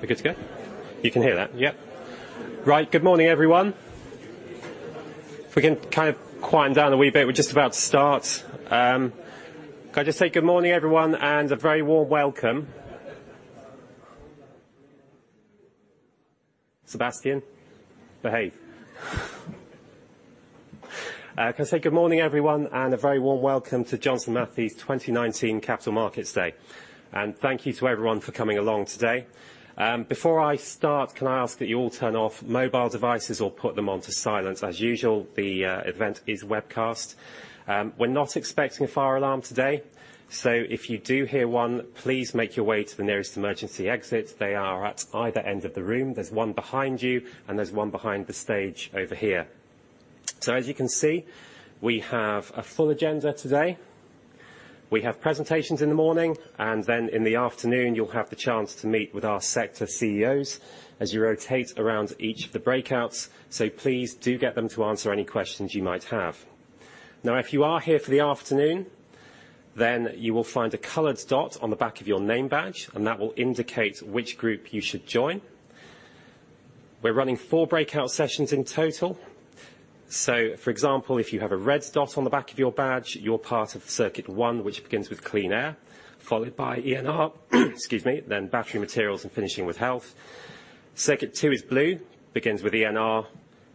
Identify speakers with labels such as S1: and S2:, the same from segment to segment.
S1: We're good to go? You can hear that? Yep. Right. Good morning, everyone. If we can kind of quieten down a wee bit, we're just about to start. Can I just say good morning everyone and a very warm welcome. Sebastian, behave. Can I say good morning everyone and a very warm welcome to Johnson Matthey's 2019 Capital Markets Day. Thank you to everyone for coming along today. Before I start, can I ask that you all turn off mobile devices or put them onto silence. As usual, the event is webcast. We're not expecting a fire alarm today, so if you do hear one, please make your way to the nearest emergency exit. They are at either end of the room. There's one behind you, and there's one behind the stage over here. As you can see, we have a full agenda today. We have presentations in the morning, then in the afternoon you'll have the chance to meet with our sector CEOs as you rotate around each of the breakouts. Please do get them to answer any questions you might have. If you are here for the afternoon, then you will find a colored dot on the back of your name badge, and that will indicate which group you should join. We're running four breakout sessions in total. For example, if you have a red dot on the back of your badge, you're part of circuit one, which begins with Clean Air, followed by ENR, excuse me, then Battery Materials, and finishing with Health. Circuit two is blue, begins with ENR.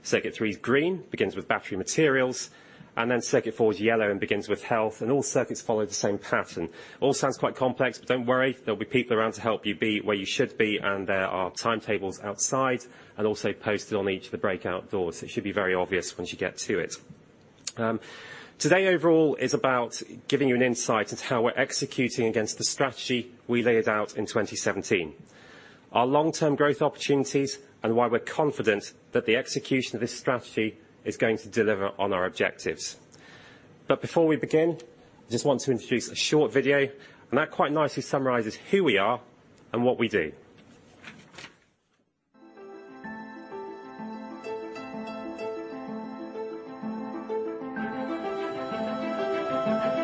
S1: Circuit three is green, begins with Battery Materials, then circuit four is yellow and begins with Health. All circuits follow the same pattern. All sounds quite complex, but don't worry, there'll be people around to help you be where you should be, and there are timetables outside, and also posted on each of the breakout doors. It should be very obvious once you get to it. Today overall is about giving you an insight into how we're executing against the strategy we laid out in 2017, our long-term growth opportunities, and why we're confident that the execution of this strategy is going to deliver on our objectives. Before we begin, I just want to introduce a short video, and that quite nicely summarizes who we are and what we do.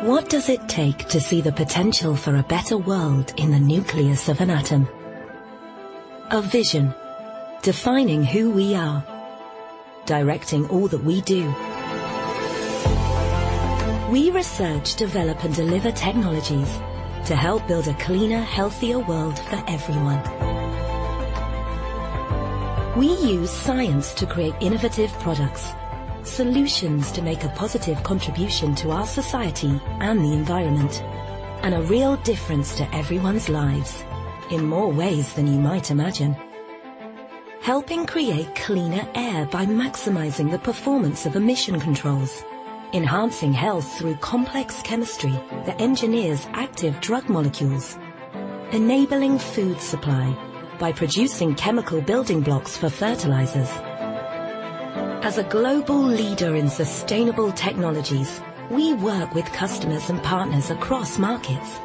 S2: What does it take to see the potential for a better world in the nucleus of an atom? A vision defining who we are, directing all that we do. We research, develop, and deliver technologies to help build a cleaner, healthier world for everyone. We use science to create innovative products, solutions to make a positive contribution to our society and the environment, and a real difference to everyone's lives in more ways than you might imagine. Helping create cleaner air by maximizing the performance of emission controls. Enhancing health through complex chemistry that engineers active drug molecules. Enabling food supply by producing chemical building blocks for fertilizers. As a global leader in sustainable technologies, we work with customers and partners across markets.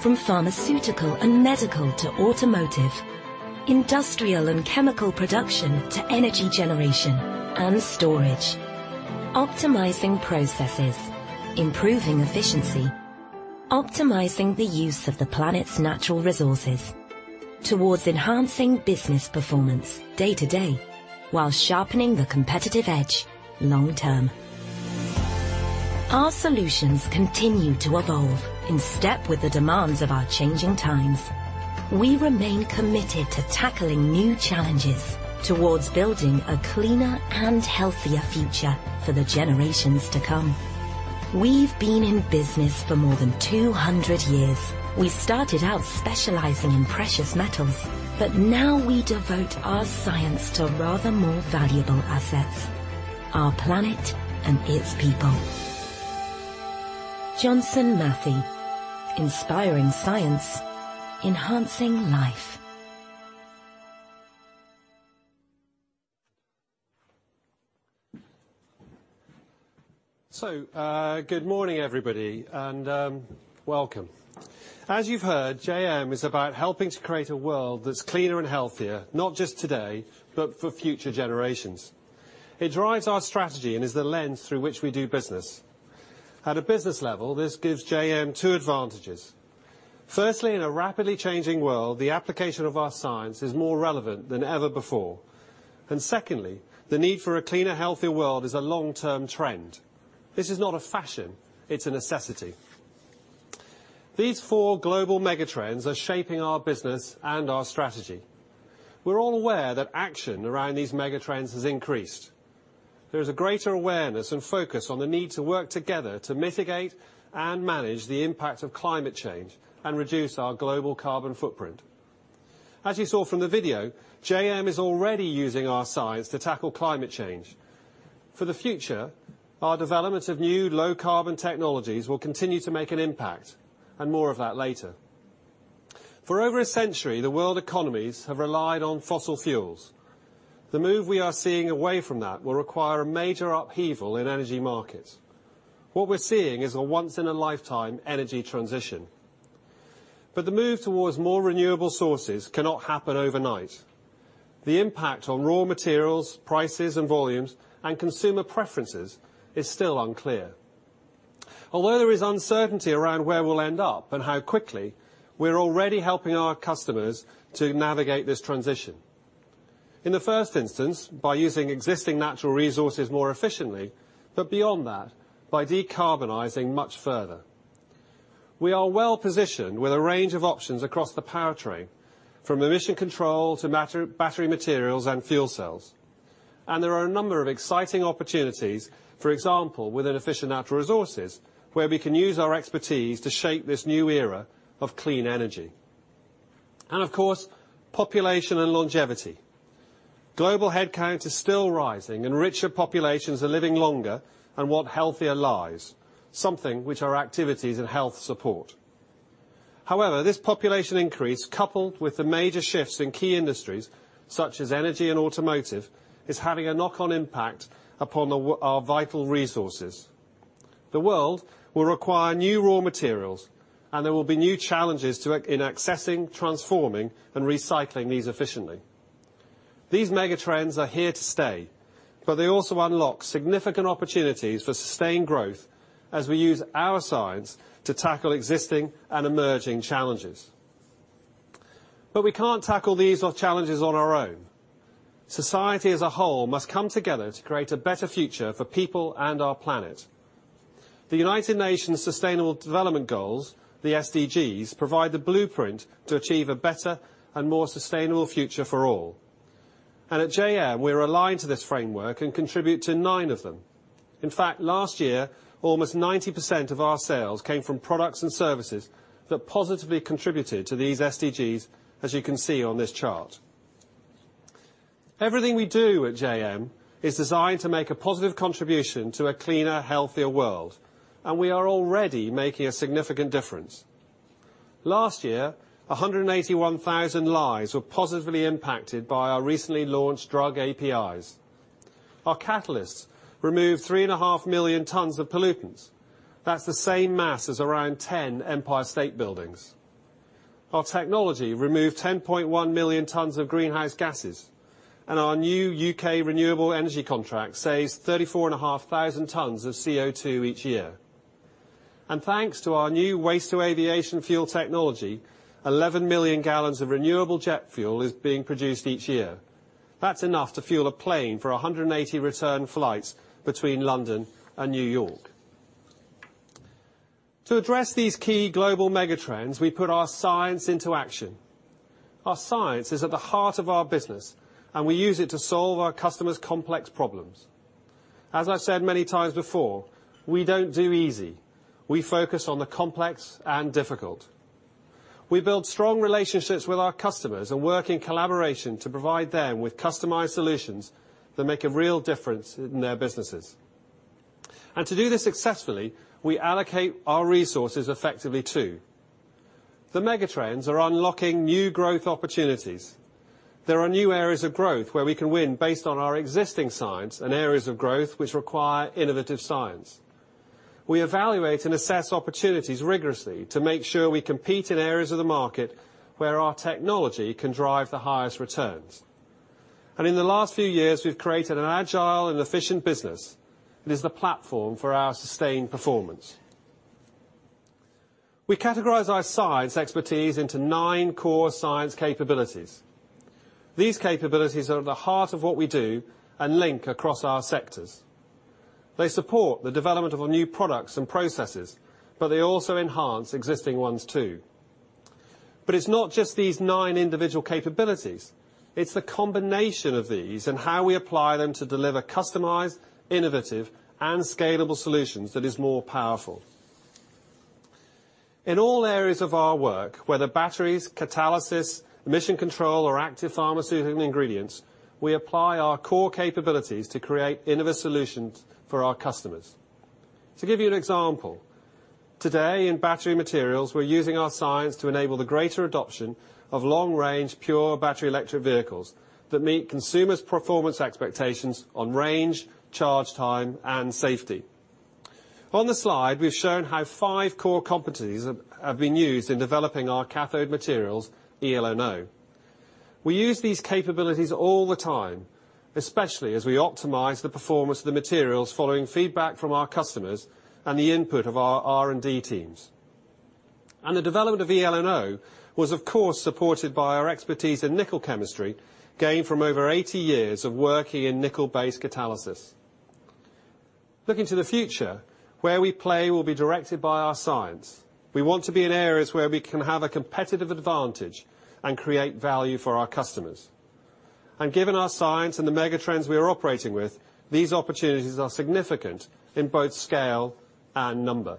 S2: From pharmaceutical and medical, to automotive, industrial and chemical production, to energy generation and storage. Optimizing processes, improving efficiency, optimizing the use of the planet's natural resources towards enhancing business performance day to day while sharpening the competitive edge long term. Our solutions continue to evolve in step with the demands of our changing times. We remain committed to tackling new challenges towards building a cleaner and healthier future for the generations to come. We've been in business for more than 200 years. We started out specializing in precious metals, but now we devote our science to rather more valuable assets, our planet and its people. Johnson Matthey. Inspiring science, enhancing life.
S3: Good morning everybody, and welcome. As you've heard, JM is about helping to create a world that's cleaner and healthier, not just today, but for future generations. It drives our strategy and is the lens through which we do business. At a business level, this gives JM two advantages. Firstly, in a rapidly changing world, the application of our science is more relevant than ever before. Secondly, the need for a cleaner, healthier world is a long-term trend. This is not a fashion, it's a necessity. These four global mega trends are shaping our business and our strategy. We're all aware that action around these mega trends has increased. There is a greater awareness and focus on the need to work together to mitigate and manage the impact of climate change and reduce our global carbon footprint. As you saw from the video, JM is already using our science to tackle climate change. For the future, our development of new low-carbon technologies will continue to make an impact, and more of that later. For over a century, the world economies have relied on fossil fuels. The move we are seeing away from that will require a major upheaval in energy markets. What we're seeing is a once in a lifetime energy transition. The move towards more renewable sources cannot happen overnight. The impact on raw materials, prices and volumes, and consumer preferences is still unclear. Although there is uncertainty around where we'll end up and how quickly, we're already helping our customers to navigate this transition. In the first instance, by using existing natural resources more efficiently, but beyond that, by decarbonizing much further. We are well-positioned with a range of options across the powertrain, from emission control to Battery Materials and fuel cells. There are a number of exciting opportunities, for example, within Efficient Natural Resources, where we can use our expertise to shape this new era of clean energy. Of course, population and longevity. Global headcount is still rising, and richer populations are living longer and want healthier lives, something which our activities and Health support. However, this population increase, coupled with the major shifts in key industries such as energy and automotive, is having a knock-on impact upon our vital resources. The world will require new raw materials, and there will be new challenges in accessing, transforming, and recycling these efficiently. These megatrends are here to stay, but they also unlock significant opportunities for sustained growth as we use our science to tackle existing and emerging challenges. We can't tackle these challenges on our own. Society as a whole must come together to create a better future for people and our planet. The United Nations Sustainable Development Goals, the SDGs, provide the blueprint to achieve a better and more sustainable future for all. At JM, we're aligned to this framework and contribute to nine of them. In fact, last year, almost 90% of our sales came from products and services that positively contributed to these SDGs, as you can see on this chart. Everything we do at JM is designed to make a positive contribution to a cleaner, healthier world. We are already making a significant difference. Last year, 181,000 lives were positively impacted by our recently launched drug APIs. Our catalysts removed 3.5 million tons of pollutants. That's the same mass as around 10 Empire State Buildings. Our technology removed 10.1 million tons of greenhouse gases. Our new U.K. renewable energy contract saves 34,500 tons of CO2 each year. Thanks to our new waste to aviation fuel technology, 11 million gallons of renewable jet fuel is being produced each year. That's enough to fuel a plane for 180 return flights between London and New York. To address these key global megatrends, we put our science into action. Our science is at the heart of our business. We use it to solve our customers' complex problems. As I've said many times before, we don't do easy. We focus on the complex and difficult. We build strong relationships with our customers and work in collaboration to provide them with customized solutions that make a real difference in their businesses. To do this successfully, we allocate our resources effectively, too. The megatrends are unlocking new growth opportunities. There are new areas of growth where we can win based on our existing science and areas of growth which require innovative science. We evaluate and assess opportunities rigorously to make sure we compete in areas of the market where our technology can drive the highest returns. In the last few years, we've created an agile and efficient business that is the platform for our sustained performance. We categorize our science expertise into nine core science capabilities. These capabilities are at the heart of what we do and link across our sectors. They support the development of new products and processes. They also enhance existing ones, too. It's not just these nine individual capabilities. It's the combination of these and how we apply them to deliver customized, innovative, and scalable solutions that is more powerful. In all areas of our work, whether batteries, catalysis, emission control, or Active Pharmaceutical Ingredients, we apply our core capabilities to create innovative solutions for our customers. To give you an example, today in Battery Materials, we're using our science to enable the greater adoption of long-range pure battery electric vehicles that meet consumers' performance expectations on range, charge time, and safety. On the slide, we've shown how five core competencies have been used in developing our cathode materials, eLNO. We use these capabilities all the time, especially as we optimize the performance of the materials following feedback from our customers and the input of our R&D teams. The development of eLNO was, of course, supported by our expertise in nickel chemistry, gained from over 80 years of working in nickel-based catalysis. Looking to the future, where we play will be directed by our science. We want to be in areas where we can have a competitive advantage and create value for our customers. Given our science and the megatrends we are operating with, these opportunities are significant in both scale and number.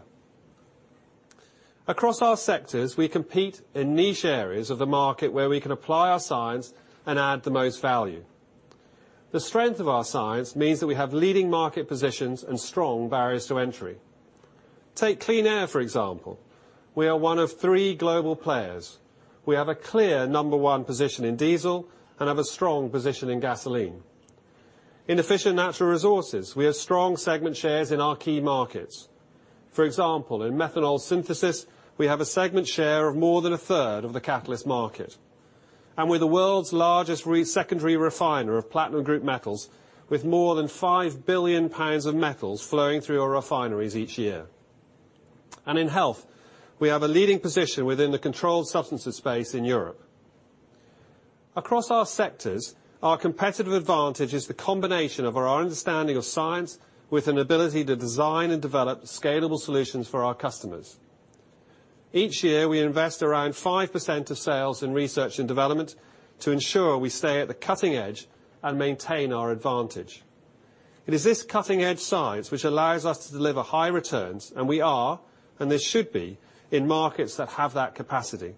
S3: Across our sectors, we compete in niche areas of the market where we can apply our science and add the most value. The strength of our science means that we have leading market positions and strong barriers to entry. Take Clean Air, for example. We are one of three global players. We have a clear number one position in diesel and have a strong position in gasoline. In Efficient Natural Resources, we have strong segment shares in our key markets. For example, in methanol synthesis, we have a segment share of more than a third of the catalyst market. We're the world's largest secondary refiner of platinum group metals, with more than 5 billion pounds of metals flowing through our refineries each year. In Health, we have a leading position within the controlled substances space in Europe. Across our sectors, our competitive advantage is the combination of our understanding of science with an ability to design and develop scalable solutions for our customers. Each year, we invest around 5% of sales in research and development to ensure we stay at the cutting edge and maintain our advantage. It is this cutting-edge science which allows us to deliver high returns, and this should be in markets that have that capacity.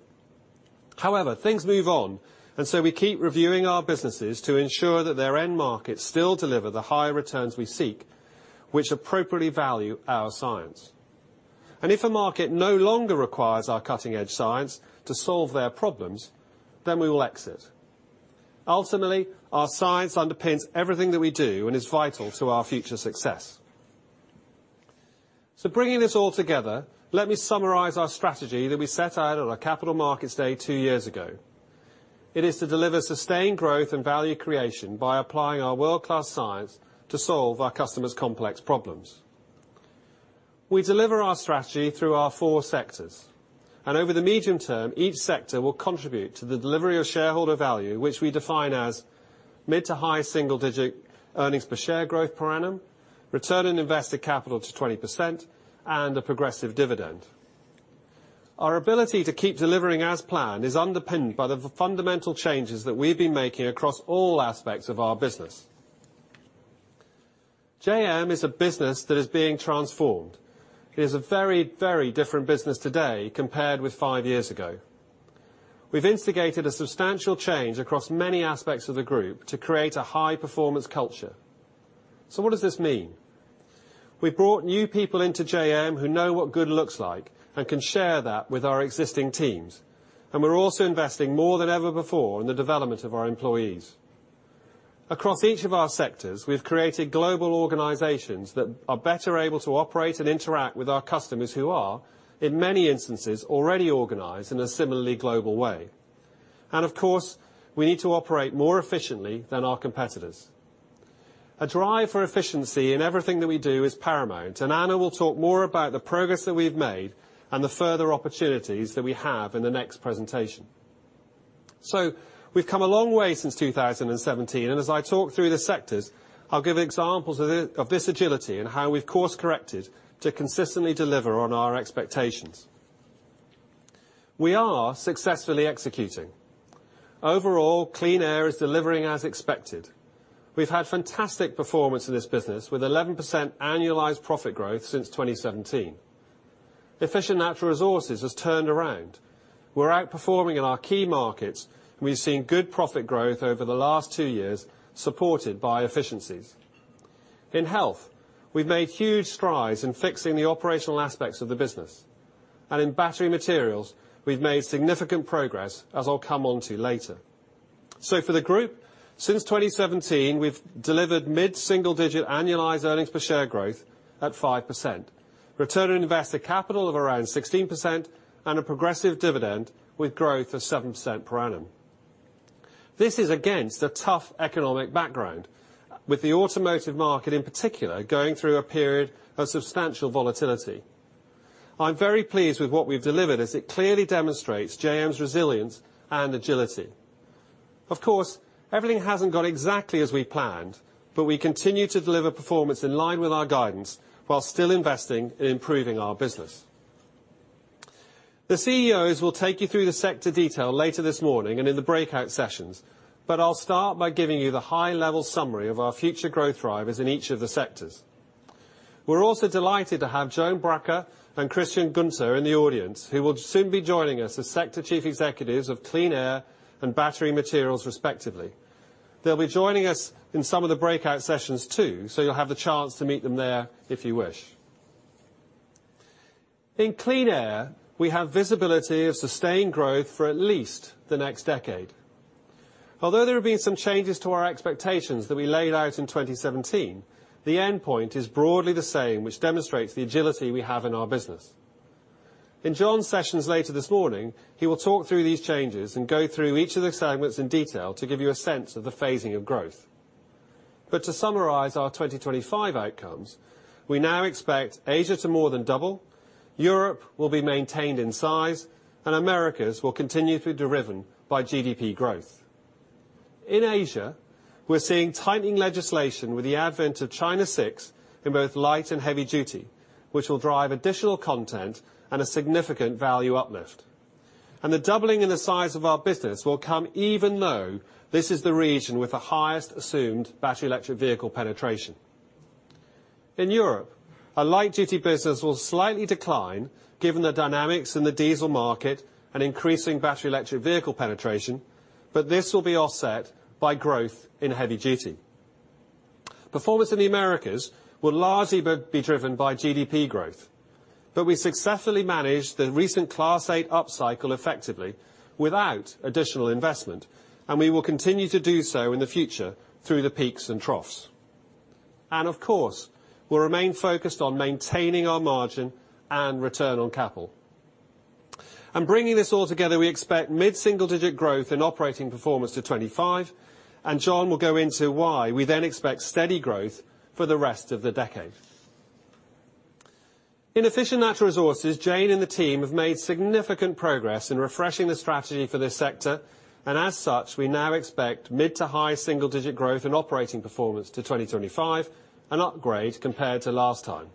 S3: However, things move on. We keep reviewing our businesses to ensure that their end markets still deliver the high returns we seek, which appropriately value our science. If a market no longer requires our cutting-edge science to solve their problems, then we will exit. Ultimately, our science underpins everything that we do and is vital to our future success. Bringing this all together, let me summarize our strategy that we set out on our capital markets day two years ago. It is to deliver sustained growth and value creation by applying our world-class science to solve our customers' complex problems. We deliver our strategy through our four sectors, and over the medium term, each sector will contribute to the delivery of shareholder value, which we define as mid-to-high single-digit earnings per share growth per annum, return on invested capital to 20%, and a progressive dividend. Our ability to keep delivering as planned is underpinned by the fundamental changes that we've been making across all aspects of our business. JM is a business that is being transformed. It is a very, very different business today compared with five years ago. We've instigated a substantial change across many aspects of the group to create a high-performance culture. What does this mean? We've brought new people into JM who know what good looks like and can share that with our existing teams, and we're also investing more than ever before in the development of our employees. Across each of our sectors, we've created global organizations that are better able to operate and interact with our customers who are, in many instances, already organized in a similarly global way. Of course, we need to operate more efficiently than our competitors. A drive for efficiency in everything that we do is paramount, and Anna will talk more about the progress that we've made and the further opportunities that we have in the next presentation. We've come a long way since 2017, and as I talk through the sectors, I'll give examples of this agility and how we've course-corrected to consistently deliver on our expectations. We are successfully executing. Overall, Clean Air is delivering as expected. We've had fantastic performance in this business, with 11% annualized profit growth since 2017. Efficient Natural Resources has turned around. We're outperforming in our key markets, and we've seen good profit growth over the last 2 years, supported by efficiencies. In Health, we've made huge strides in fixing the operational aspects of the business. In Battery Materials, we've made significant progress, as I'll come onto later. For the group, since 2017, we've delivered mid-single digit annualized earnings per share growth at 5%, return on invested capital of around 16%, and a progressive dividend with growth of 7% per annum. This is against a tough economic background, with the automotive market in particular going through a period of substantial volatility. I'm very pleased with what we've delivered, as it clearly demonstrates JM's resilience and agility. Of course, everything hasn't gone exactly as we planned, but we continue to deliver performance in line with our guidance while still investing in improving our business. The CEOs will take you through the sector detail later this morning and in the breakout sessions, but I'll start by giving you the high-level summary of our future growth drivers in each of the sectors. We're also delighted to have Joan Braca and Christian Golsner in the audience, who will soon be joining us as sector chief executives of Clean Air and Battery Materials, respectively. They'll be joining us in some of the breakout sessions, too, so you'll have the chance to meet them there if you wish. In Clean Air, we have visibility of sustained growth for at least the next decade. Although there have been some changes to our expectations that we laid out in 2017, the endpoint is broadly the same, which demonstrates the agility we have in our business. In Joan's sessions later this morning, he will talk through these changes and go through each of the segments in detail to give you a sense of the phasing of growth. To summarize our 2025 outcomes, we now expect Asia to more than double, Europe will be maintained in size, and Americas will continue to be driven by GDP growth. In Asia, we're seeing tightening legislation with the advent of China VI in both light and heavy duty, which will drive additional content and a significant value uplift. The doubling in the size of our business will come even though this is the region with the highest assumed battery electric vehicle penetration. In Europe, a light-duty business will slightly decline given the dynamics in the diesel market and increasing battery electric vehicle penetration, but this will be offset by growth in heavy duty. Performance in the Americas will largely be driven by GDP growth, we successfully managed the recent Class 8 upcycle effectively without additional investment, and we will continue to do so in the future through the peaks and troughs. Of course, we'll remain focused on maintaining our margin and return on capital. Bringing this all together, we expect mid-single-digit growth in operating performance to 2025, and John will go into why we then expect steady growth for the rest of the decade. In Efficient Natural Resources, Jane and the team have made significant progress in refreshing the strategy for this sector, and as such, we now expect mid to high single-digit growth in operating performance to 2025, an upgrade compared to last time.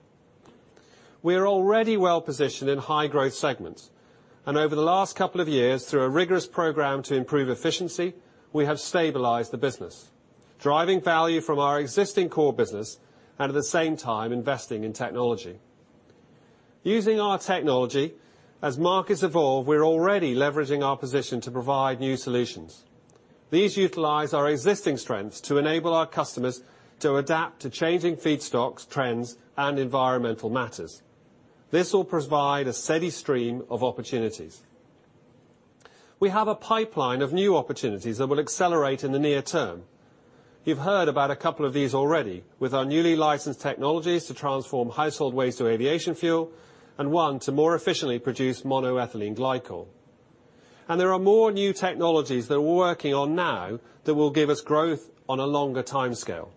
S3: We are already well-positioned in high-growth segments, and over the last couple of years, through a rigorous program to improve efficiency, we have stabilized the business, driving value from our existing core business, and at the same time, investing in technology. Using our technology, as markets evolve, we're already leveraging our position to provide new solutions. These utilize our existing strengths to enable our customers to adapt to changing feedstocks, trends, and environmental matters. This will provide a steady stream of opportunities. We have a pipeline of new opportunities that will accelerate in the near term. You've heard about a couple of these already with our newly licensed technologies to transform household waste to aviation fuel, and one to more efficiently produce monoethylene glycol. There are more new technologies that we're working on now that will give us growth on a longer timescale.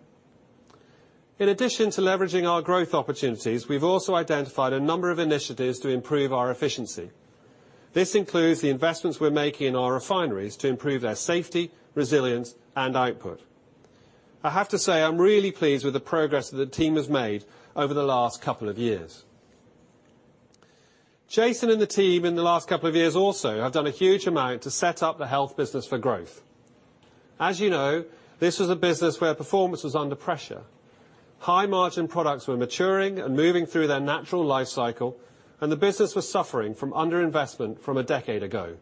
S3: In addition to leveraging our growth opportunities, we've also identified a number of initiatives to improve our efficiency. This includes the investments we're making in our refineries to improve their safety, resilience, and output. I have to say, I'm really pleased with the progress that the team has made over the last couple of years. Jason and the team in the last couple of years also have done a huge amount to set up the Health business for growth. As you know, this was a business where performance was under pressure. High-margin products were maturing and moving through their natural life cycle, and the business was suffering from underinvestment from 10 years ago.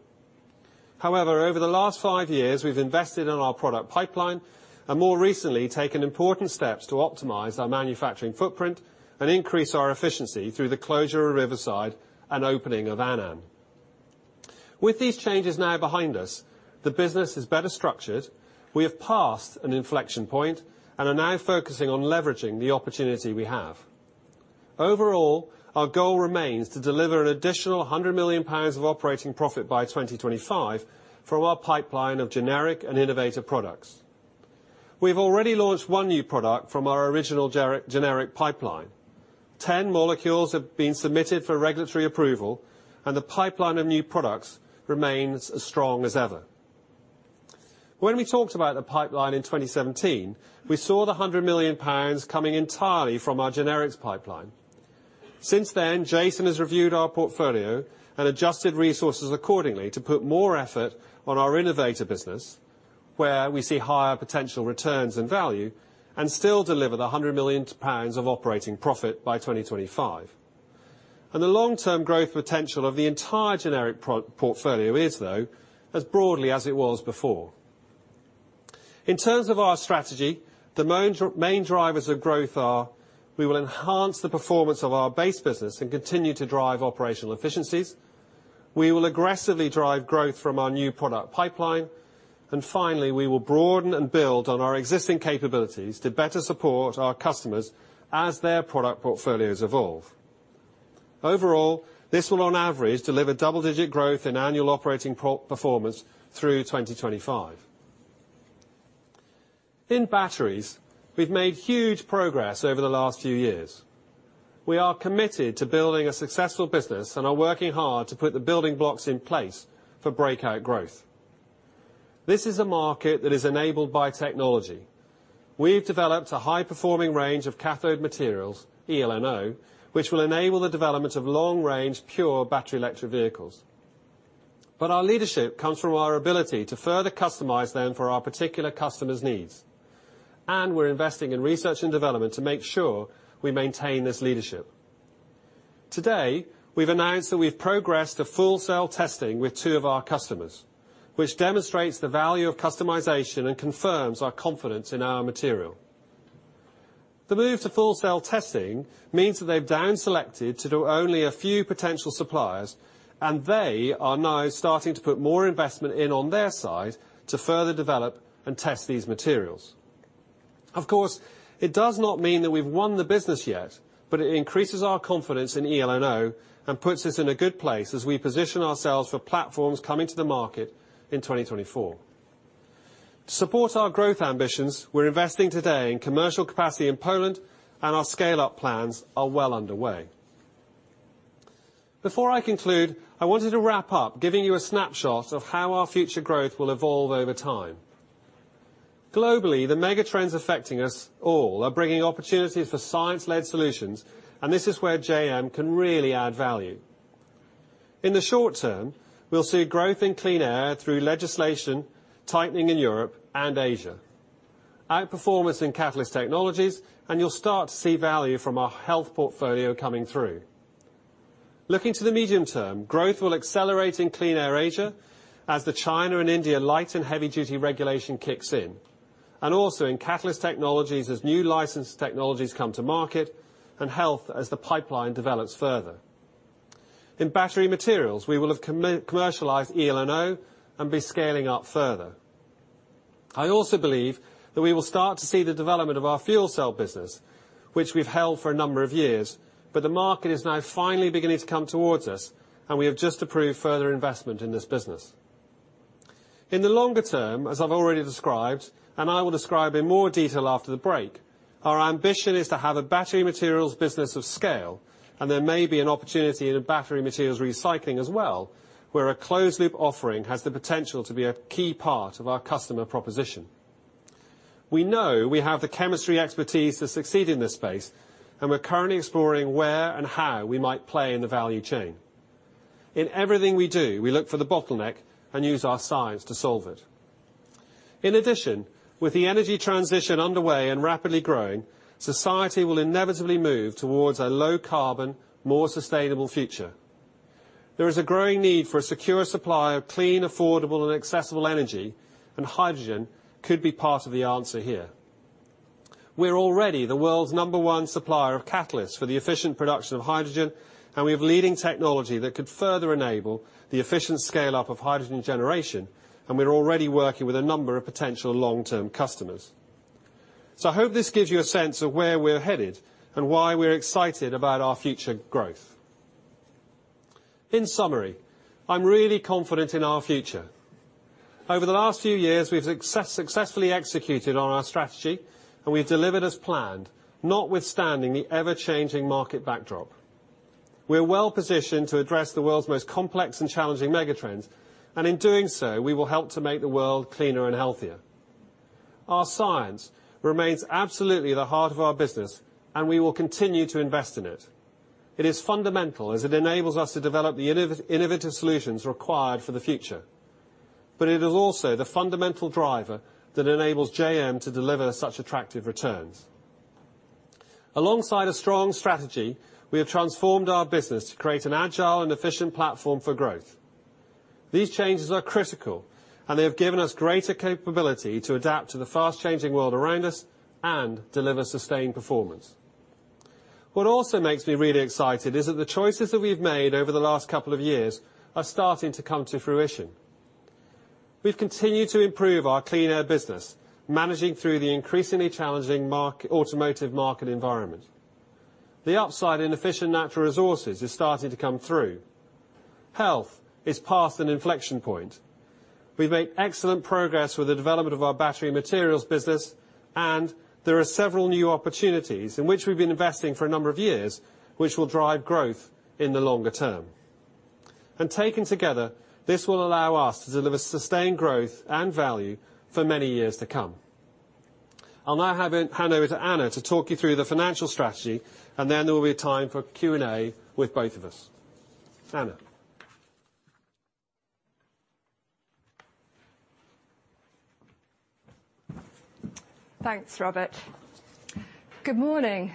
S3: However, over the last five years, we've invested in our product pipeline, and more recently, taken important steps to optimize our manufacturing footprint and increase our efficiency through the closure of Riverside and opening of Annan. With these changes now behind us, the business is better structured. We have passed an inflection point and are now focusing on leveraging the opportunity we have. Overall, our goal remains to deliver an additional 100 million pounds of operating profit by 2025 from our pipeline of generic and innovative products. We've already launched one new product from our original generic pipeline. 10 molecules have been submitted for regulatory approval, and the pipeline of new products remains as strong as ever. When we talked about the pipeline in 2017, we saw the 100 million pounds coming entirely from our generics pipeline. Since then, Jason has reviewed our portfolio and adjusted resources accordingly to put more effort on our innovator business, where we see higher potential returns and value and still deliver the 100 million pounds of operating profit by 2025. The long-term growth potential of the entire generic portfolio is, though, as broadly as it was before. In terms of our strategy, the main drivers of growth are we will enhance the performance of our base business and continue to drive operational efficiencies. We will aggressively drive growth from our new product pipeline. Finally, we will broaden and build on our existing capabilities to better support our customers as their product portfolios evolve. Overall, this will, on average, deliver double-digit growth in annual operating performance through 2025. In batteries, we've made huge progress over the last few years. We are committed to building a successful business and are working hard to put the building blocks in place for breakout growth. This is a market that is enabled by technology. We've developed a high-performing range of cathode materials, eLNO, which will enable the development of long-range, pure battery electric vehicles. Our leadership comes from our ability to further customize them for our particular customers' needs, and we're investing in research and development to make sure we maintain this leadership. Today, we've announced that we've progressed to full-cell testing with two of our customers, which demonstrates the value of customization and confirms our confidence in our material. The move to full-cell testing means that they've down selected to do only a few potential suppliers, and they are now starting to put more investment in on their side to further develop and test these materials. Of course, it does not mean that we've won the business yet, but it increases our confidence in eLNO and puts us in a good place as we position ourselves for platforms coming to the market in 2024. To support our growth ambitions, we're investing today in commercial capacity in Poland, and our scale-up plans are well underway. Before I conclude, I wanted to wrap up giving you a snapshot of how our future growth will evolve over time. Globally, the mega trends affecting us all are bringing opportunities for science-led solutions, and this is where JM can really add value. In the short term, we'll see growth in Clean Air through legislation tightening in Europe and Asia, outperformance in catalyst technologies, and you'll start to see value from our Health portfolio coming through. Looking to the medium term, growth will accelerate in Clean Air Asia as the China and India light and heavy-duty regulation kicks in, and also in catalyst technologies as new licensed technologies come to market, and Health as the pipeline develops further. In Battery Materials, we will have commercialized eLNO and be scaling up further. I also believe that we will start to see the development of our fuel cell business, which we've held for a number of years, but the market is now finally beginning to come towards us, and we have just approved further investment in this business. In the longer term, as I've already described, and I will describe in more detail after the break, our ambition is to have a Battery Materials business of scale, and there may be an opportunity in a Battery Materials recycling as well, where a closed loop offering has the potential to be a key part of our customer proposition. We know we have the chemistry expertise to succeed in this space, and we're currently exploring where and how we might play in the value chain. In everything we do, we look for the bottleneck and use our science to solve it. In addition, with the energy transition underway and rapidly growing, society will inevitably move towards a low carbon, more sustainable future. There is a growing need for a secure supply of clean, affordable, and accessible energy, and hydrogen could be part of the answer here. We are already the world's number one supplier of catalysts for the efficient production of hydrogen, and we have leading technology that could further enable the efficient scale-up of hydrogen generation, and we are already working with a number of potential long-term customers. I hope this gives you a sense of where we are headed and why we are excited about our future growth. In summary, I'm really confident in our future. Over the last few years, we've successfully executed on our strategy, and we've delivered as planned, notwithstanding the ever-changing market backdrop. We are well-positioned to address the world's most complex and challenging megatrends, and in doing so, we will help to make the world cleaner and healthier. Our science remains absolutely at the heart of our business, and we will continue to invest in it. It is fundamental as it enables us to develop the innovative solutions required for the future. It is also the fundamental driver that enables JM to deliver such attractive returns. Alongside a strong strategy, we have transformed our business to create an agile and efficient platform for growth. These changes are critical, and they have given us greater capability to adapt to the fast-changing world around us and deliver sustained performance. What also makes me really excited is that the choices that we've made over the last couple of years are starting to come to fruition. We've continued to improve our Clean Air business, managing through the increasingly challenging automotive market environment. The upside in Efficient Natural Resources is starting to come through. Health is past an inflection point. We've made excellent progress with the development of our Battery Materials business, and there are several new opportunities in which we've been investing for a number of years, which will drive growth in the longer term. Taken together, this will allow us to deliver sustained growth and value for many years to come. I'll now hand over to Anna to talk you through the financial strategy, and then there will be a time for Q&A with both of us. Anna?
S4: Thanks, Robert. Good morning.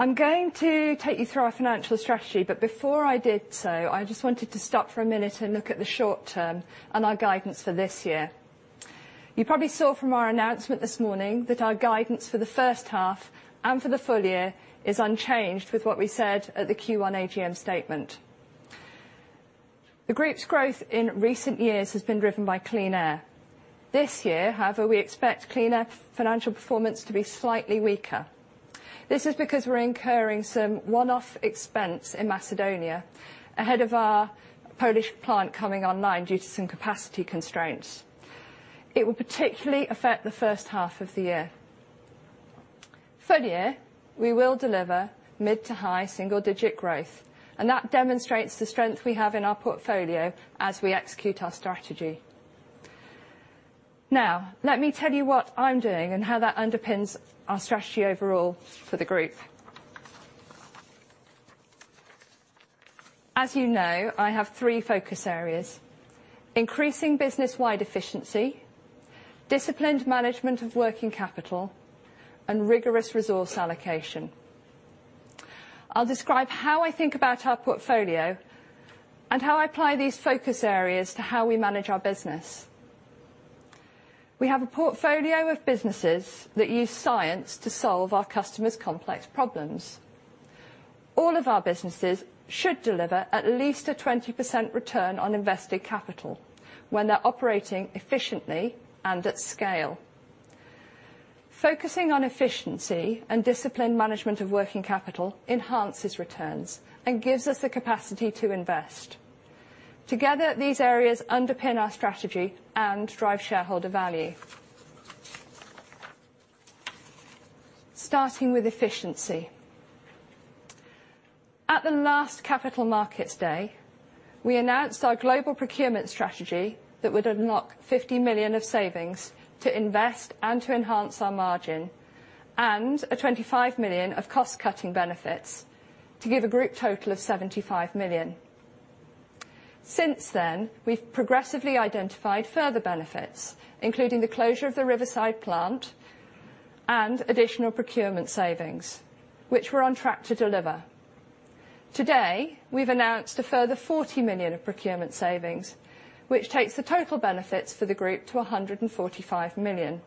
S4: I'm going to take you through our financial strategy, but before I do so, I just wanted to stop for a minute and look at the short term and our guidance for this year. You probably saw from our announcement this morning that our guidance for the first half and for the full year is unchanged with what we said at the Q1 AGM statement. The group's growth in recent years has been driven by Clean Air. This year, however, we expect Clean Air financial performance to be slightly weaker. This is because we are incurring some one-off expense in Macedonia ahead of our Polish plant coming online due to some capacity constraints. It will particularly affect the first half of the year. Full year, we will deliver mid to high single digit growth, and that demonstrates the strength we have in our portfolio as we execute our strategy. Let me tell you what I'm doing and how that underpins our strategy overall for the group. As you know, I have three focus areas, increasing business-wide efficiency, disciplined management of working capital, and rigorous resource allocation. I'll describe how I think about our portfolio and how I apply these focus areas to how we manage our business. We have a portfolio of businesses that use science to solve our customers' complex problems. All of our businesses should deliver at least a 20% return on invested capital when they are operating efficiently and at scale. Focusing on efficiency and disciplined management of working capital enhances returns and gives us the capacity to invest. Together, these areas underpin our strategy and drive shareholder value. Starting with efficiency. At the last Capital Markets Day, we announced our global procurement strategy that would unlock 50 million of savings to invest and to enhance our margin and 25 million of cost-cutting benefits to give a group total of 75 million. Since then, we've progressively identified further benefits, including the closure of the Riverside plant and additional procurement savings, which we're on track to deliver. Today, we've announced a further 40 million of procurement savings, which takes the total benefits for the group to 145 million.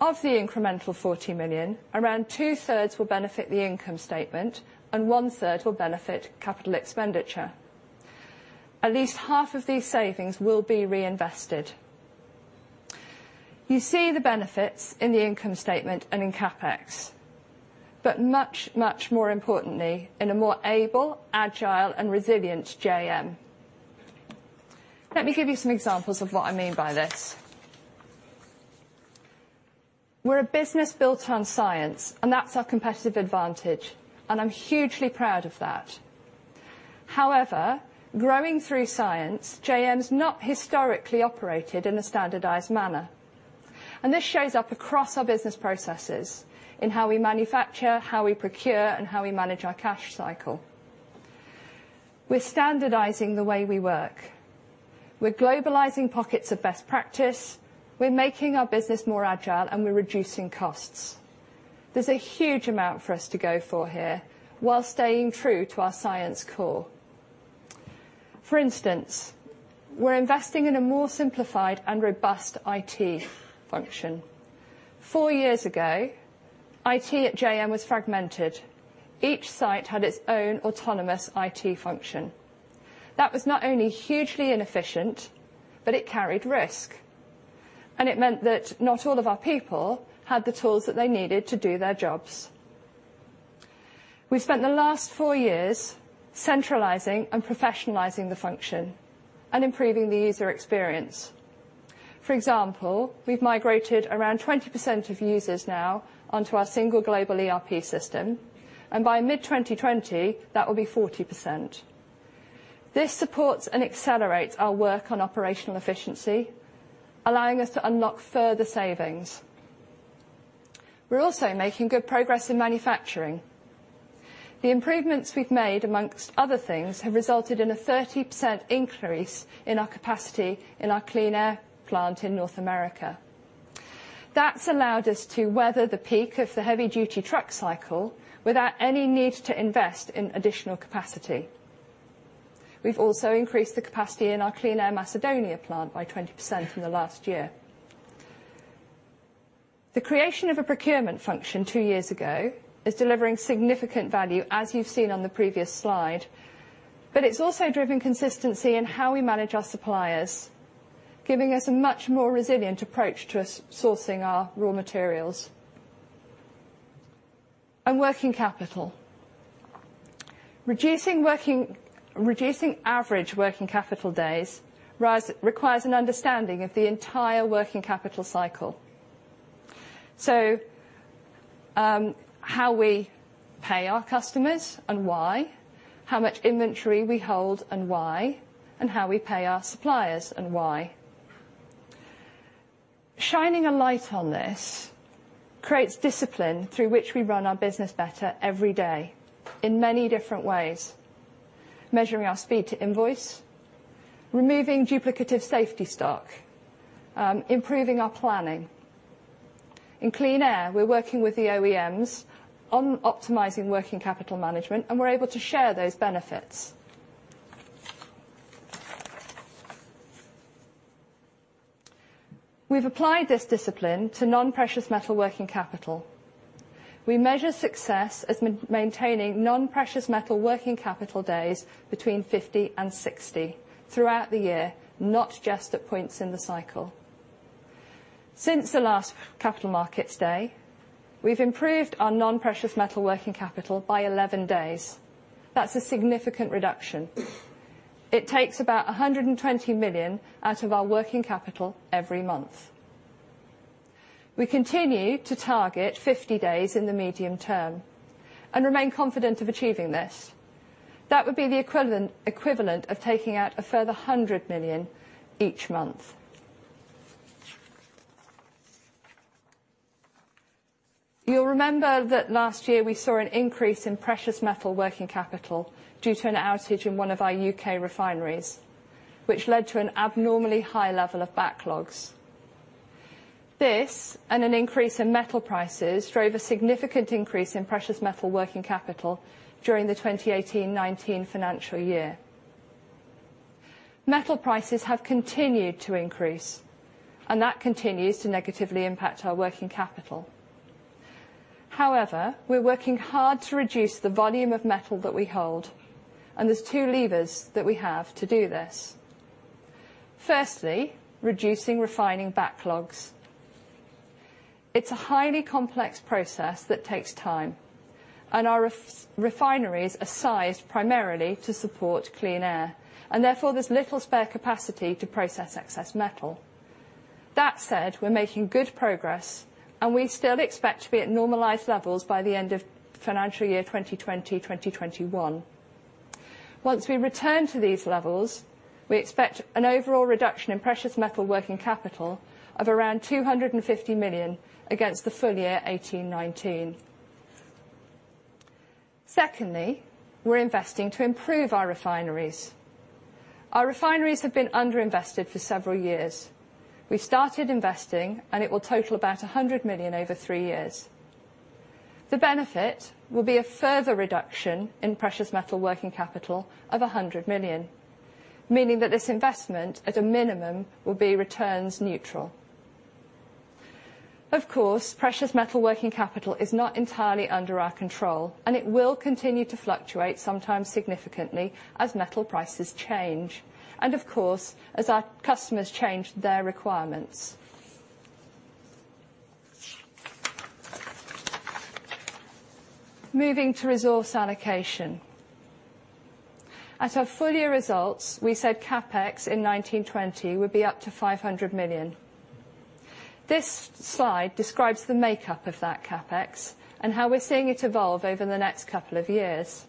S4: Of the incremental 40 million, around two-thirds will benefit the income statement and one-third will benefit capital expenditure. At least half of these savings will be reinvested. You see the benefits in the income statement and in CapEx, but much, much more importantly, in a more able, agile and resilient JM. Let me give you some examples of what I mean by this. We're a business built on science, and that's our competitive advantage, and I'm hugely proud of that. However, growing through science, JM's not historically operated in a standardized manner. This shows up across our business processes in how we manufacture, how we procure, and how we manage our cash cycle. We're standardizing the way we work. We're globalizing pockets of best practice, we're making our business more agile, and we're reducing costs. There's a huge amount for us to go for here while staying true to our science core. For instance, we're investing in a more simplified and robust IT function. Four years ago, IT at JM was fragmented. Each site had its own autonomous IT function. That was not only hugely inefficient, but it carried risk, and it meant that not all of our people had the tools that they needed to do their jobs. We've spent the last four years centralizing and professionalizing the function and improving the user experience. For example, we've migrated around 20% of users now onto our single global ERP system, and by mid-2020, that will be 40%. This supports and accelerates our work on operational efficiency, allowing us to unlock further savings. We're also making good progress in manufacturing. The improvements we've made, amongst other things, have resulted in a 30% increase in our capacity in our Clean Air plant in North America. That's allowed us to weather the peak of the heavy-duty truck cycle without any need to invest in additional capacity. We've also increased the capacity in our Clean Air Macedonia plant by 20% in the last year. The creation of a procurement function two years ago is delivering significant value, as you've seen on the previous slide. It's also driven consistency in how we manage our suppliers, giving us a much more resilient approach to sourcing our raw materials. Working capital. Reducing average working capital days requires an understanding of the entire working capital cycle. How we pay our customers and why, how much inventory we hold and why, and how we pay our suppliers and why. Shining a light on this creates discipline through which we run our business better every day in many different ways. Measuring our speed to invoice, removing duplicative safety stock, improving our planning. In Clean Air, we're working with the OEMs on optimizing working capital management, and we're able to share those benefits. We've applied this discipline to non-precious metal working capital. We measure success as maintaining non-precious metal working capital days between 50-60 throughout the year, not just at points in the cycle. Since the last Capital Markets Day, we've improved our non-precious metal working capital by 11 days. That's a significant reduction. It takes about 120 million out of our working capital every month. We continue to target 50 days in the medium term and remain confident of achieving this. That would be the equivalent of taking out a further 100 million each month. You'll remember that last year we saw an increase in precious metal working capital due to an outage in one of our U.K. refineries, which led to an abnormally high level of backlogs. This and an increase in metal prices drove a significant increase in precious metal working capital during the 2018-2019 financial year. Metal prices have continued to increase, that continues to negatively impact our working capital. However, we're working hard to reduce the volume of metal that we hold, there's two levers that we have to do this. Firstly, reducing refining backlogs. It's a highly complex process that takes time, our refineries are sized primarily to support Clean Air, therefore there's little spare capacity to process excess metal. That said, we're making good progress, we still expect to be at normalized levels by the end of financial year 2020-2021. Once we return to these levels, we expect an overall reduction in precious metal working capital of around 250 million against the full year 2018-2019. Secondly, we're investing to improve our refineries. Our refineries have been under-invested for several years. We started investing, it will total about 100 million over 3 years. The benefit will be a further reduction in precious metal working capital of 100 million, meaning that this investment, at a minimum, will be returns neutral. Of course, precious metal working capital is not entirely under our control, and it will continue to fluctuate, sometimes significantly, as metal prices change and, of course, as our customers change their requirements. Moving to resource allocation. At our full-year results, we said CapEx in 1920 would be up to 500 million. This slide describes the makeup of that CapEx and how we're seeing it evolve over the next couple of years.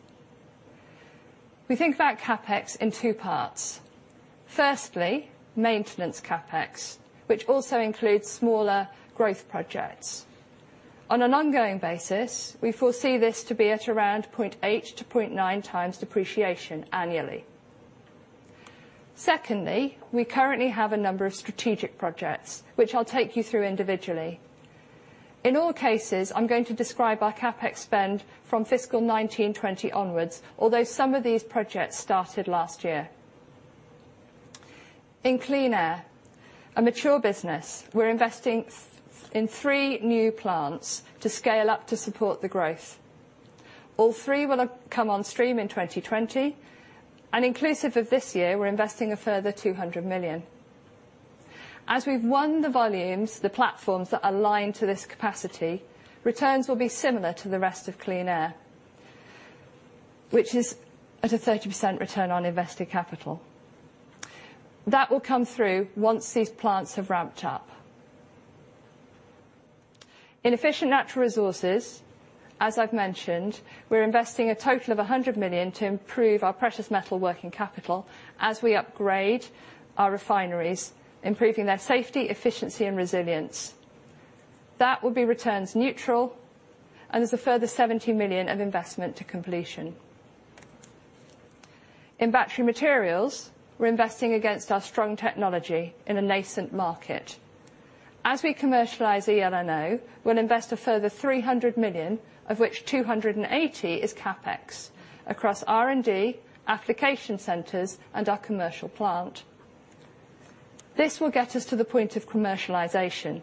S4: We think about CapEx in two parts. Firstly, maintenance CapEx, which also includes smaller growth projects. On an ongoing basis, we foresee this to be at around 0.8 to 0.9 times depreciation annually. Secondly, we currently have a number of strategic projects, which I'll take you through individually. In all cases, I'm going to describe our CapEx spend from fiscal 2019-2020 onwards, although some of these projects started last year. In Clean Air, a mature business, we're investing in three new plants to scale up to support the growth. All three will come on stream in 2020, and inclusive of this year, we're investing a further 200 million. As we've won the volumes, the platforms that align to this capacity, returns will be similar to the rest of Clean Air, which is at a 30% return on invested capital. That will come through once these plants have ramped up. In Efficient Natural Resources, as I've mentioned, we're investing a total of 100 million to improve our precious metal working capital as we upgrade our refineries, improving their safety, efficiency, and resilience. That will be returns neutral. There's a further 70 million of investment to completion. In Battery Materials, we are investing against our strong technology in a nascent market. As we commercialize eLNO, we will invest a further 300 million, of which 280 million is CapEx across R&D, application centers, and our commercial plant. This will get us to the point of commercialization.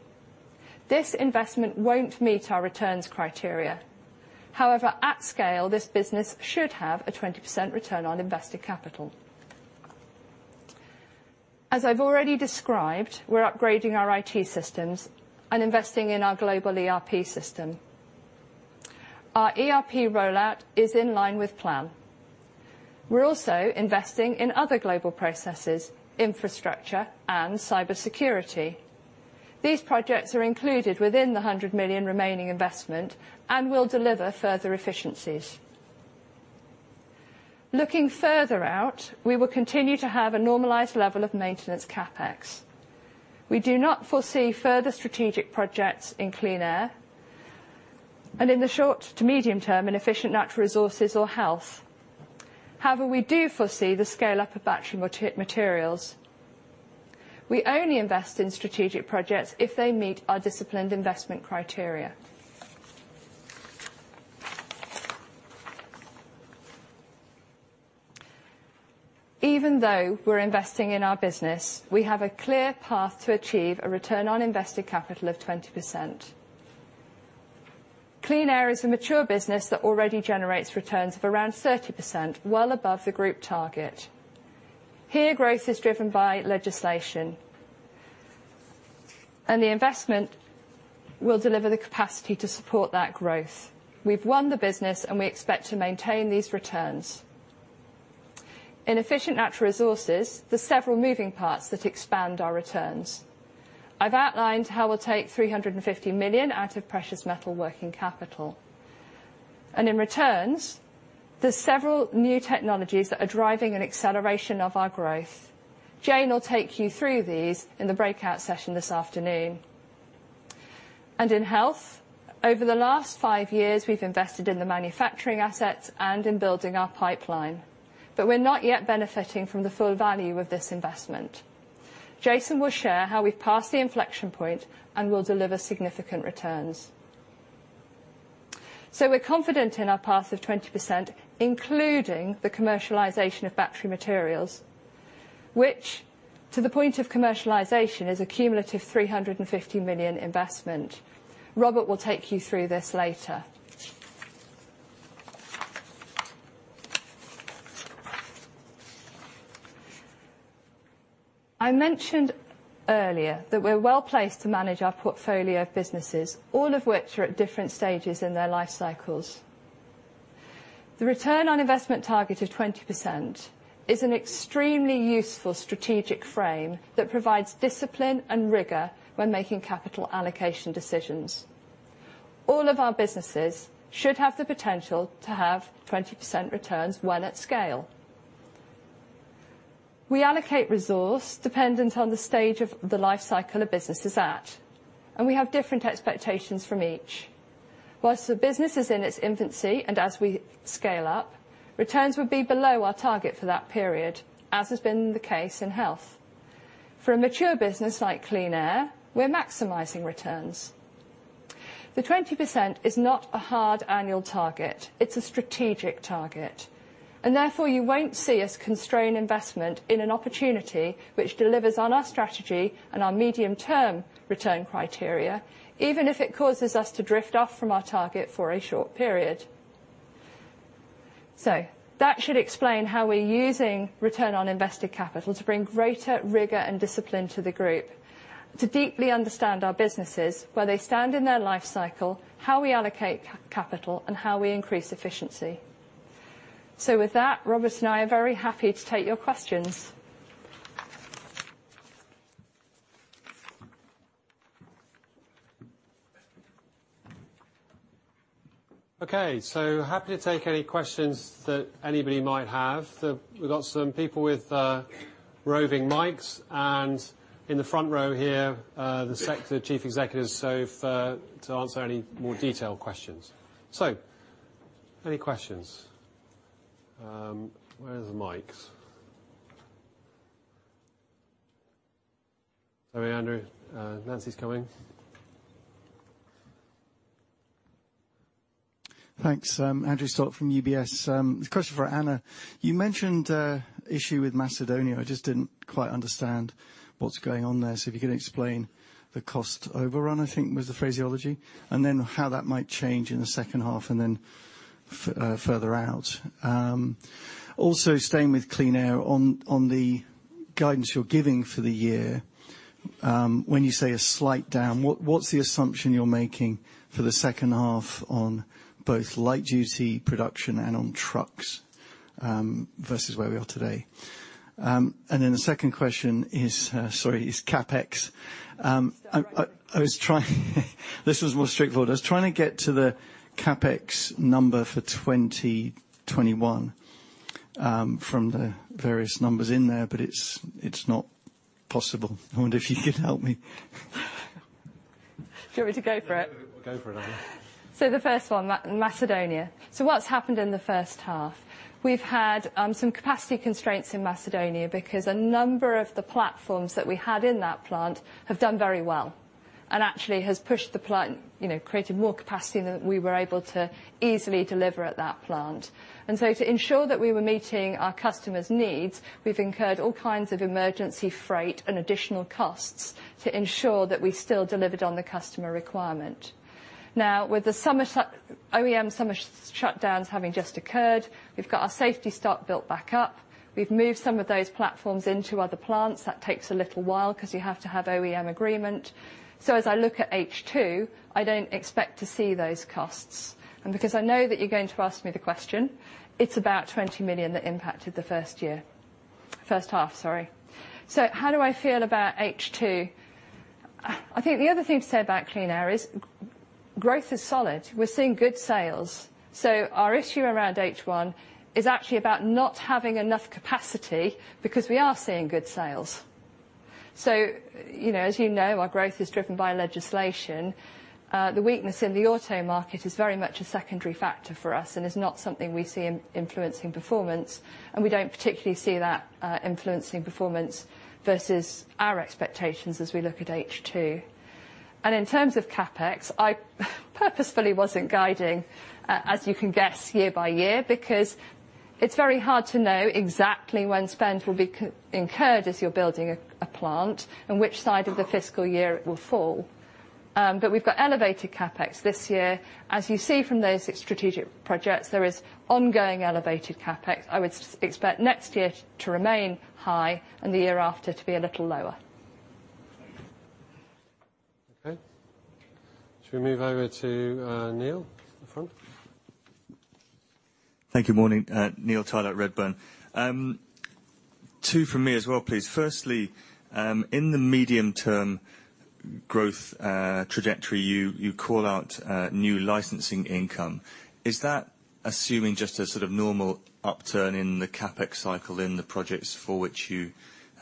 S4: This investment won't meet our returns criteria. However, at scale, this business should have a 20% return on invested capital. As I have already described, we are upgrading our IT systems and investing in our global ERP system. Our ERP rollout is in line with plan. We are also investing in other global processes, infrastructure and cybersecurity. These projects are included within the 100 million remaining investment and will deliver further efficiencies. Looking further out, we will continue to have a normalized level of maintenance CapEx. We do not foresee further strategic projects in Clean Air and in the short to medium term in Efficient Natural Resources or Health. However, we do foresee the scale-up of Battery Materials. We only invest in strategic projects if they meet our disciplined investment criteria. Even though we're investing in our business, we have a clear path to achieve a return on invested capital of 20%. Clean Air is a mature business that already generates returns of around 30%, well above the group target. The investment will deliver the capacity to support that growth. We've won the business and we expect to maintain these returns. In Efficient Natural Resources, there's several moving parts that expand our returns. I've outlined how we'll take 350 million out of precious metal working capital. In ENR, there's several new technologies that are driving an acceleration of our growth. Jane will take you through these in the breakout session this afternoon. In Health, over the last five years, we've invested in the manufacturing assets and in building our pipeline, we're not yet benefiting from the full value of this investment. Jason will share how we've passed the inflection point and will deliver significant returns. We're confident in our path of 20%, including the commercialization of Battery Materials, which to the point of commercialization is a cumulative 350 million investment. Robert will take you through this later. I mentioned earlier that we're well-placed to manage our portfolio of businesses, all of which are at different stages in their life cycles. The return on investment target of 20% is an extremely useful strategic frame that provides discipline and rigor when making capital allocation decisions. All of our businesses should have the potential to have 20% returns when at scale. We allocate resource dependent on the stage of the life cycle a business is at, and we have different expectations from each. While the business is in its infancy, and as we scale up, returns would be below our target for that period, as has been the case in Health. For a mature business like Clean Air, we're maximizing returns. The 20% is not a hard annual target. It's a strategic target. Therefore, you won't see us constrain investment in an opportunity which delivers on our strategy and our medium-term return criteria, even if it causes us to drift off from our target for a short period. That should explain how we're using return on invested capital to bring greater rigor and discipline to the group, to deeply understand our businesses, where they stand in their life cycle, how we allocate capital, and how we increase efficiency. With that, Robert and I are very happy to take your questions.
S3: Okay. Happy to take any questions that anybody might have. We've got some people with roving mics, and in the front row here, the Sector Chief Executives, to answer any more detailed questions. Any questions? Where are the mics? Sorry, Andrew. Nancy's coming.
S5: Thanks. Andrew Stott from UBS. A question for Anna. You mentioned an issue with Macedonia. I just didn't quite understand what's going on there, so if you could explain the cost overrun, I think was the phraseology. Then how that might change in the second half, and then further out. Staying with Clean Air, on the guidance you're giving for the year, when you say a slight down, what's the assumption you're making for the second half on both light duty production and on trucks versus where we are today? Then the second question is, sorry, is CapEx.
S4: Start right at the-
S5: I was trying to get to the CapEx number for 2021 from the various numbers in there. It's not possible. I wonder if you could help me?
S4: Do you want me to go for it?
S3: Go for it, Anna.
S4: The first one, Macedonia. What's happened in the first half? We've had some capacity constraints in Macedonia because a number of the platforms that we had in that plant have done very well, and actually has pushed the plant, created more capacity than we were able to easily deliver at that plant. To ensure that we were meeting our customers' needs, we've incurred all kinds of emergency freight and additional costs to ensure that we still delivered on the customer requirement. Now, with the OEM summer shutdowns having just occurred, we've got our safety stock built back up. We've moved some of those platforms into other plants. That takes a little while because you have to have OEM agreement. As I look at H2, I don't expect to see those costs. Because I know that you're going to ask me the question, it's about 20 million that impacted the first year. First half, sorry. How do I feel about H2? I think the other thing to say about Clean Air is growth is solid. We're seeing good sales. Our issue around H1 is actually about not having enough capacity because we are seeing good sales. As you know, our growth is driven by legislation. The weakness in the auto market is very much a secondary factor for us and is not something we see influencing performance, and we don't particularly see that influencing performance versus our expectations as we look at H2. In terms of CapEx, I purposefully wasn't guiding, as you can guess, year by year because it's very hard to know exactly when spend will be incurred as you're building a plant and which side of the fiscal year it will fall. We've got elevated CapEx this year. As you see from those six strategic projects, there is ongoing elevated CapEx. I would expect next year to remain high and the year after to be a little lower.
S3: Okay. Shall we move over to Neil in the front?
S6: Thank you. Morning. Neil Tyler at Redburn. Two from me as well, please. In the medium-term growth trajectory, you call out new licensing income. Is that assuming just a sort of normal upturn in the CapEx cycle in the projects for which you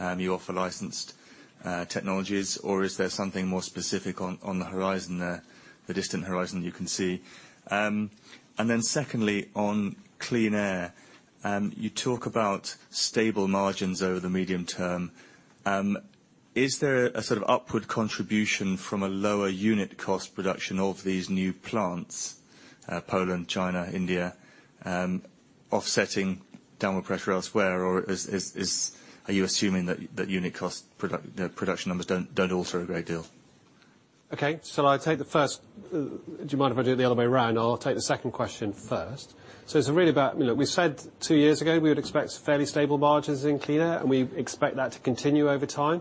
S6: offer licensed technologies, or is there something more specific on the horizon there, the distant horizon you can see? Secondly, on Clean Air, you talk about stable margins over the medium term. Is there a sort of upward contribution from a lower unit cost production of these new plants, Poland, China, India offsetting downward pressure elsewhere or are you assuming that unit cost production numbers don't alter a great deal?
S3: Okay, do you mind if I do it the other way around? I'll take the second question first. It's really about, we said two years ago we would expect fairly stable margins in Clean Air, and we expect that to continue over time.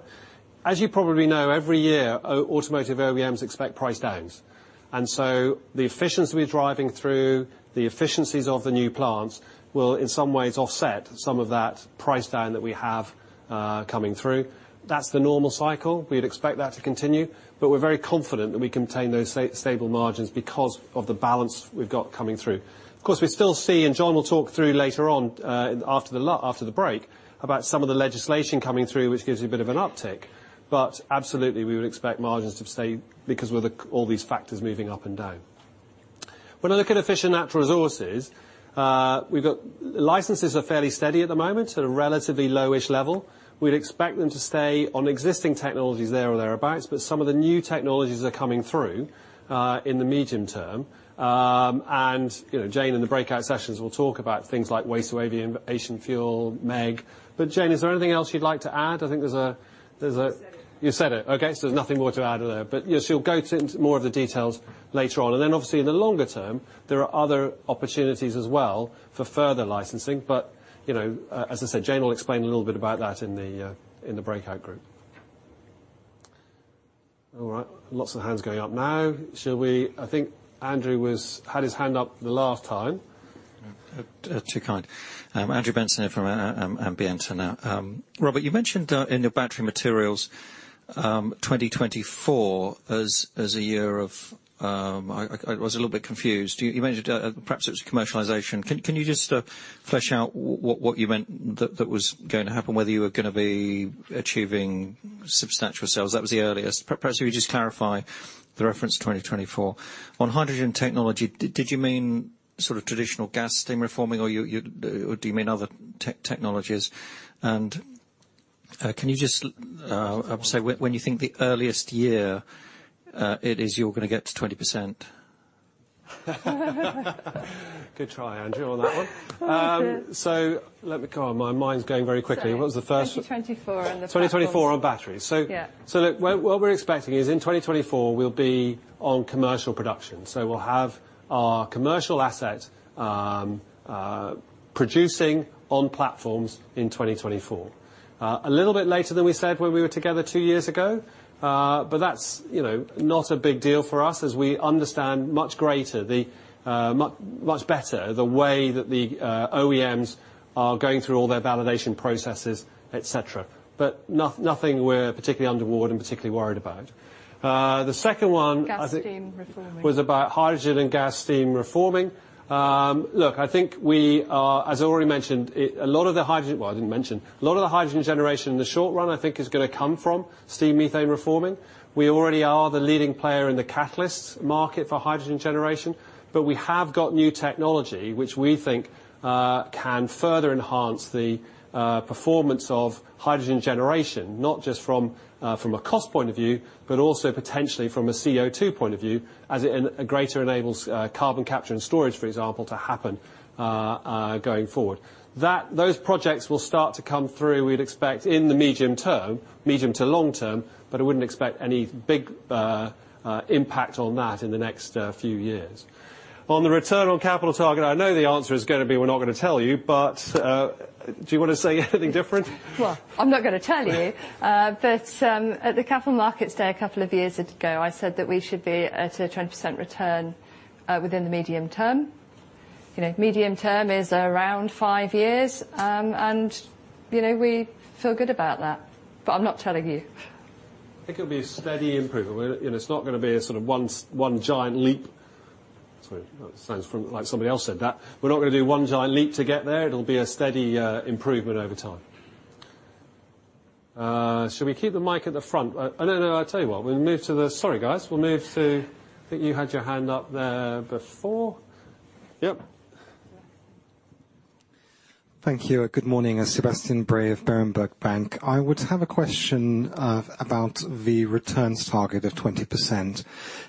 S3: As you probably know, every year, automotive OEMs expect price downs, the efficiency we're driving through the efficiencies of the new plants will in some ways offset some of that price down that we have coming through. That's the normal cycle. We'd expect that to continue, we're very confident that we can attain those stable margins because of the balance we've got coming through. Of course, we still see, John will talk through later on after the break about some of the legislation coming through, which gives you a bit of an uptick. Absolutely we would expect margins to stay because with all these factors moving up and down. When I look at Efficient Natural Resources, we've got licenses are fairly steady at the moment at a relatively low-ish level. We'd expect them to stay on existing technologies there or thereabouts, but some of the new technologies are coming through in the medium term. Jane, in the breakout sessions, will talk about things like waste, aviation fuel, MEG. Jane, is there anything else you'd like to add?
S4: You said it.
S3: You said it. There's nothing more to add there. Yes, she'll go into more of the details later on. Obviously in the longer term, there are other opportunities as well for further licensing. As I said, Jane will explain a little bit about that in the breakout group. Lots of hands going up now. I think Andrew had his hand up the last time.
S7: Too kind. Andrew Benson from Ambienta. Robert, you mentioned in your Battery Materials, 2024. I was a little bit confused. You mentioned perhaps it was commercialization. Can you just flesh out what you meant that was going to happen, whether you were going to be achieving substantial sales? That was the earliest. Perhaps if you just clarify the reference 2024. On hydrogen technology, did you mean sort of traditional gas steam reforming, or do you mean other technologies? Can you just say when you think the earliest year it is you're going to get to 20%?
S3: Good try, Andrew, on that one.
S4: Love it.
S3: God, my mind's going very quickly. What was the first one?
S4: Sorry. 2024 on the platforms.
S3: 2024 on batteries.
S4: Yeah.
S3: Look, what we're expecting is in 2024, we'll be on commercial production. We'll have our commercial asset producing on platforms in 2024. A little bit later than we said when we were together two years ago. That's not a big deal for us as we understand much greater the much better the way that the OEMs are going through all their validation processes, et cetera. Nothing we're particularly under award and particularly worried about. The second one, I think.
S4: steam methane reforming.
S3: was about hydrogen gas steam reforming. I think we are, as I already mentioned, a lot of the hydrogen generation in the short run, I think, is going to come from steam methane reforming. We already are the leading player in the catalyst market for hydrogen generation. We have got new technology which we think can further enhance the performance of hydrogen generation, not just from a cost point of view, but also potentially from a CO2 point of view, as it in a greater enables carbon capture and storage, for example, to happen going forward. Those projects will start to come through, we'd expect, in the medium-term, medium to long-term, I wouldn't expect any big impact on that in the next few years. On the return on capital target, I know the answer is gonna be, we're not gonna tell you, but do you want to say anything different?
S4: Well, I'm not gonna tell you. At the Capital Markets Day a couple of years ago, I said that we should be at a 20% return within the medium term. Medium term is around five years. We feel good about that, but I'm not telling you.
S3: I think it'll be a steady improvement. It's not gonna be a sort of one giant leap. Sorry, that sounds like somebody else said that. We're not gonna do one giant leap to get there. It'll be a steady improvement over time. Should we keep the mic at the front? I tell you what, we'll move to the Sorry, guys. We'll move to, I think you had your hand up there before. Yep.
S8: Thank you, and good morning. Sebastian Bray of Berenberg Bank. I would have a question about the returns target of 20%.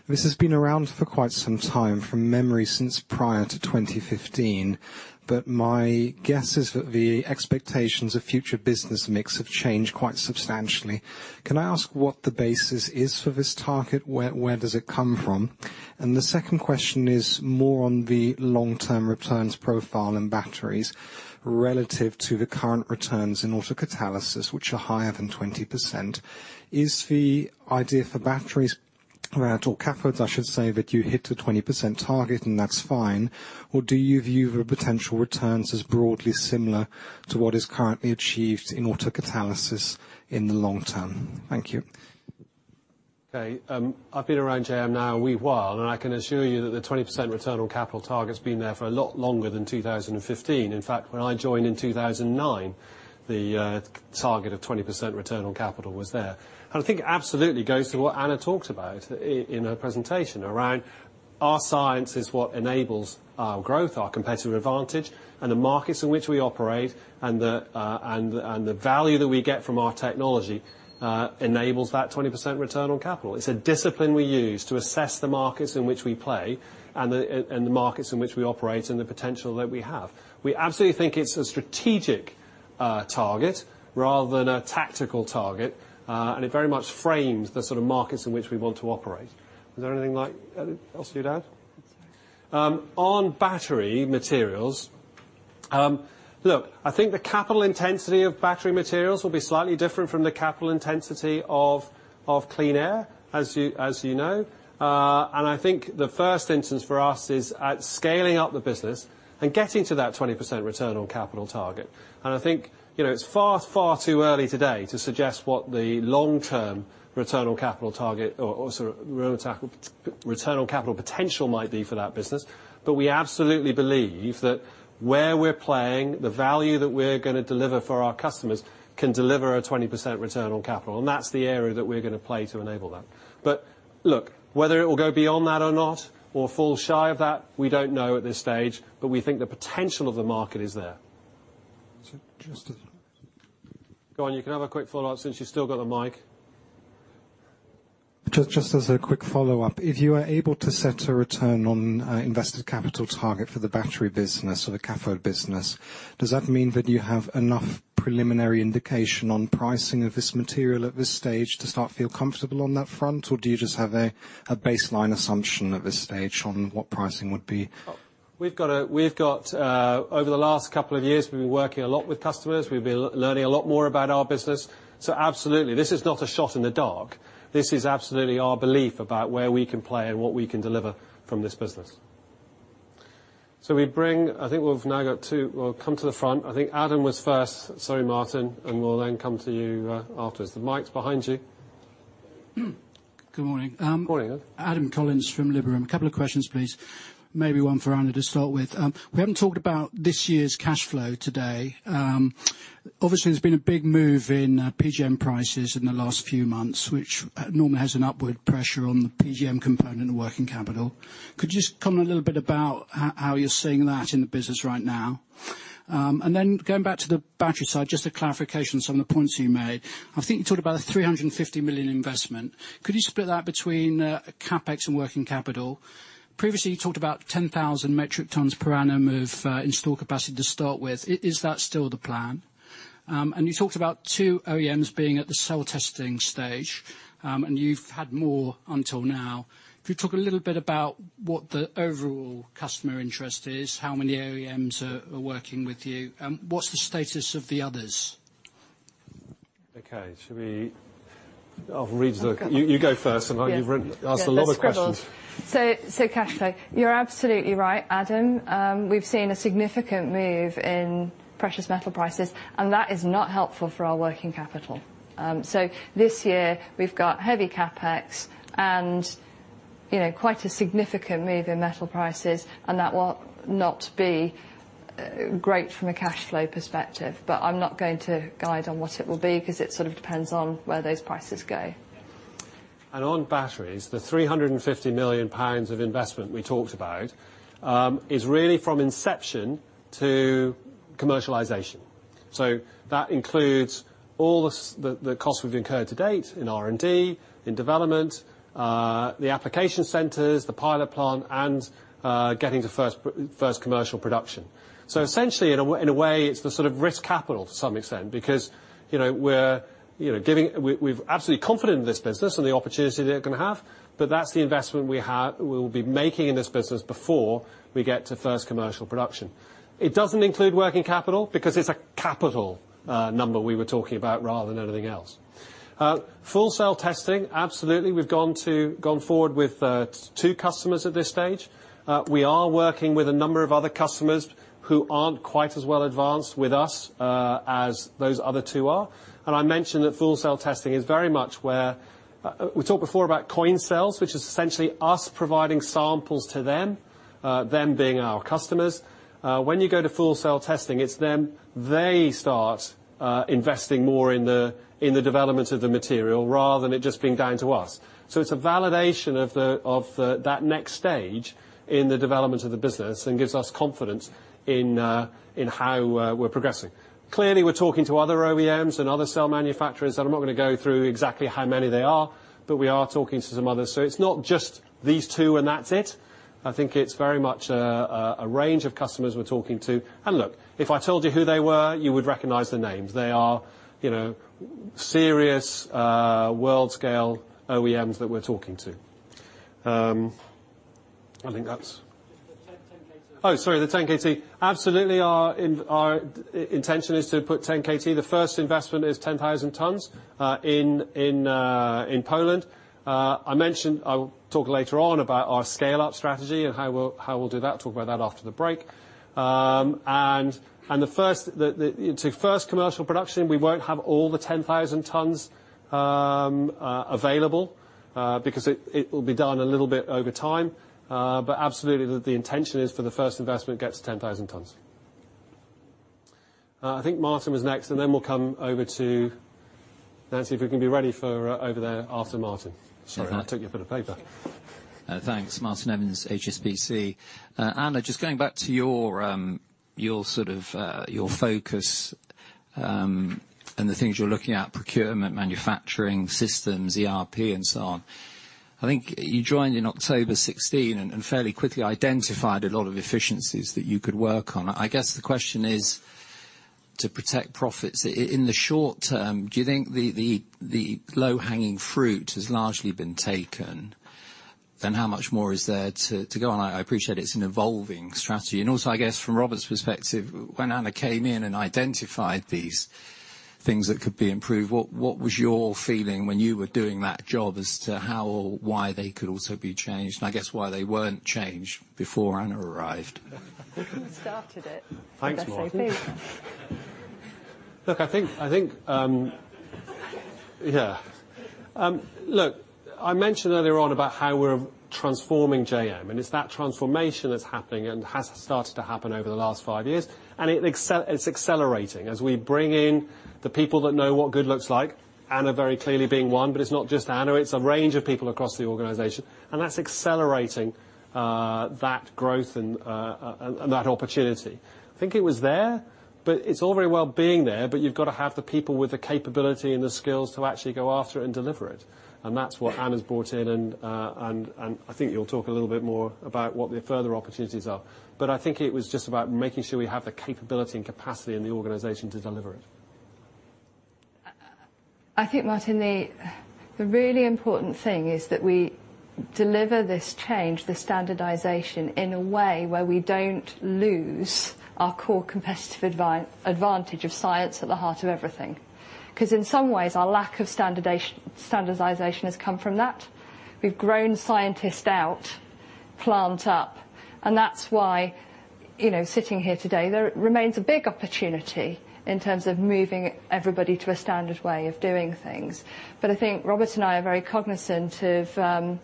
S8: This has been around for quite some time, from memory, since prior to 2015, but my guess is that the expectations of future business mix have changed quite substantially. Can I ask what the basis is for this target? Where does it come from? The second question is more on the long-term returns profile and batteries relative to the current returns in autocatalysis, which are higher than 20%. Is the idea for batteries or cathodes, I should say, that you hit the 20% target and that's fine? Do you view the potential returns as broadly similar to what is currently achieved in autocatalysis in the long term? Thank you.
S3: Okay. I've been around JM now a wee while. I can assure you that the 20% return on capital target's been there for a lot longer than 2015. In fact, when I joined in 2009, the target of 20% return on capital was there. I think it absolutely goes to what Anna talked about in her presentation, around our science is what enables our growth, our competitive advantage, and the markets in which we operate, and the value that we get from our technology enables that 20% return on capital. It's a discipline we use to assess the markets in which we play and the markets in which we operate and the potential that we have. We absolutely think it's a strategic target rather than a tactical target. It very much frames the sort of markets in which we want to operate. Is there anything else you'd add?
S4: That's all.
S3: On Battery Materials, look, I think the capital intensity of Battery Materials will be slightly different from the capital intensity of Clean Air, as you know. I think the first instance for us is at scaling up the business and getting to that 20% return on capital target. I think it's far, far too early today to suggest what the long-term return on capital target or sort of return on capital potential might be for that business. We absolutely believe that where we're playing, the value that we're gonna deliver for our customers can deliver a 20% return on capital. That's the area that we're gonna play to enable that. Look, whether it will go beyond that or not or fall shy of that, we don't know at this stage, but we think the potential of the market is there? Is it Justin? Go on, you can have a quick follow-up since you've still got the mic.
S8: Just as a quick follow-up, if you are able to set a return on invested capital target for the battery business or the cathode business, does that mean that you have enough preliminary indication on pricing of this material at this stage to start to feel comfortable on that front? Or do you just have a baseline assumption at this stage on what pricing would be?
S3: Over the last couple of years, we've been working a lot with customers. We've been learning a lot more about our business. Absolutely. This is not a shot in the dark. This is absolutely our belief about where we can play and what we can deliver from this business. I think we've now got two. We'll come to the front. I think Adam was first. Sorry, Martin, we'll then come to you afterwards. The mic's behind you.
S9: Good morning.
S3: Morning.
S9: Adam Collins from Liberum. A couple of questions, please. Maybe one for Anna to start with. We haven't talked about this year's cash flow today. Obviously, there's been a big move in PGM prices in the last few months, which normally has an upward pressure on the PGM component of working capital. Could you just comment a little bit about how you're seeing that in the business right now? Then going back to the battery side, just a clarification on some of the points you made. I think you talked about a 350 million investment. Could you split that between CapEx and working capital? Previously, you talked about 10,000 metric tons per annum of installed capacity to start with. Is that still the plan? You talked about two OEMs being at the cell testing stage, and you've had more until now. Could you talk a little bit about what the overall customer interest is, how many OEMs are working with you? What's the status of the others?
S3: Okay. You go first. I know you've asked a lot of questions.
S4: Yeah, there's scribbles. Cash flow. You're absolutely right, Adam. We've seen a significant move in precious metal prices, and that is not helpful for our working capital. This year we've got heavy CapEx and quite a significant move in metal prices, and that will not be great from a cash flow perspective. I'm not going to guide on what it will be because it sort of depends on where those prices go.
S3: On batteries, the 350 million pounds of investment we talked about, is really from inception to commercialization. That includes all the costs we've incurred to date in R&D, in development, the application centers, the pilot plant, and getting to first commercial production. Essentially, in a way, it's the sort of risk capital to some extent because we're absolutely confident in this business and the opportunity that you're going to have. That's the investment we will be making in this business before we get to first commercial production. It doesn't include working capital because it's a capital number we were talking about rather than anything else. Full cell testing, absolutely. We've gone forward with 2 customers at this stage. We are working with a number of other customers who aren't quite as well advanced with us as those other two are. I mentioned that full cell testing is very much where we talked before about coin cells, which is essentially us providing samples to them being our customers. When you go to full cell testing, it's them. They start investing more in the development of the material rather than it just being down to us. It's a validation of that next stage in the development of the business and gives us confidence in how we're progressing. Clearly, we're talking to other OEMs and other cell manufacturers, I'm not going to go through exactly how many they are, we are talking to some others. It's not just these two and that's it. I think it's very much a range of customers we're talking to. Look, if I told you who they were, you would recognize the names. They are serious, world-scale OEMs that we're talking to.
S9: Just the 10kt.
S3: Oh, sorry, the 10kt. Absolutely. Our intention is to put 10kt. The first investment is 10,000 tons in Poland. I mentioned I will talk later on about our scale-up strategy and how we'll do that. Talk about that after the break. To first commercial production, we won't have all the 10,000 tons available, because it will be done a little bit over time. Absolutely, the intention is for the first investment gets to 10,000 tons. I think Martin was next, and then we'll come over to Nancy, if we can be ready for over there after Martin. Sorry, I took your bit of paper.
S10: Thanks. Martin Evans, HSBC. Anna, just going back to your focus, and the things you're looking at, procurement, manufacturing systems, ERP, and so on. I think you joined in October 2016 and fairly quickly identified a lot of efficiencies that you could work on. I guess the question is to protect profits. In the short term, do you think the low-hanging fruit has largely been taken, and how much more is there to go on? I appreciate it's an evolving strategy. Also, I guess from Robert's perspective, when Anna came in and identified these things that could be improved, what was your feeling when you were doing that job as to how or why they could also be changed, and I guess why they weren't changed before Anna arrived?
S4: Who started it?
S3: Thanks, Martin.
S4: I think-
S3: I mentioned earlier on about how we're transforming JM, and it's that transformation that's happening and has started to happen over the last five years, and it's accelerating as we bring in the people that know what good looks like, Anna very clearly being one. It's not just Anna, it's a range of people across the organization, and that's accelerating that growth and that opportunity. I think it was there, but it's all very well being there, but you've got to have the people with the capability and the skills to actually go after it and deliver it, and that's what Anna's brought in, and I think you'll talk a little bit more about what the further opportunities are. I think it was just about making sure we have the capability and capacity in the organization to deliver it.
S4: I think, Martin, the really important thing is that we deliver this change, this standardization, in a way where we don't lose our core competitive advantage of science at the heart of everything. In some ways, our lack of standardization has come from that. We've grown scientist out, plant up, that's why, sitting here today, there remains a big opportunity in terms of moving everybody to a standard way of doing things. I think Robert and I are very cognizant of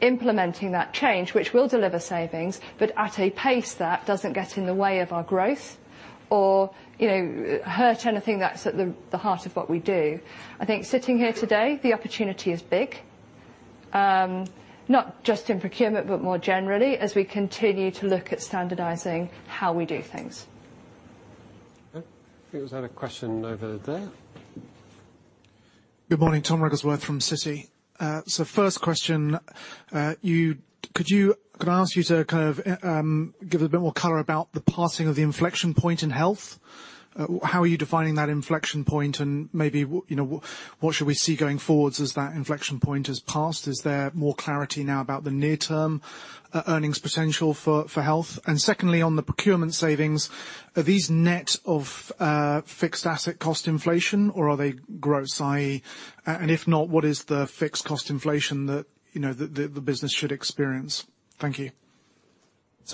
S4: implementing that change, which will deliver savings, but at a pace that doesn't get in the way of our growth or hurt anything that's at the heart of what we do. I think sitting here today, the opportunity is big. Not just in procurement, but more generally, as we continue to look at standardizing how we do things.
S3: Okay. I think there was another question over there.
S11: Good morning. Tom Wrigglesworth from Citi. First question, could I ask you to kind of give a bit more color about the passing of the inflection point in Health? How are you defining that inflection point and maybe what should we see going forwards as that inflection point has passed? Is there more clarity now about the near-term earnings potential for Health? Secondly, on the procurement savings, are these net of fixed asset cost inflation or are they gross, i.e.? If not, what is the fixed cost inflation that the business should experience? Thank you.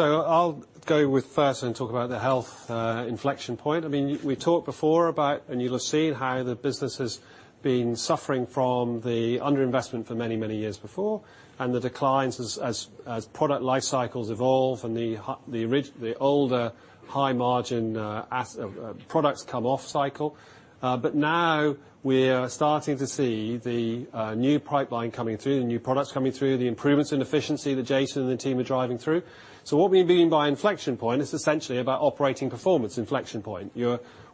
S3: I'll go with first and talk about the Health inflection point. We talked before about, and you'll have seen how the business has been suffering from the under-investment for many, many years before and the declines as product life cycles evolve and the older high-margin products come off cycle. Now we're starting to see the new pipeline coming through, the new products coming through, the improvements in efficiency that Jason and the team are driving through. What we mean by inflection point is essentially about operating performance inflection point.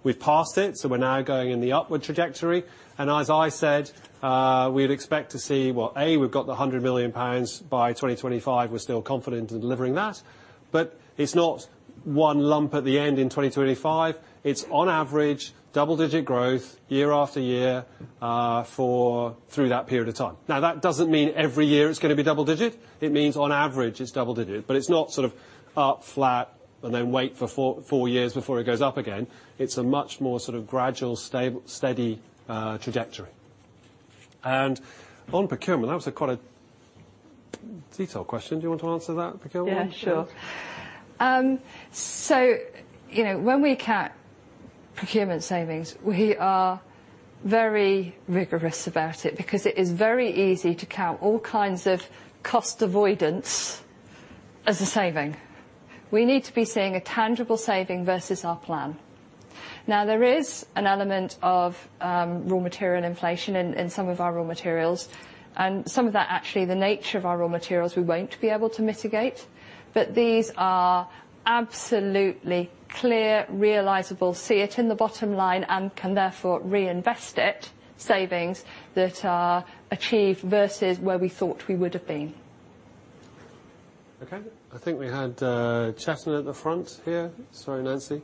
S3: We've passed it, we're now going in the upward trajectory. As I said, we'd expect to see, A, we've got the 100 million pounds by 2025. We're still confident in delivering that. It's not one lump at the end in 2025. It's on average double-digit growth year after year through that period of time. Now, that doesn't mean every year it's going to be double digit. It means on average it's double digit, but it's not sort of up, flat, and then wait for four years before it goes up again. It's a much more sort of gradual, steady trajectory. On procurement, that was quite a detailed question. Do you want to answer that, procurement?
S4: Yeah, sure. When we count procurement savings, we are very rigorous about it because it is very easy to count all kinds of cost avoidance as a saving. We need to be seeing a tangible saving versus our plan. There is an element of raw material inflation in some of our raw materials, and some of that actually the nature of our raw materials we won't be able to mitigate. These are absolutely clear, realizable, see it in the bottom line and can therefore reinvest it savings that are achieved versus where we thought we would have been.
S3: Okay. I think we had Chetan at the front here. Sorry, Nancy.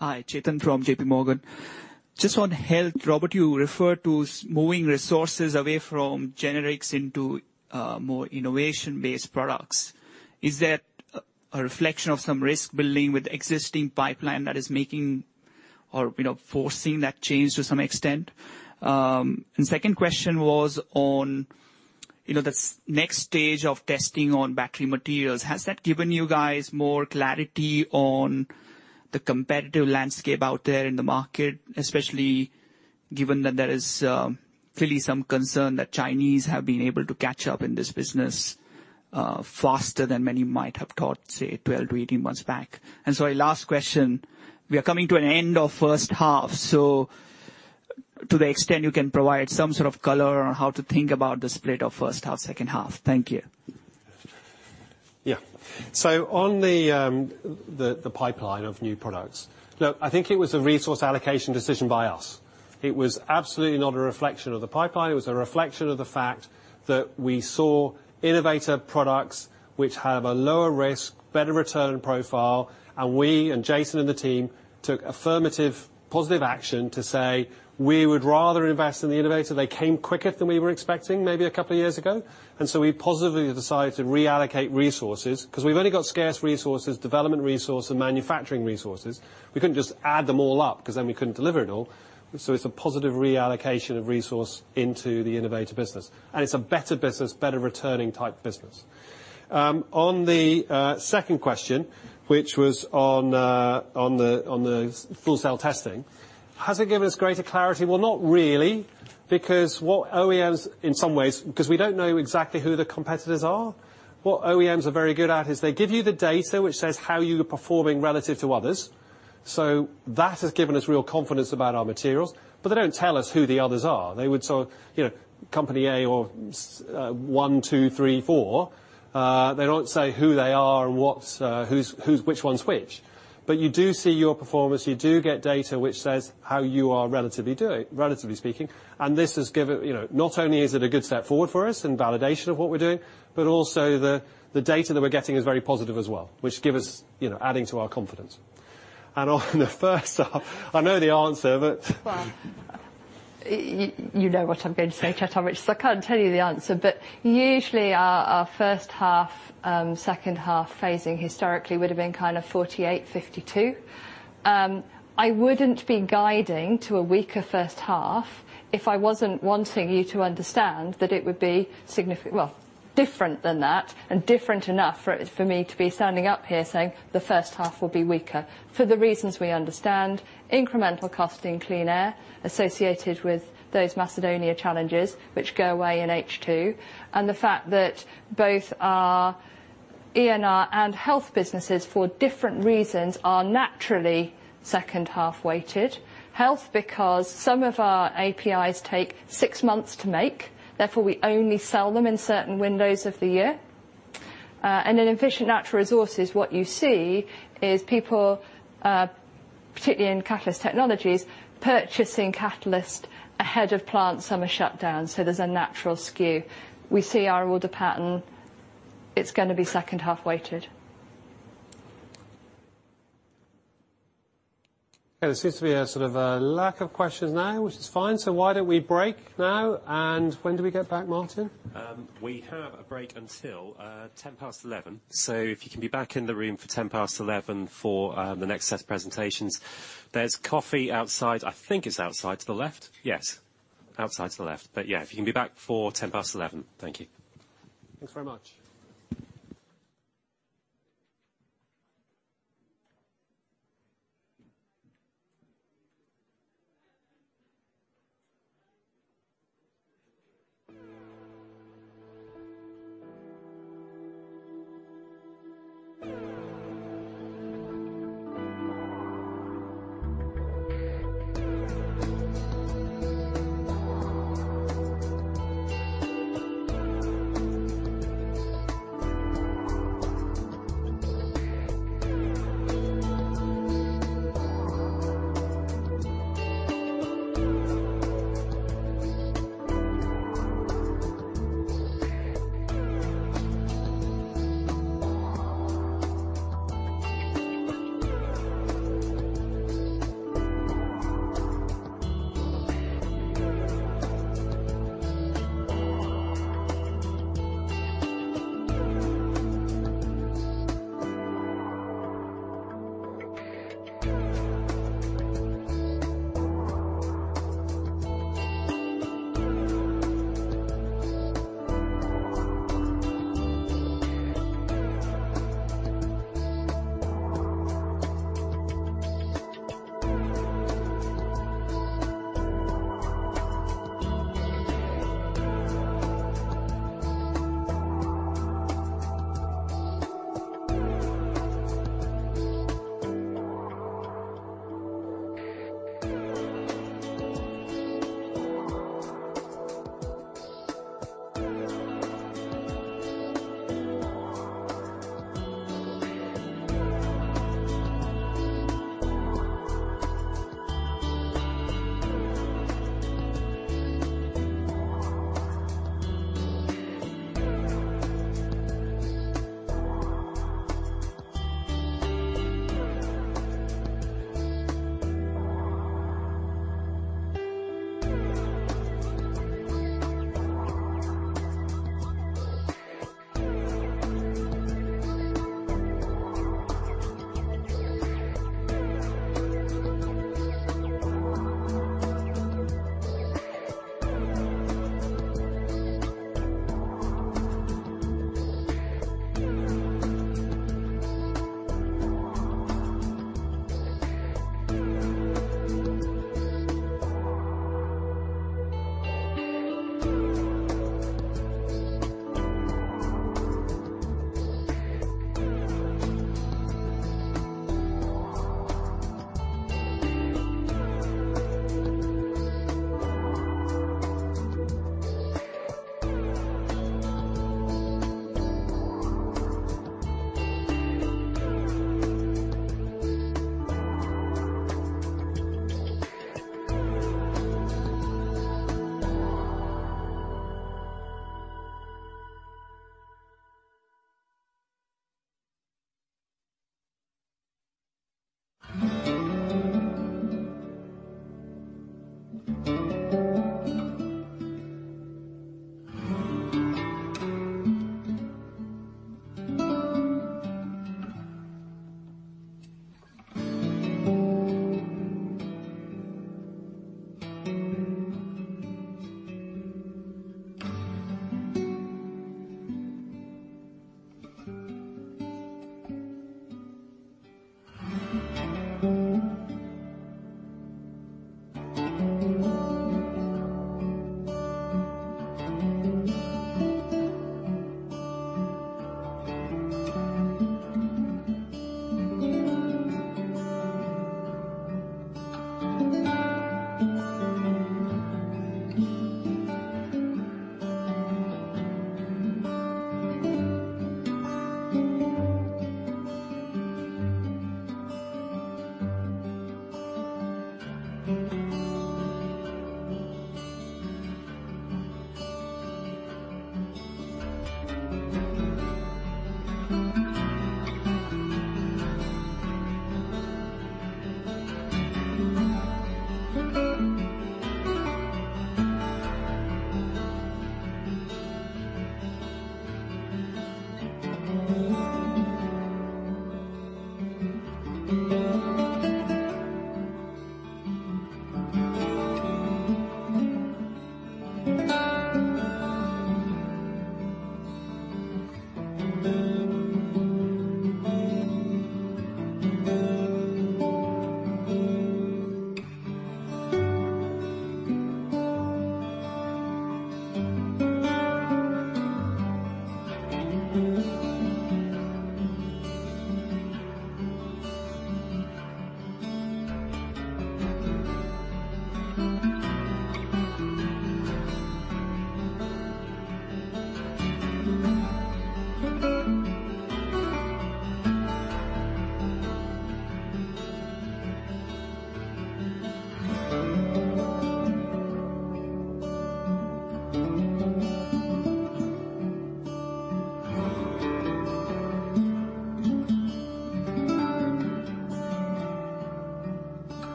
S12: Hi, Chetan from JPMMorgan. Just on Health, Robert, you referred to moving resources away from generics into more innovation-based products. Is that a reflection of some risk building with existing pipeline that is making or forcing that change to some extent? Second question was on the next stage of testing on Battery Materials. Has that given you guys more clarity on the competitive landscape out there in the market, especially given that there is clearly some concern that Chinese have been able to catch up in this business faster than many might have thought, say 12 to 18 months back? Sorry, last question. We are coming to an end of first half, so to the extent you can provide some sort of color on how to think about the split of first half, second half. Thank you.
S3: Yeah. On the pipeline of new products, look, I think it was a resource allocation decision by us. It was absolutely not a reflection of the pipeline. It was a reflection of the fact that we saw innovator products which have a lower risk, better return profile, and we and Jason and the team took affirmative positive action to say we would rather invest in the innovator. They came quicker than we were expecting maybe a couple of years ago. We positively decided to reallocate resources because we've only got scarce resources, development resource and manufacturing resources. We couldn't just add them all up because then we couldn't deliver it all. It's a positive reallocation of resource into the innovator business, and it's a better business, better returning type business. On the second question, which was on the full cell testing, has it given us greater clarity? Well, not really, because what OEMs, in some ways, because we don't know exactly who the competitors are. That has given us real confidence about our materials, but they don't tell us who the others are. They would say company A or one, two, three, four. They don't say who they are and which one's which. You do see your performance. You do get data which says how you are relatively speaking, not only is it a good step forward for us and validation of what we're doing, but also the data that we're getting is very positive as well, which give us adding to our confidence. On the first half, I know the answer.
S4: Well, you know what I'm going to say, Chetan, aren't you? I can't tell you the answer, but usually our first half, second half phasing historically would have been kind of 48/52. I wouldn't be guiding to a weaker first half if I wasn't wanting you to understand that it would be different than that and different enough for me to be standing up here saying the first half will be weaker for the reasons we understand incremental costing Clean Air associated with those Macedonia challenges which go away in H2, and the fact that both our ENR and Health businesses, for different reasons, are naturally second half weighted. Health because some of our APIs take six months to make, therefore, we only sell them in certain windows of the year. In Efficient Natural Resources, what you see is people, particularly in catalyst technologies, purchasing catalyst ahead of plant summer shutdown. There's a natural skew. We see our order pattern. It's going to be second half weighted.
S3: There seems to be a sort of a lack of questions now, which is fine. Why don't we break now, and when do we get back, Martin?
S1: We have a break until 11:10. If you can be back in the room for 11:10 for the next set of presentations. There's coffee outside. I think it's outside to the left. Yes. Outside to the left. Yeah, if you can be back for 11:10. Thank you.
S3: Thanks very much.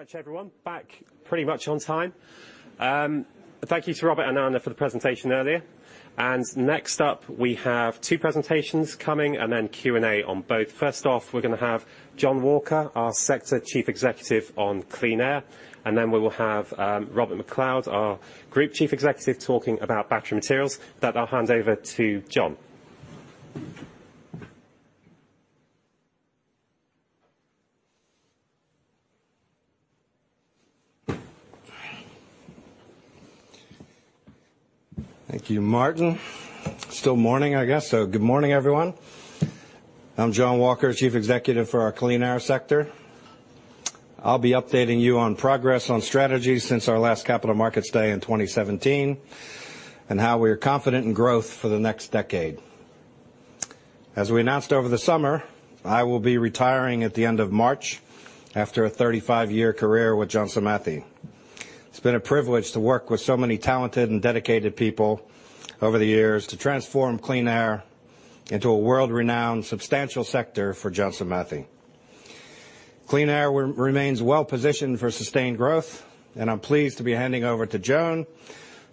S1: Right. Thank you very much everyone. Back pretty much on time. Thank you to Robert and Anna for the presentation earlier. Next up, we have two presentations coming and then Q&A on both. First off, we're going to have John Walker, our Sector Chief Executive on Clean Air, and then we will have Robert MacLeod, our Group Chief Executive, talking about Battery Materials. With that, I'll hand over to John.
S13: Thank you, Martin. Still morning, I guess. Good morning, everyone. I'm John Walker, Chief Executive for our Clean Air sector. I'll be updating you on progress on strategies since our last Capital Markets Day in 2017, and how we are confident in growth for the next decade. As we announced over the summer, I will be retiring at the end of March after a 35-year career with Johnson Matthey. It's been a privilege to work with so many talented and dedicated people over the years to transform Clean Air into a world-renowned, substantial sector for Johnson Matthey. Clean Air remains well-positioned for sustained growth, and I'm pleased to be handing over to Joan,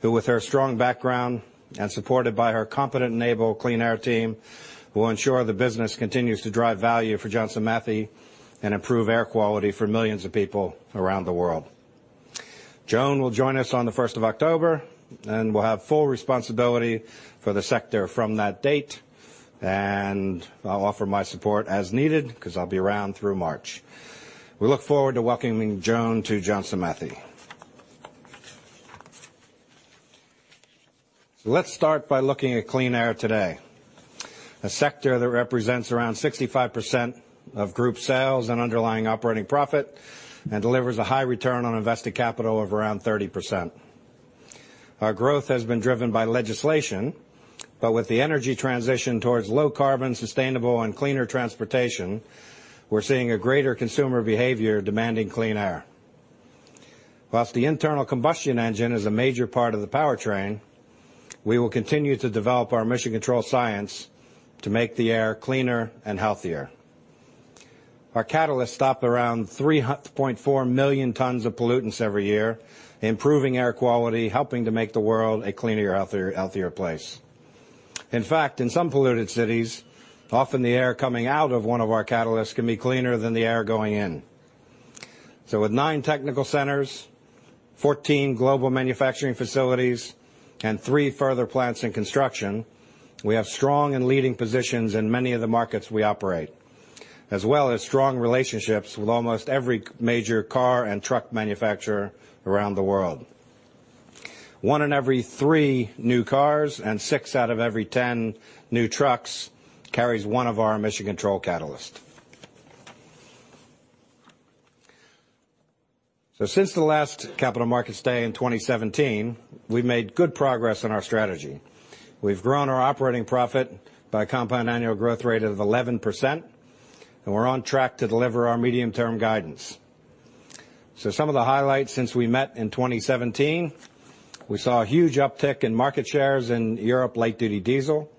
S13: who with her strong background and supported by her competent and able Clean Air team, will ensure the business continues to drive value for Johnson Matthey and improve air quality for millions of people around the world. Joan will join us on the 1st of October and will have full responsibility for the sector from that date, and I'll offer my support as needed because I'll be around through March. We look forward to welcoming Joan to Johnson Matthey. Let's start by looking at Clean Air today, a sector that represents around 65% of group sales and underlying operating profit and delivers a high return on invested capital of around 30%. Our growth has been driven by legislation. With the energy transition towards low carbon, sustainable, and cleaner transportation, we're seeing a greater consumer behavior demanding clean air. Whilst the internal combustion engine is a major part of the powertrain, we will continue to develop our emission control science to make the air cleaner and healthier. Our catalysts stop around 3.4 million tons of pollutants every year, improving air quality, helping to make the world a cleaner, healthier place. In fact, in some polluted cities, often the air coming out of one of our catalysts can be cleaner than the air going in. With nine technical centers, 14 global manufacturing facilities, and three further plants in construction, we have strong and leading positions in many of the markets we operate, as well as strong relationships with almost every major car and truck manufacturer around the world. One in every three new cars and six out of every 10 new trucks carries one of our emission control catalysts. Since the last Capital Markets Day in 2017, we've made good progress on our strategy. We've grown our operating profit by a compound annual growth rate of 11%, and we're on track to deliver our medium-term guidance. Some of the highlights since we met in 2017, we saw a huge uptick in market shares in Europe light-duty diesel,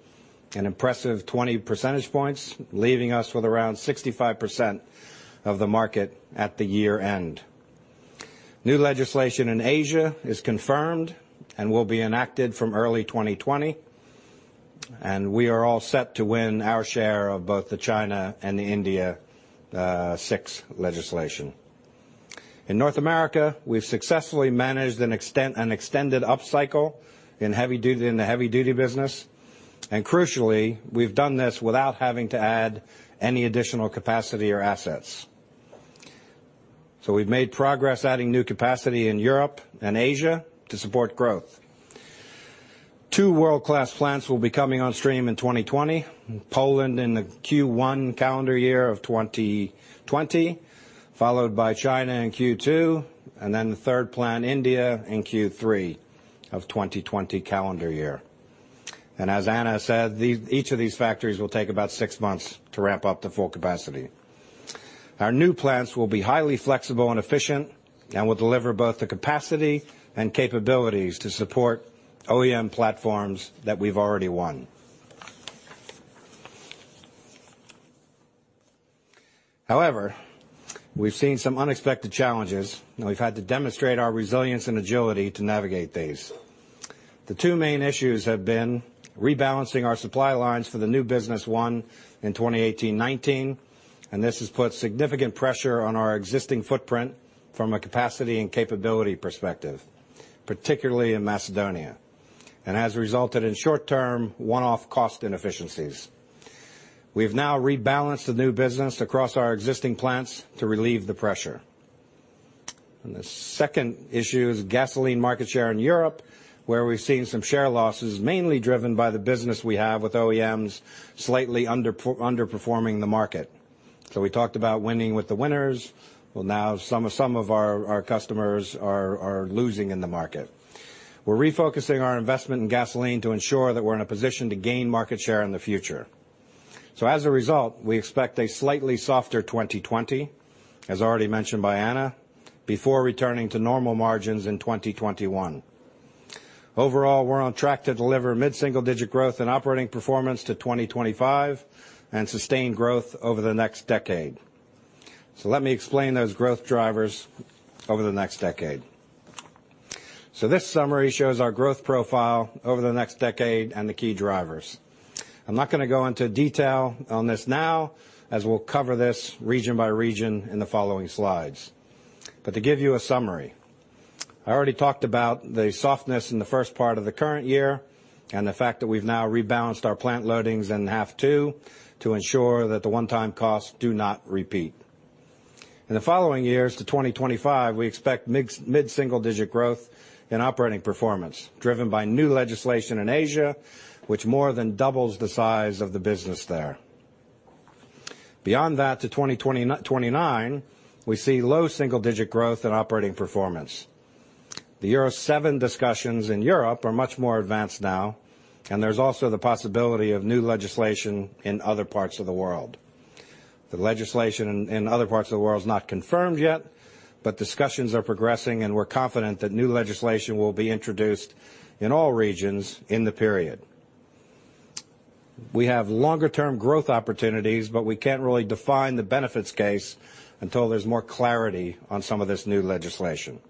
S13: an impressive 20 percentage points, leaving us with around 65% of the market at the year-end. New legislation in Asia is confirmed and will be enacted from early 2020, and we are all set to win our share of both the China and the India VI legislation. In North America, we've successfully managed an extended upcycle in the heavy-duty business. Crucially, we've done this without having to add any additional capacity or assets. We've made progress adding new capacity in Europe and Asia to support growth. Two world-class plants will be coming on stream in 2020, Poland in the Q1 calendar year of 2020, followed by China in Q2, and then the third plant, India, in Q3 of 2020 calendar year. As Anna said, each of these factories will take about six months to ramp up to full capacity. Our new plants will be highly flexible and efficient and will deliver both the capacity and capabilities to support OEM platforms that we've already won. However, we've seen some unexpected challenges, and we've had to demonstrate our resilience and agility to navigate these. The two main issues have been rebalancing our supply lines for the new business won in 2018-19. This has put significant pressure on our existing footprint from a capacity and capability perspective, particularly in Macedonia, and has resulted in short-term, one-off cost inefficiencies. We've now rebalanced the new business across our existing plants to relieve the pressure. The second issue is gasoline market share in Europe, where we've seen some share losses, mainly driven by the business we have with OEMs slightly underperforming the market. We talked about winning with the winners. Well, now some of our customers are losing in the market. We're refocusing our investment in gasoline to ensure that we're in a position to gain market share in the future. As a result, we expect a slightly softer 2020, as already mentioned by Anna, before returning to normal margins in 2021. Overall, we're on track to deliver mid-single-digit growth in operating performance to 2025 and sustain growth over the next decade. Let me explain those growth drivers over the next decade. This summary shows our growth profile over the next decade and the key drivers. I'm not going to go into detail on this now, as we'll cover this region by region in the following slides. To give you a summary, I already talked about the softness in the first part of the current year and the fact that we've now rebalanced our plant loadings in half two to ensure that the one-time costs do not repeat. In the following years to 2025, we expect mid-single-digit growth in operating performance, driven by new legislation in Asia, which more than doubles the size of the business there. Beyond that, to 2029, we see low single-digit growth in operating performance. The Euro 7 discussions in Europe are much more advanced now, and there's also the possibility of new legislation in other parts of the world. The legislation in other parts of the world is not confirmed yet, but discussions are progressing, and we're confident that new legislation will be introduced in all regions in the period. We have longer-term growth opportunities, but we can't really define the benefits case until there's more clarity on some of this new legislation.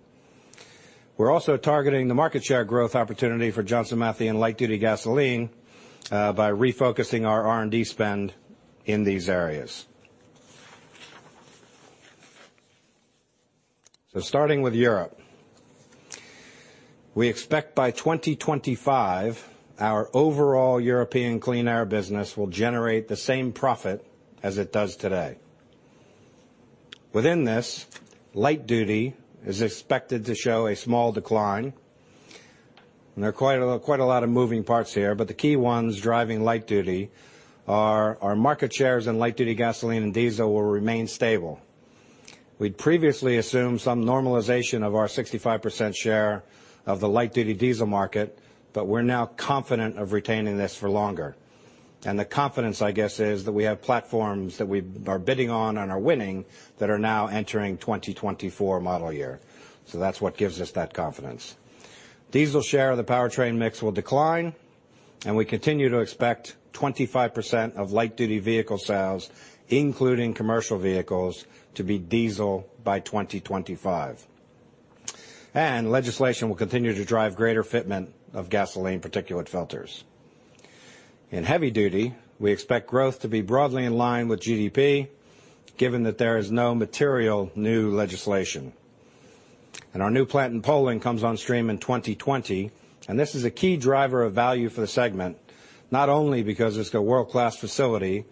S13: We're also targeting the market share growth opportunity for Johnson Matthey in light-duty gasoline by refocusing our R&D spend in these areas. Starting with Europe, we expect by 2025, our overall European Clean Air business will generate the same profit as it does today. Within this, light duty is expected to show a small decline, and there are quite a lot of moving parts here, but the key ones driving light duty are our market shares in light-duty gasoline and diesel will remain stable. We'd previously assumed some normalization of our 65% share of the light-duty diesel market, but we're now confident of retaining this for longer, and the confidence, I guess, is that we have platforms that we are bidding on and are winning that are now entering 2024 model year. That's what gives us that confidence. Diesel share of the powertrain mix will decline, and we continue to expect 25% of light-duty vehicle sales, including commercial vehicles, to be diesel by 2025. Legislation will continue to drive greater fitment of gasoline particulate filters. In heavy duty, we expect growth to be broadly in line with GDP, given that there is no material new legislation. Our new plant in Poland comes on stream in 2020, and this is a key driver of value for the segment, not only because it's a world-class facility,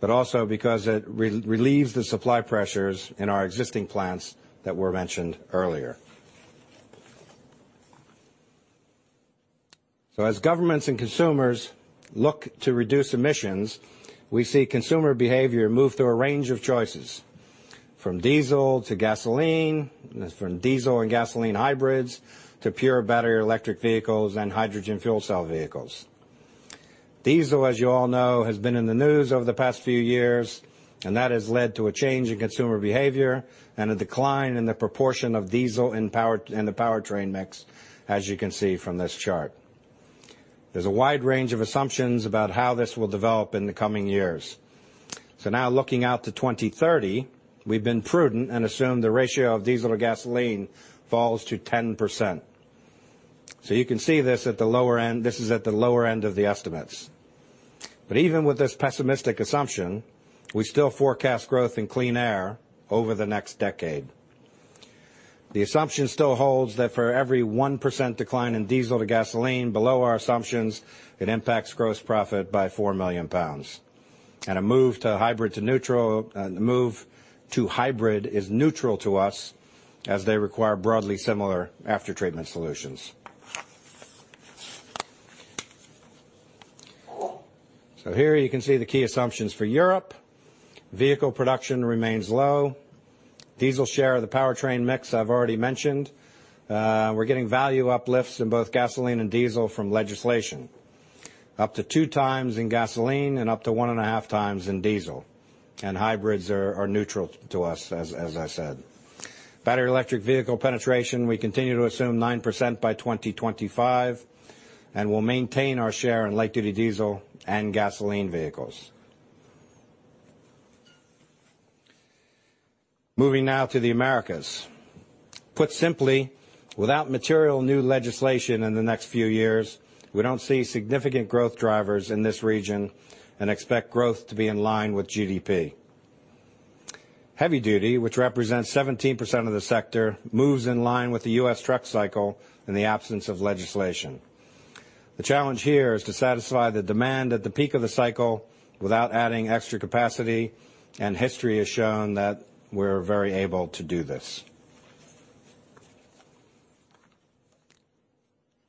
S13: but also because it relieves the supply pressures in our existing plants that were mentioned earlier. As governments and consumers look to reduce emissions, we see consumer behavior move through a range of choices, from diesel to gasoline, from diesel and gasoline hybrids to pure battery electric vehicles and hydrogen fuel cell vehicles. Diesel, as you all know, has been in the news over the past few years, and that has led to a change in consumer behavior and a decline in the proportion of diesel in the powertrain mix, as you can see from this chart. There's a wide range of assumptions about how this will develop in the coming years. Now looking out to 2030, we've been prudent and assumed the ratio of diesel to gasoline falls to 10%. You can see this at the lower end. This is at the lower end of the estimates. Even with this pessimistic assumption, we still forecast growth in Clean Air over the next decade. The assumption still holds that for every 1% decline in diesel to gasoline below our assumptions, it impacts gross profit by 4 million pounds. A move to hybrid is neutral to us, as they require broadly similar after-treatment solutions. Here you can see the key assumptions for Europe. Vehicle production remains low. Diesel share of the powertrain mix, I've already mentioned. We're getting value uplifts in both gasoline and diesel from legislation. Up to two times in gasoline and up to one and a half times in diesel. Hybrids are neutral to us, as I said. Battery electric vehicle penetration, we continue to assume 9% by 2025. We'll maintain our share in light-duty diesel and gasoline vehicles. Moving now to the Americas. Put simply, without material new legislation in the next few years, we don't see significant growth drivers in this region and expect growth to be in line with GDP. Heavy-duty, which represents 17% of the sector, moves in line with the U.S. truck cycle in the absence of legislation. The challenge here is to satisfy the demand at the peak of the cycle without adding extra capacity. History has shown that we're very able to do this.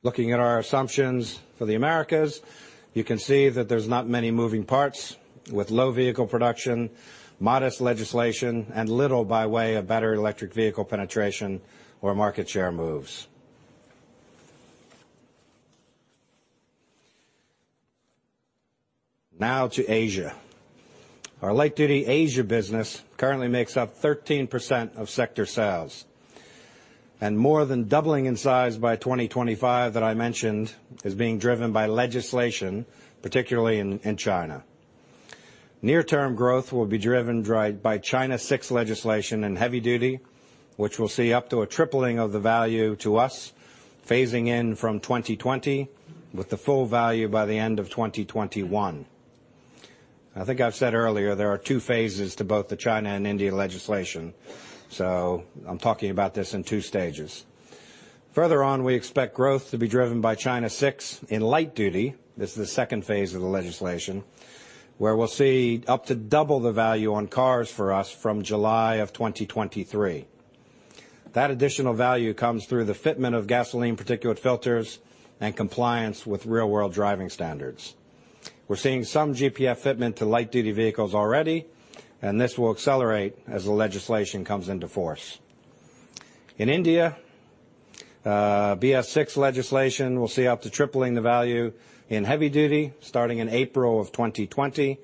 S13: Looking at our assumptions for the Americas, you can see that there's not many moving parts with low vehicle production, modest legislation, and little by way of battery electric vehicle penetration or market share moves. Now to Asia. Our light-duty Asia business currently makes up 13% of sector sales, and more than doubling in size by 2025 that I mentioned is being driven by legislation, particularly in China. Near-term growth will be driven by China 6 legislation in heavy-duty, which will see up to a tripling of the value to us, phasing in from 2020 with the full value by the end of 2021. I think I've said earlier, there are two phases to both the China and India legislation, I'm talking about this in two stages. Further on, we expect growth to be driven by China 6 in light-duty. This is the phase 2 of the legislation, where we'll see up to double the value on cars for us from July 2023. That additional value comes through the fitment of gasoline particulate filters and compliance with real-world driving standards. We're seeing some GPF fitment to light-duty vehicles already. This will accelerate as the legislation comes into force. In India, BS VI legislation will see up to tripling the value in heavy duty starting in April 2020,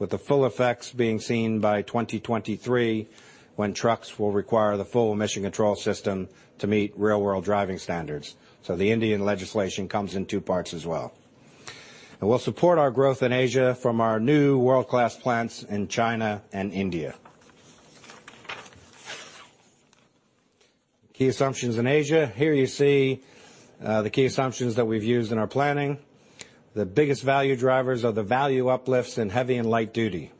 S13: with the full effects being seen by 2023, when trucks will require the full emission control system to meet real-world driving standards. The Indian legislation comes in two parts as well. We'll support our growth in Asia from our new world-class plants in China and India. Key assumptions in Asia. Here you see the key assumptions that we've used in our planning. The biggest value drivers are the value uplifts in heavy and light duty.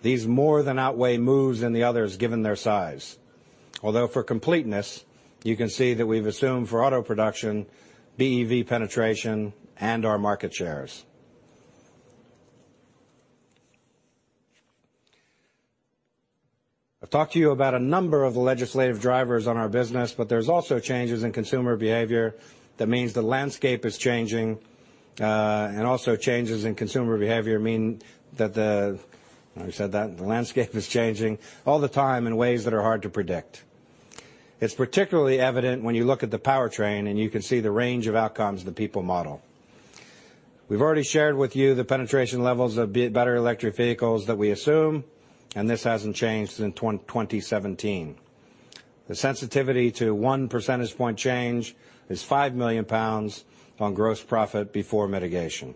S13: These more than outweigh moves in the others given their size. For completeness, you can see that we've assumed for auto production, BEV penetration, and our market shares. I've talked to you about a number of legislative drivers on our business, but there's also changes in consumer behavior. That means the landscape is changing, and also changes in consumer behavior. The landscape is changing all the time in ways that are hard to predict. It's particularly evident when you look at the powertrain, and you can see the range of outcomes the people model. We've already shared with you the penetration levels of battery electric vehicles that we assume, and this hasn't changed since 2017. The sensitivity to one percentage point change is 5 million pounds on gross profit before mitigation.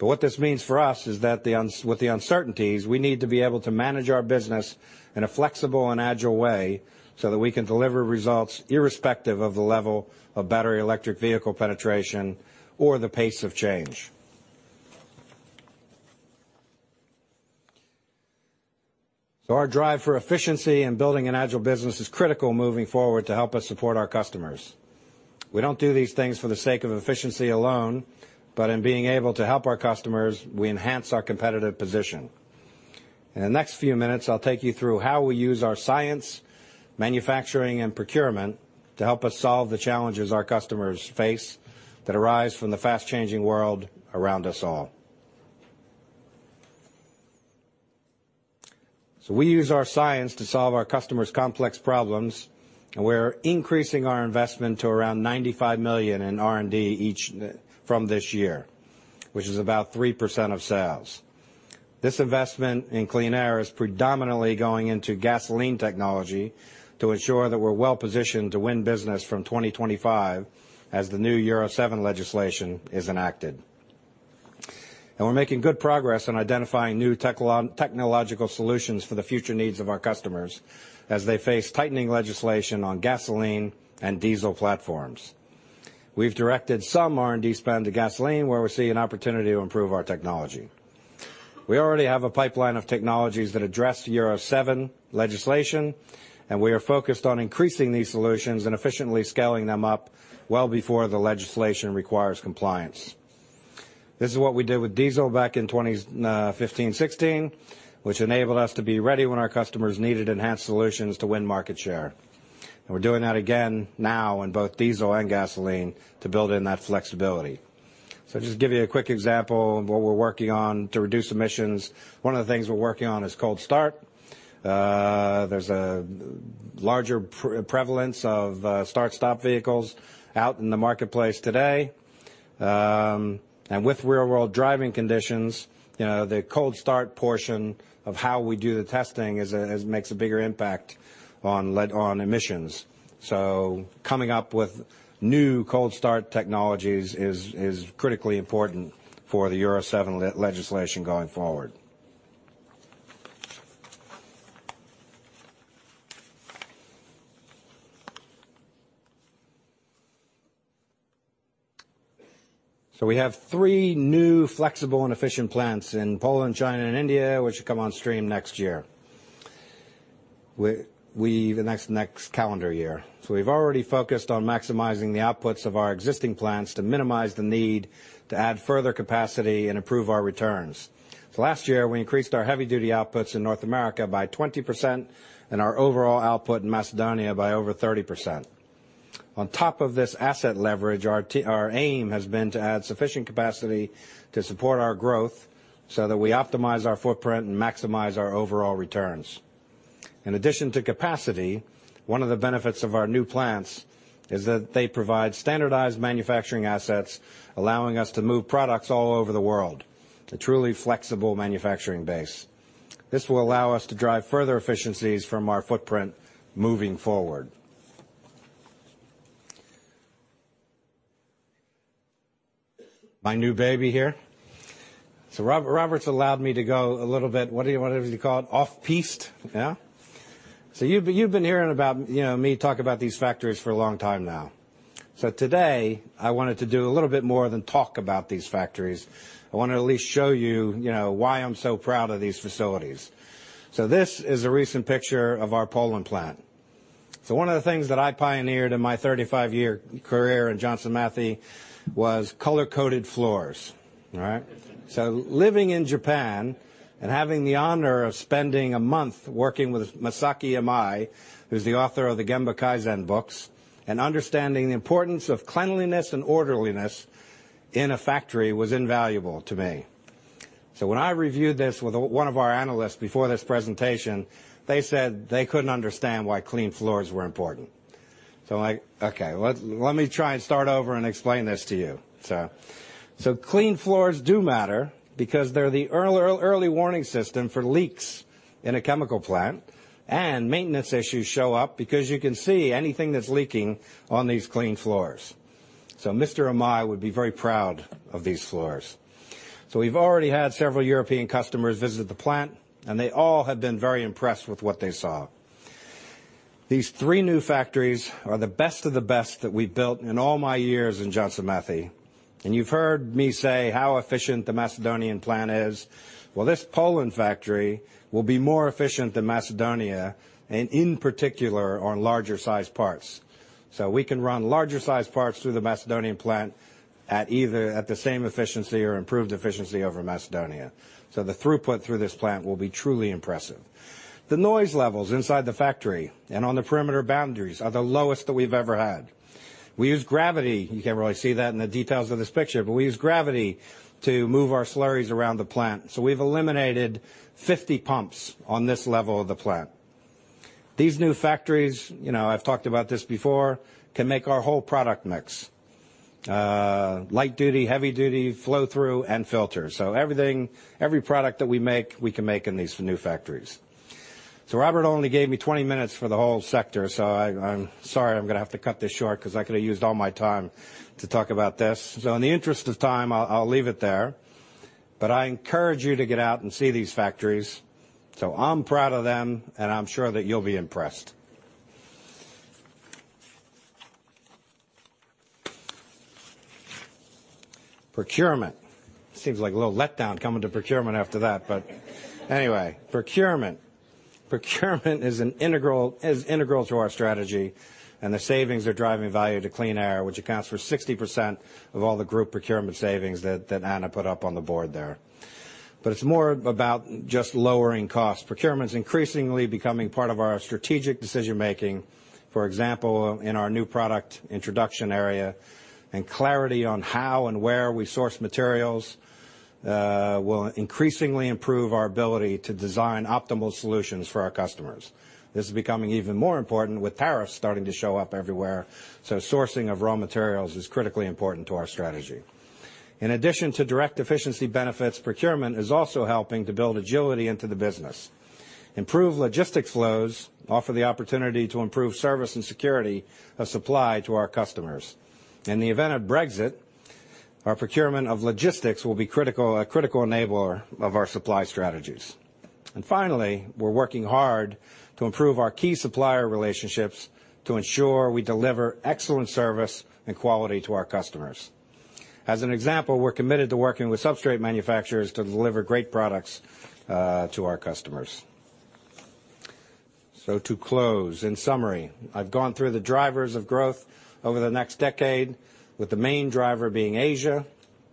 S13: What this means for us is that with the uncertainties, we need to be able to manage our business in a flexible and agile way so that we can deliver results irrespective of the level of battery electric vehicle penetration or the pace of change. Our drive for efficiency in building an agile business is critical moving forward to help us support our customers. We don't do these things for the sake of efficiency alone, but in being able to help our customers, we enhance our competitive position. In the next few minutes, I'll take you through how we use our science, manufacturing, and procurement to help us solve the challenges our customers face that arise from the fast-changing world around us all. We use our science to solve our customers' complex problems, and we're increasing our investment to around 95 million in R&D from this year, which is about 3% of sales. This investment in Clean Air is predominantly going into gasoline technology to ensure that we're well-positioned to win business from 2025 as the new Euro 7 legislation is enacted. We're making good progress in identifying new technological solutions for the future needs of our customers as they face tightening legislation on gasoline and diesel platforms. We've directed some R&D spend to gasoline, where we see an opportunity to improve our technology. We already have a pipeline of technologies that address Euro 7 legislation, and we are focused on increasing these solutions and efficiently scaling them up well before the legislation requires compliance. This is what we did with diesel back in 2015, 2016, which enabled us to be ready when our customers needed enhanced solutions to win market share. We're doing that again now in both diesel and gasoline to build in that flexibility. Just to give you a quick example of what we're working on to reduce emissions, one of the things we're working on is cold start. There's a larger prevalence of start-stop vehicles out in the marketplace today. With real-world driving conditions, the cold start portion of how we do the testing makes a bigger impact on emissions. Coming up with new cold start technologies is critically important for the Euro 7 legislation going forward. We have three new flexible and efficient plants in Poland, China, and India, which will come on stream next year, the next calendar year. We've already focused on maximizing the outputs of our existing plants to minimize the need to add further capacity and improve our returns. Last year, we increased our heavy-duty outputs in North America by 20% and our overall output in Macedonia by over 30%. On top of this asset leverage, our aim has been to add sufficient capacity to support our growth so that we optimize our footprint and maximize our overall returns. In addition to capacity, one of the benefits of our new plants is that they provide standardized manufacturing assets, allowing us to move products all over the world, a truly flexible manufacturing base. This will allow us to drive further efficiencies from our footprint moving forward. My new baby here. Robert's allowed me to go a little bit, what did he call it? Off-piste, yeah. You've been hearing about me talk about these factories for a long time now. Today, I wanted to do a little bit more than talk about these factories. I want to at least show you why I'm so proud of these facilities. This is a recent picture of our Poland plant. One of the things that I pioneered in my 35-year career in Johnson Matthey was color-coded floors. All right. Living in Japan and having the honor of spending a month working with Masaaki Imai, who's the author of the Gemba Kaizen books, and understanding the importance of cleanliness and orderliness in a factory was invaluable to me. When I reviewed this with one of our analysts before this presentation, they said they couldn't understand why clean floors were important. I'm like, Okay, let me try and start over and explain this to you. Clean floors do matter because they're the early warning system for leaks in a chemical plant, and maintenance issues show up because you can see anything that's leaking on these clean floors. Mr. Imai would be very proud of these floors. We've already had several European customers visit the plant, and they all have been very impressed with what they saw. These three new factories are the best of the best that we've built in all my years in Johnson Matthey. You've heard me say how efficient the Macedonian plant is. This Poland factory will be more efficient than Macedonia, and in particular, on larger-sized parts. We can run larger-sized parts through the Macedonian plant at either the same efficiency or improved efficiency over Macedonia. The throughput through this plant will be truly impressive. The noise levels inside the factory and on the perimeter boundaries are the lowest that we've ever had. We use gravity. You can't really see that in the details of this picture, but we use gravity to move our slurries around the plant. We've eliminated 50 pumps on this level of the plant. These new factories, I've talked about this before, can make our whole product mix, light duty, heavy duty, flow through, and filter. Every product that we make, we can make in these new factories. Robert only gave me 20 minutes for the whole sector, so I'm sorry I'm going to have to cut this short because I could have used all my time to talk about this. In the interest of time, I'll leave it there, but I encourage you to get out and see these factories. I'm proud of them, and I'm sure that you'll be impressed. Procurement. Seems like a little letdown coming to procurement after that, but anyway. Procurement. Procurement is integral to our strategy, and the savings are driving value to Clean Air, which accounts for 60% of all the group procurement savings that Anna put up on the board there. It's more about just lowering costs. Procurement is increasingly becoming part of our strategic decision-making, for example, in our new product introduction area. Clarity on how and where we source materials will increasingly improve our ability to design optimal solutions for our customers. This is becoming even more important with tariffs starting to show up everywhere. Sourcing of raw materials is critically important to our strategy. In addition to direct efficiency benefits, procurement is also helping to build agility into the business. Improved logistics flows offer the opportunity to improve service and security of supply to our customers. In the event of Brexit, our procurement of logistics will be a critical enabler of our supply strategies. Finally, we're working hard to improve our key supplier relationships to ensure we deliver excellent service and quality to our customers. As an example, we're committed to working with substrate manufacturers to deliver great products to our customers. To close, in summary, I've gone through the drivers of growth over the next decade, with the main driver being Asia,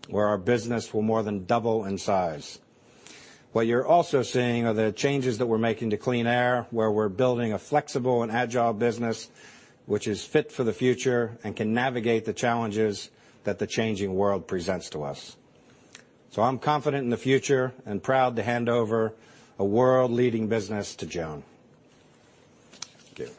S13: where our business will more than double in size. What you're also seeing are the changes that we're making to Clean Air, where we're building a flexible and agile business which is fit for the future and can navigate the challenges that the changing world presents to us. I'm confident in the future and proud to hand over a world-leading business to Joan. Thank you.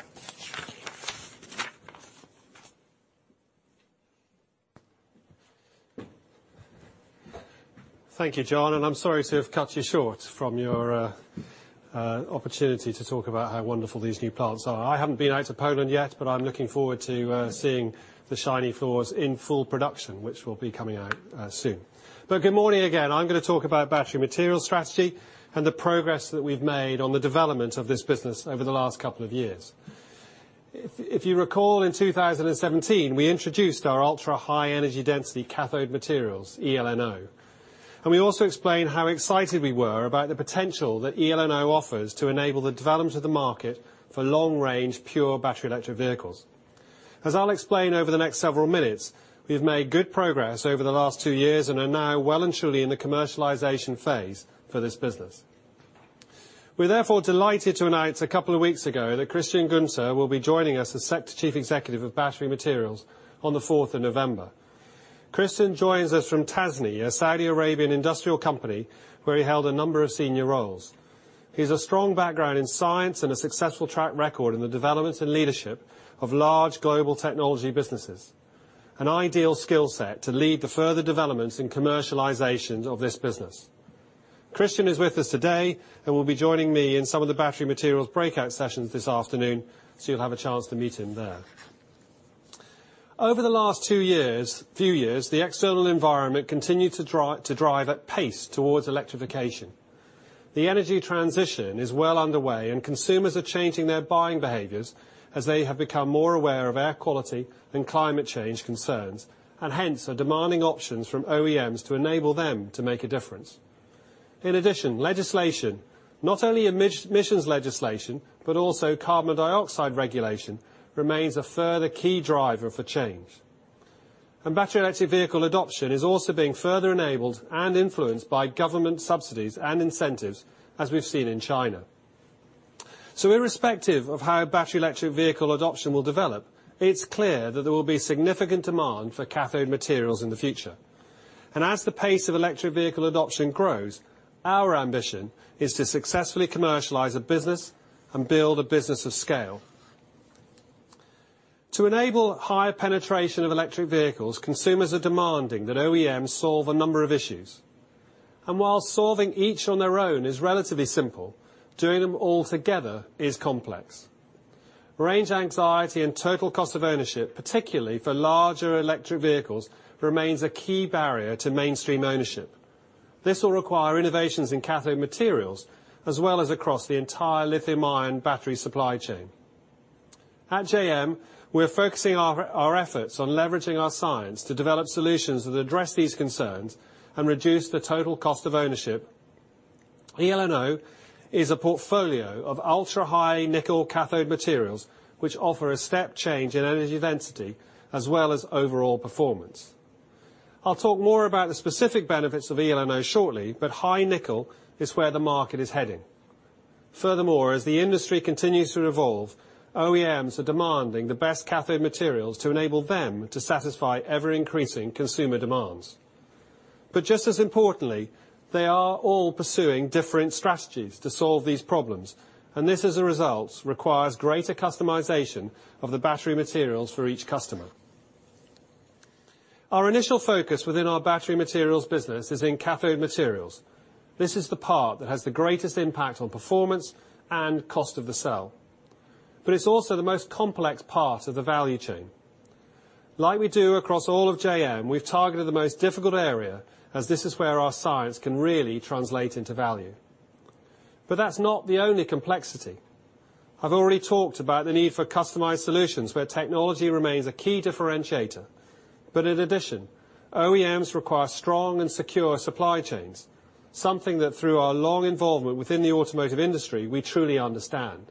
S3: Thank you, John, and I'm sorry to have cut you short from your opportunity to talk about how wonderful these new plants are. I haven't been out to Poland yet, I'm looking forward to seeing the shiny floors in full production, which will be coming out soon. Good morning again. I'm going to talk about Battery Materials strategy and the progress that we've made on the development of this business over the last couple of years. If you recall, in 2017, we introduced our ultra-high energy density cathode materials, eLNO, and we also explained how excited we were about the potential that eLNO offers to enable the development of the market for long-range pure battery electric vehicles. As I'll explain over the next several minutes, we've made good progress over the last two years and are now well and truly in the commercialization phase for this business. We're therefore delighted to announce a couple of weeks ago that Christian Golsner will be joining us as Sector Chief Executive of Battery Materials on the 4th of November. Christian joins us from Tasnee, a Saudi Arabian industrial company where he held a number of senior roles. He has a strong background in science and a successful track record in the development and leadership of large global technology businesses, an ideal skill set to lead the further development and commercialization of this business. Christian is with us today and will be joining me in some of the Battery Materials breakout sessions this afternoon, so you'll have a chance to meet him there. Over the last two years, few years, the external environment continued to drive at pace towards electrification. The energy transition is well underway, and consumers are changing their buying behaviors as they have become more aware of air quality and climate change concerns, and hence are demanding options from OEMs to enable them to make a difference. In addition, legislation, not only emissions legislation, but also carbon dioxide regulation, remains a further key driver for change. Battery electric vehicle adoption is also being further enabled and influenced by government subsidies and incentives, as we've seen in China. Irrespective of how battery electric vehicle adoption will develop, it's clear that there will be significant demand for cathode materials in the future. As the pace of electric vehicle adoption grows, our ambition is to successfully commercialize a business and build a business of scale. To enable higher penetration of electric vehicles, consumers are demanding that OEMs solve a number of issues. While solving each on their own is relatively simple, doing them all together is complex. Range anxiety and total cost of ownership, particularly for larger electric vehicles, remains a key barrier to mainstream ownership. This will require innovations in cathode materials as well as across the entire lithium-ion battery supply chain. At JM, we're focusing our efforts on leveraging our science to develop solutions that address these concerns and reduce the total cost of ownership. eLNO is a portfolio of ultra-high nickel cathode materials which offer a step change in energy density as well as overall performance. I'll talk more about the specific benefits of eLNO shortly, high nickel is where the market is heading. As the industry continues to evolve, OEMs are demanding the best cathode materials to enable them to satisfy ever-increasing consumer demands. Just as importantly, they are all pursuing different strategies to solve these problems, and this, as a result, requires greater customization of the Battery Materials for each customer. Our initial focus within our Battery Materials business is in cathode materials. This is the part that has the greatest impact on performance and cost of the cell. It's also the most complex part of the value chain. Like we do across all of JM, we've targeted the most difficult area as this is where our science can really translate into value. That's not the only complexity. I've already talked about the need for customized solutions where technology remains a key differentiator. In addition, OEMs require strong and secure supply chains, something that through our long involvement within the automotive industry, we truly understand.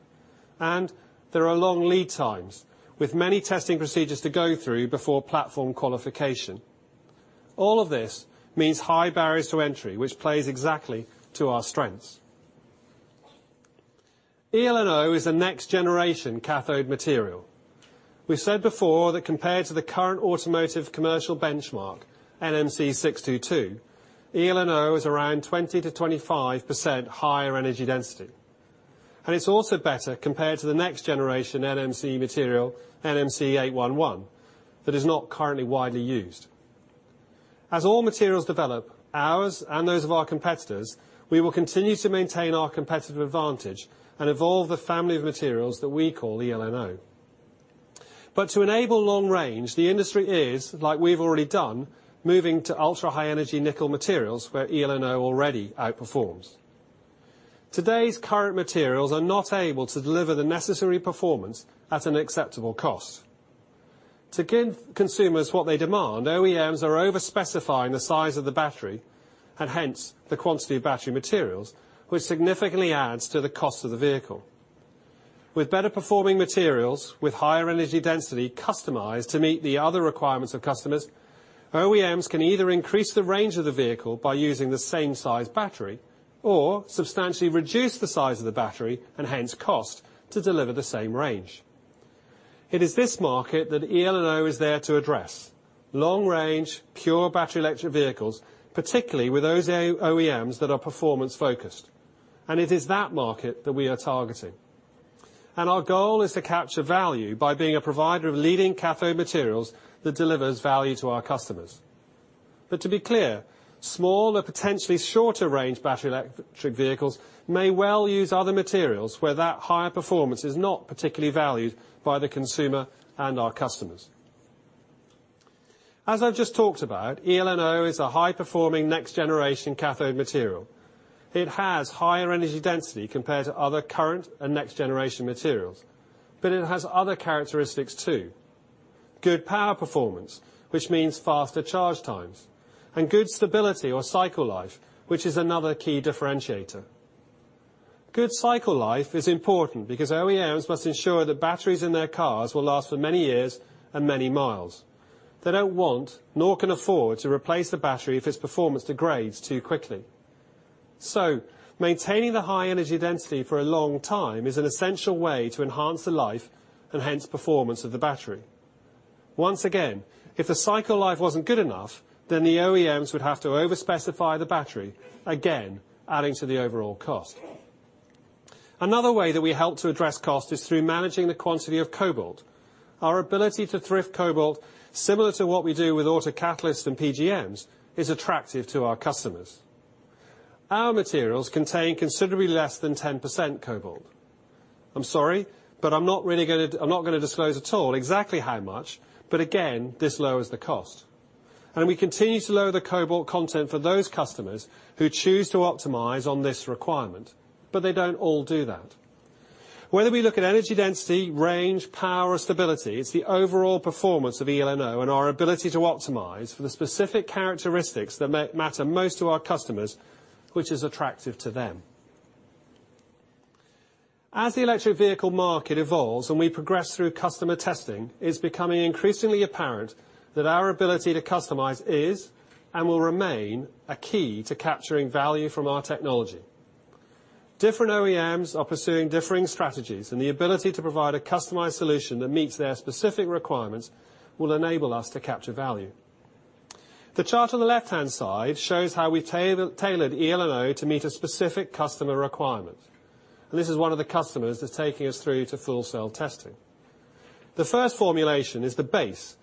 S3: There are long lead times with many testing procedures to go through before platform qualification. All of this means high barriers to entry, which plays exactly to our strengths. eLNO is a next-generation cathode material. We've said before that compared to the current automotive commercial benchmark, NMC622, eLNO is around 20%-25% higher energy density. It's also better compared to the next generation NMC material, NMC811, that is not currently widely used. As all materials develop, ours and those of our competitors, we will continue to maintain our competitive advantage and evolve the family of materials that we call eLNO. To enable long range, the industry is, like we've already done, moving to ultra-high energy nickel materials, where eLNO already outperforms. Today's current materials are not able to deliver the necessary performance at an acceptable cost. To give consumers what they demand, OEMs are over-specifying the size of the battery, and hence the quantity of battery materials, which significantly adds to the cost of the vehicle. With better-performing materials with higher energy density customized to meet the other requirements of customers, OEMs can either increase the range of the vehicle by using the same size battery or substantially reduce the size of the battery, and hence cost, to deliver the same range. It is this market that eLNO is there to address, long-range, pure battery electric vehicles, particularly with those OEMs that are performance-focused, and it is that market that we are targeting. Our goal is to capture value by being a provider of leading cathode materials that delivers value to our customers. To be clear, small or potentially shorter range battery electric vehicles may well use other materials where that higher performance is not particularly valued by the consumer and our customers. As I've just talked about, eLNO is a high-performing next-generation cathode material. It has higher energy density compared to other current and next-generation materials, but it has other characteristics, too. Good power performance, which means faster charge times, and good stability or cycle life, which is another key differentiator. Good cycle life is important because OEMs must ensure that batteries in their cars will last for many years and many miles. They don't want, nor can afford, to replace the battery if its performance degrades too quickly. Maintaining the high energy density for a long time is an essential way to enhance the life and hence performance of the battery. Once again, if the cycle life wasn't good enough, then the OEMs would have to over-specify the battery, again, adding to the overall cost. Another way that we help to address cost is through managing the quantity of cobalt. Our ability to thrift cobalt, similar to what we do with autocatalysts and PGMs, is attractive to our customers. Our materials contain considerably less than 10% cobalt. I'm sorry, but I'm not going to disclose at all exactly how much, but again, this lowers the cost. We continue to lower the cobalt content for those customers who choose to optimize on this requirement, but they don't all do that. Whether we look at energy density, range, power, or stability, it's the overall performance of eLNO and our ability to optimize for the specific characteristics that matter most to our customers, which is attractive to them. As the electric vehicle market evolves and we progress through customer testing, it's becoming increasingly apparent that our ability to customize is, and will remain, a key to capturing value from our technology. Different OEMs are pursuing differing strategies. The ability to provide a customized solution that meets their specific requirements will enable us to capture value. The chart on the left-hand side shows how we tailored eLNO to meet a specific customer requirement. This is one of the customers that's taking us through to full cell testing. The first formulation is the base.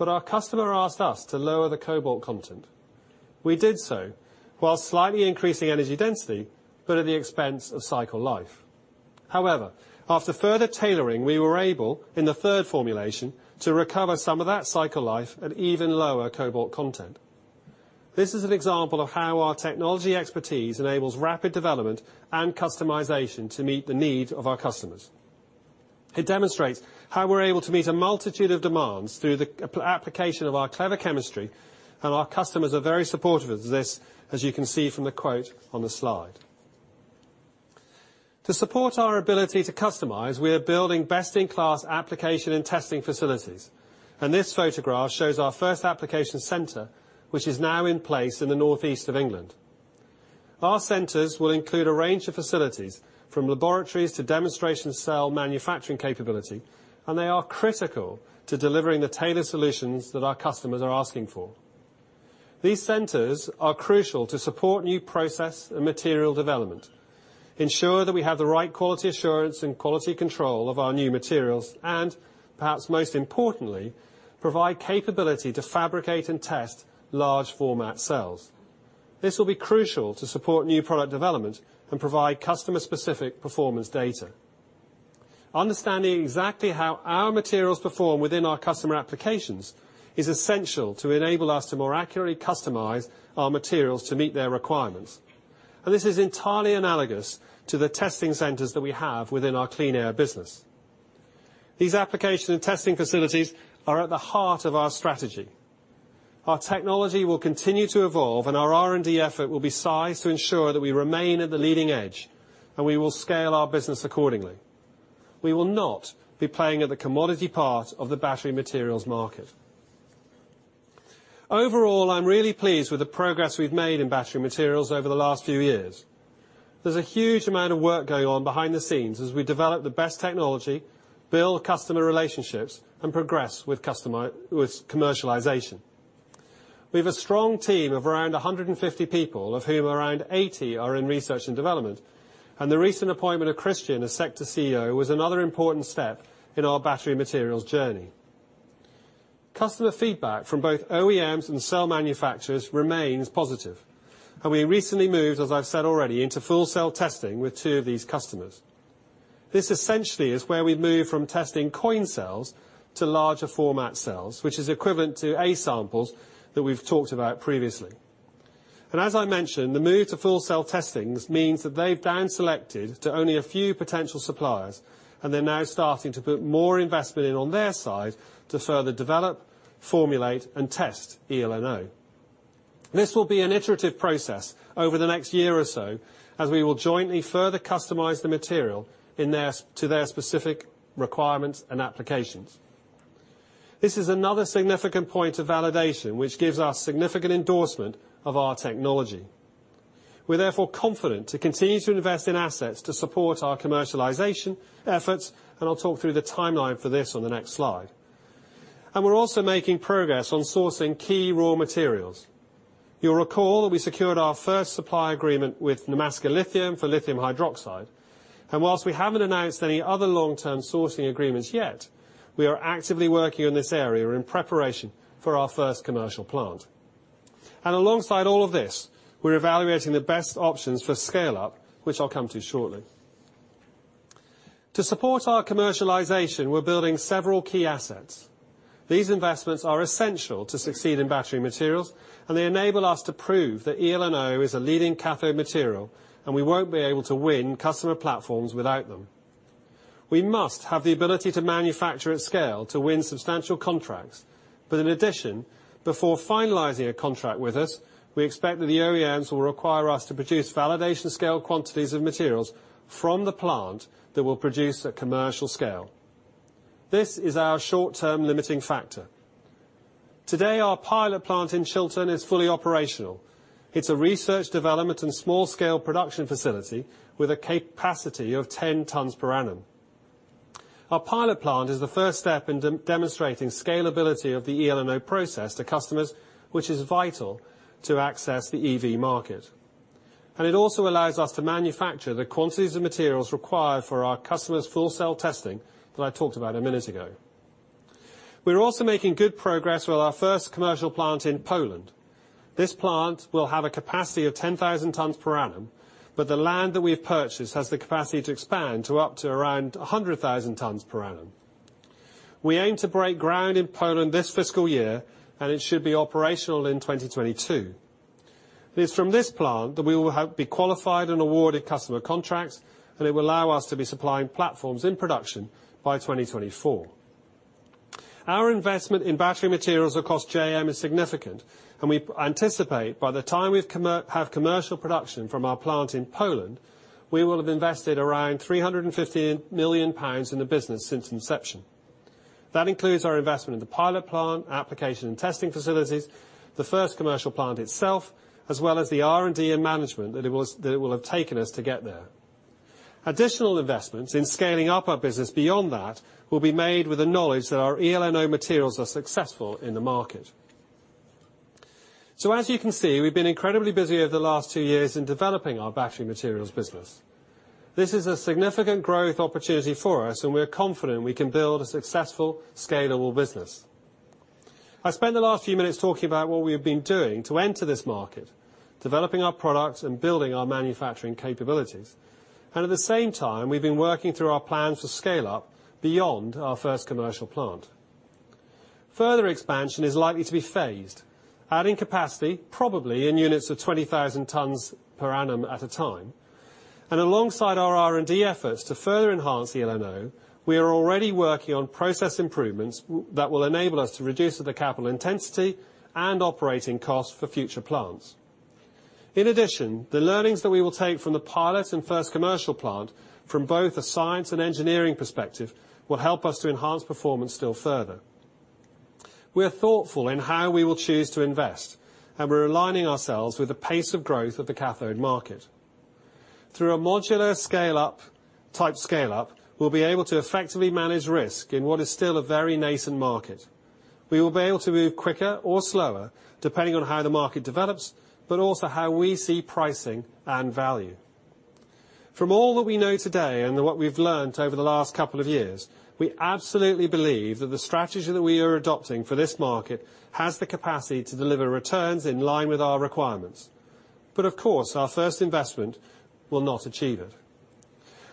S3: Our customer asked us to lower the cobalt content. We did so while slightly increasing energy density. At the expense of cycle life. However, after further tailoring, we were able, in the third formulation, to recover some of that cycle life at even lower cobalt content. This is an example of how our technology expertise enables rapid development and customization to meet the needs of our customers. It demonstrates how we're able to meet a multitude of demands through the application of our clever chemistry, and our customers are very supportive of this, as you can see from the quote on the slide. To support our ability to customize, we are building best-in-class application and testing facilities, and this photograph shows our first application center, which is now in place in the northeast of England. Our centers will include a range of facilities, from laboratories to demonstration cell manufacturing capability, and they are critical to delivering the tailored solutions that our customers are asking for. These centers are crucial to support new process and material development, ensure that we have the right quality assurance and quality control of our new materials, and perhaps most importantly, provide capability to fabricate and test large format cells. This will be crucial to support new product development and provide customer-specific performance data. Understanding exactly how our materials perform within our customer applications is essential to enable us to more accurately customize our materials to meet their requirements. This is entirely analogous to the testing centers that we have within our Clean Air business. These application and testing facilities are at the heart of our strategy. Our technology will continue to evolve, and our R&D effort will be sized to ensure that we remain at the leading edge, and we will scale our business accordingly. We will not be playing at the commodity part of the battery materials market. Overall, I'm really pleased with the progress we've made in Battery Materials over the last few years. There's a huge amount of work going on behind the scenes as we develop the best technology, build customer relationships, and progress with commercialization. We have a strong team of around 150 people, of whom around 80 are in research and development, and the recent appointment of Christian as Sector CEO was another important step in our Battery Materials journey. Customer feedback from both OEMs and cell manufacturers remains positive, and we recently moved, as I've said already, into full cell testing with two of these customers. This essentially is where we move from testing coin cells to larger format cells, which is equivalent to A-samples that we've talked about previously. As I mentioned, the move to full cell testings means that they've down selected to only a few potential suppliers, and they're now starting to put more investment in on their side to further develop, formulate, and test eLNO. This will be an iterative process over the next year or so, as we will jointly further customize the material to their specific requirements and applications. This is another significant point of validation, which gives us significant endorsement of our technology. We're therefore confident to continue to invest in assets to support our commercialization efforts, and I'll talk through the timeline for this on the next slide. We're also making progress on sourcing key raw materials. You'll recall that we secured our first supply agreement with Nemaska Lithium for lithium hydroxide. Whilst we haven't announced any other long-term sourcing agreements yet, we are actively working in this area in preparation for our first commercial plant. Alongside all of this, we're evaluating the best options for scale-up, which I'll come to shortly. To support our commercialization, we're building several key assets. These investments are essential to succeed in battery materials. They enable us to prove that eLNO is a leading cathode material. We won't be able to win customer platforms without them. We must have the ability to manufacture at scale to win substantial contracts. In addition, before finalizing a contract with us, we expect that the OEMs will require us to produce validation scale quantities of materials from the plant that will produce at commercial scale. This is our short-term limiting factor. Today, our pilot plant in Chilton is fully operational. It's a research, development, and small-scale production facility with a capacity of 10 tons per annum. Our pilot plant is the first step in demonstrating scalability of the eLNO process to customers, which is vital to access the EV market. It also allows us to manufacture the quantities of materials required for our customers' full cell testing that I talked about a minute ago. We're also making good progress with our first commercial plant in Poland. This plant will have a capacity of 10,000 tons per annum, but the land that we've purchased has the capacity to expand to up to around 100,000 tons per annum. We aim to break ground in Poland this fiscal year, and it should be operational in 2022. It is from this plant that we will be qualified and awarded customer contracts, and it will allow us to be supplying platforms in production by 2024. Our investment in battery materials across JM is significant, and we anticipate by the time we have commercial production from our plant in Poland, we will have invested around 350 million pounds in the business since inception. That includes our investment in the pilot plant, application and testing facilities, the first commercial plant itself, as well as the R&D and management that it will have taken us to get there. Additional investments in scaling up our business beyond that will be made with the knowledge that our eLNO materials are successful in the market. As you can see, we've been incredibly busy over the last two years in developing our battery materials business. This is a significant growth opportunity for us, and we're confident we can build a successful, scalable business. I spent the last few minutes talking about what we have been doing to enter this market, developing our products, and building our manufacturing capabilities. At the same time, we've been working through our plans to scale up beyond our first commercial plant. Further expansion is likely to be phased, adding capacity probably in units of 20,000 tons per annum at a time. Alongside our R&D efforts to further enhance eLNO, we are already working on process improvements that will enable us to reduce the capital intensity and operating costs for future plants. In addition, the learnings that we will take from the pilot and first commercial plant from both a science and engineering perspective will help us to enhance performance still further. We are thoughtful in how we will choose to invest, and we're aligning ourselves with the pace of growth of the cathode market. Through a modular type scale-up, we'll be able to effectively manage risk in what is still a very nascent market. We will be able to move quicker or slower, depending on how the market develops, but also how we see pricing and value. From all that we know today and what we've learned over the last couple of years, we absolutely believe that the strategy that we are adopting for this market has the capacity to deliver returns in line with our requirements. Of course, our first investment will not achieve it.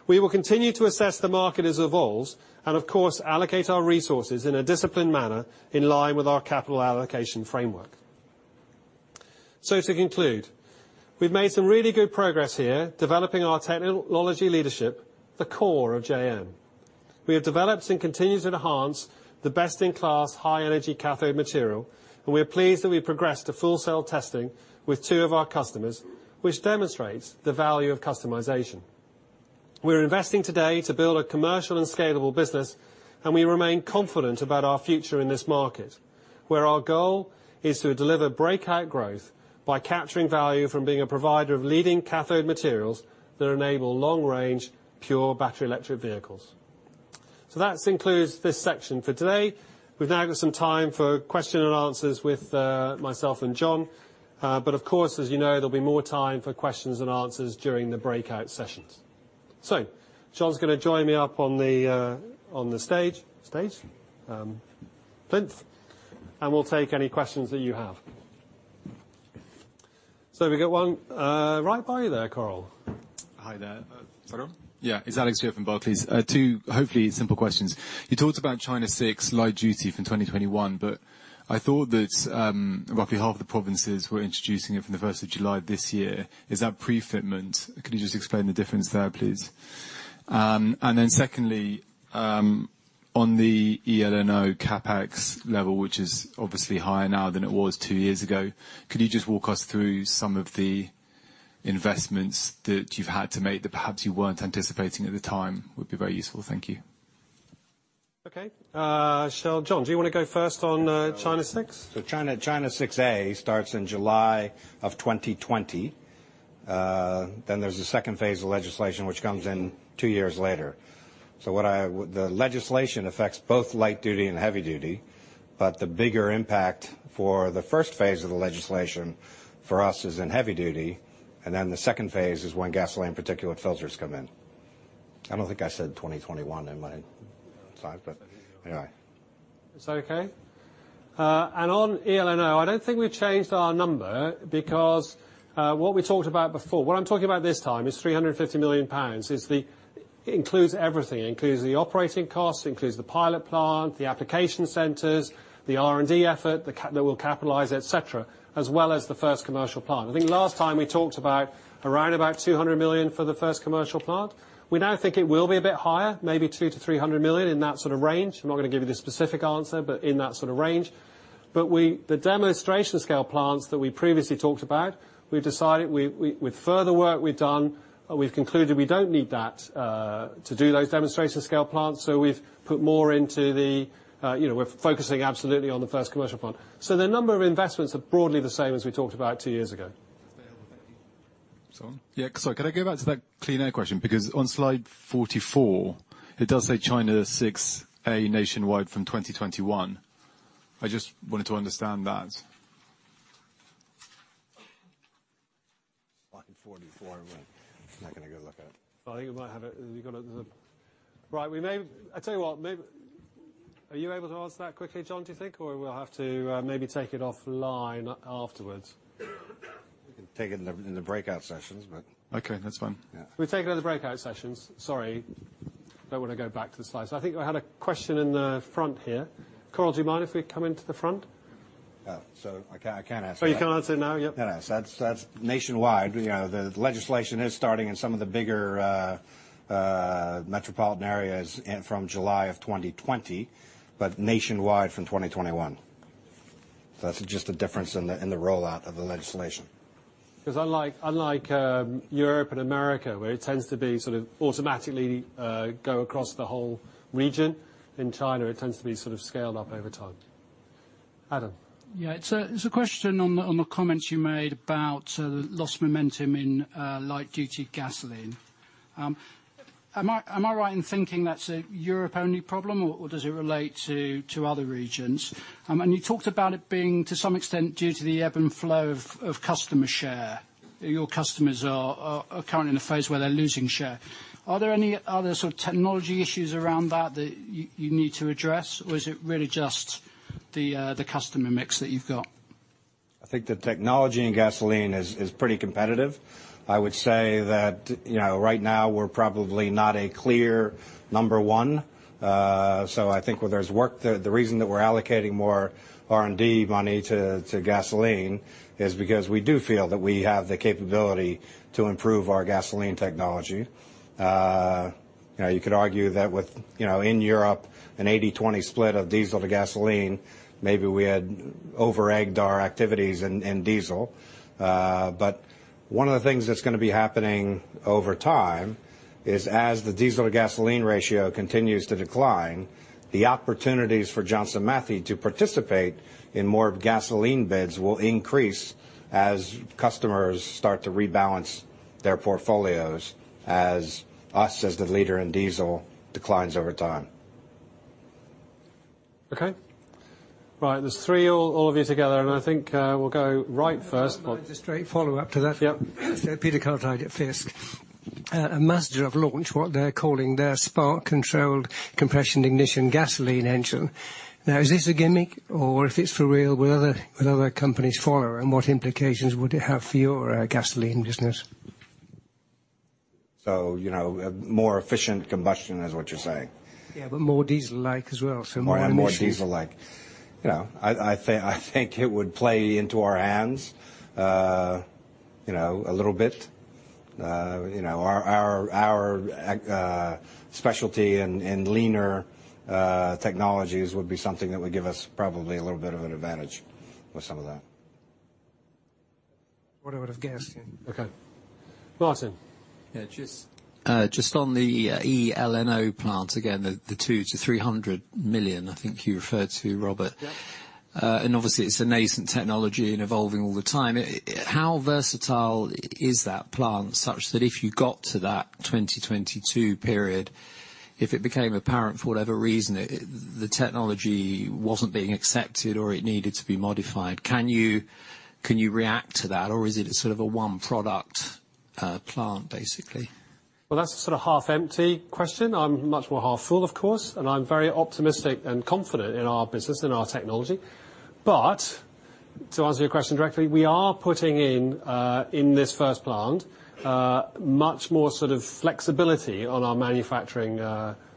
S3: We will continue to assess the market as it evolves and, of course, allocate our resources in a disciplined manner in line with our capital allocation framework. To conclude, we've made some really good progress here developing our technology leadership, the core of JM. We have developed and continue to enhance the best-in-class high energy cathode material, and we are pleased that we progressed to full cell testing with two of our customers, which demonstrates the value of customization. We're investing today to build a commercial and scalable business, and we remain confident about our future in this market, where our goal is to deliver breakout growth by capturing value from being a provider of leading cathode materials that enable long-range pure battery electric vehicles. That includes this section for today. We've now got some time for question and answers with myself and John, of course, as you know, there'll be more time for questions and answers during the breakout sessions. John's going to join me up on the stage. Stage? Plinth. We'll take any questions that you have. We got one right by you there, Carl.
S14: Hi there.
S3: Sorry.
S14: Yeah, it's Alex here from Barclays. Two, hopefully, simple questions. You talked about China VI light-duty from 2021. I thought that roughly half of the provinces were introducing it from the 1st of July this year. Is that pre-fitment? Could you just explain the difference there, please? Secondly, on the eLNO CapEx level, which is obviously higher now than it was two years ago, could you just walk us through some of the investments that you've had to make that perhaps you weren't anticipating at the time, would be very useful. Thank you.
S3: Okay. Shall John, do you want to go first on China VI?
S13: China VI-a starts in July of 2020. There's a second phase of legislation which comes in two years later. The legislation affects both light duty and heavy duty, but the bigger impact for the first phase of the legislation for us is in heavy duty, and the second phase is when gasoline particulate filters come in. I don't think I said 2021 in my slide, but anyway.
S3: Is that okay? On eLNO, I don't think we've changed our number because what we talked about before, what I'm talking about this time is 350 million pounds. It includes everything. It includes the operating cost, it includes the pilot plant, the application centers, the R&D effort, that will capitalize, et cetera, as well as the first commercial plant. I think last time we talked about around about 200 million for the first commercial plant. We now think it will be a bit higher, maybe 200 million-300 million, in that sort of range. I'm not going to give you the specific answer, in that sort of range. We, the demonstration scale plants that we previously talked about, we've decided with further work we've done, we've concluded we don't need that to do those demonstration scale plants. We're focusing absolutely on the first commercial plant. The number of investments are broadly the same as we talked about two years ago.
S13: Is there-
S3: Sorry.
S14: Yeah. Sorry, can I go back to that Clean Air question? On slide 44, it does say China VI-a nationwide from 2021. I just wanted to understand that.
S13: Slide 44. Well, I'm not gonna go look at it.
S3: I think we might have it. Maybe, are you able to answer that quickly, John, do you think, or we'll have to maybe take it offline afterwards?
S13: We can take it in the breakout sessions.
S14: Okay, that's fine.
S13: Yeah.
S3: We'll take it at the breakout sessions. Sorry. Don't want to go back to the slides. I think we had a question in the front here. Carl, do you mind if we come into the front?
S13: I can answer that.
S3: Oh, you can answer now? Yep.
S13: Yes. That's nationwide. The legislation is starting in some of the bigger metropolitan areas from July of 2020, but nationwide from 2021. That's just the difference in the rollout of the legislation.
S3: Unlike Europe and America, where it tends to be sort of automatically go across the whole region, in China, it tends to be sort of scaled up over time. Adam.
S9: Yeah. It's a question on the comments you made about lost momentum in light duty gasoline. Am I right in thinking that's a Europe only problem, or does it relate to other regions? You talked about it being, to some extent, due to the ebb and flow of customer share. Your customers are currently in a phase where they're losing share. Are there any other sort of technology issues around that you need to address? Is it really just the customer mix that you've got?
S13: I think the technology in gasoline is pretty competitive. I would say that right now we're probably not a clear number 1. The reason that we're allocating more R&D money to gasoline is because we do feel that we have the capability to improve our gasoline technology. You could argue that with, in Europe, an 80/20 split of diesel to gasoline, maybe we had over-egged our activities in diesel. One of the things that's going to be happening over time is as the diesel to gasoline ratio continues to decline, the opportunities for Johnson Matthey to participate in more gasoline beds will increase as customers start to rebalance their portfolios, as us as the leader in diesel declines over time.
S3: Okay. Right. There's three, all of you together, and I think we'll go right first.
S15: If I can just straight follow up to that.
S3: Yep.
S15: Peter Cartwright at Fiske. Mazda have launched what they're calling their Spark Controlled Compression Ignition gasoline engine. Now, is this a gimmick or if it's for real, will other companies follow and what implications would it have for your gasoline business?
S13: More efficient combustion is what you're saying?
S15: Yeah, more diesel-like as well, so more emissions.
S13: More and more diesel-like. I think it would play into our hands a little bit. Our specialty in leaner technologies would be something that would give us probably a little bit of an advantage with some of that.
S15: What I would've guessed, yeah.
S3: Okay. Martin.
S10: Yeah, just on the eLNO plant, again, the 200 million-300 million I think you referred to, Robert.
S3: Yep.
S10: Obviously it's a nascent technology and evolving all the time. How versatile is that plant, such that if you got to that 2022 period? If it became apparent for whatever reason, the technology wasn't being accepted, or it needed to be modified, can you react to that, or is it a sort of a one product plant, basically?
S3: Well, that's sort of half empty question. I'm much more half full, of course, and I'm very optimistic and confident in our business and our technology. To answer your question directly, we are putting in this first plant, much more sort of flexibility on our manufacturing,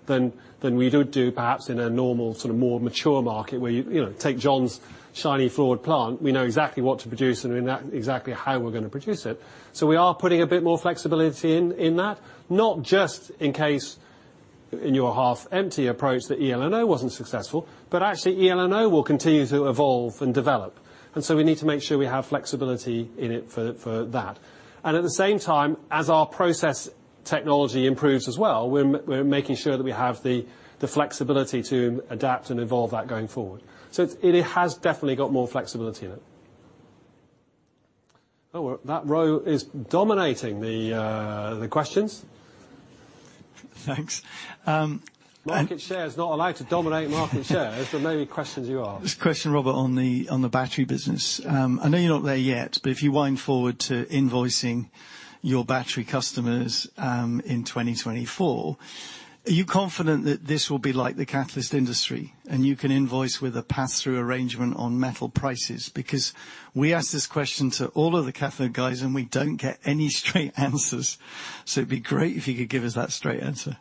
S3: than we would do perhaps in a normal, sort of more mature market where you take John's shiny fluid plant. We know exactly what to produce and exactly how we're going to produce it. We are putting a bit more flexibility in that, not just in case, in your half empty approach, that eLNO wasn't successful, but actually eLNO will continue to evolve and develop. We need to make sure we have flexibility in it for that. At the same time, as our process technology improves as well, we're making sure that we have the flexibility to adapt and evolve that going forward. It has definitely got more flexibility in it. Well, that row is dominating the questions.
S5: Thanks.
S3: Market share is not allowed to dominate market share. Maybe questions you ask.
S5: Just a question, Robert, on the battery business. I know you're not there yet, but if you wind forward to invoicing your battery customers in 2024, are you confident that this will be like the catalyst industry and you can invoice with a pass-through arrangement on metal prices? We asked this question to all of the cathode guys. We don't get any straight answers. It'd be great if you could give us that straight answer.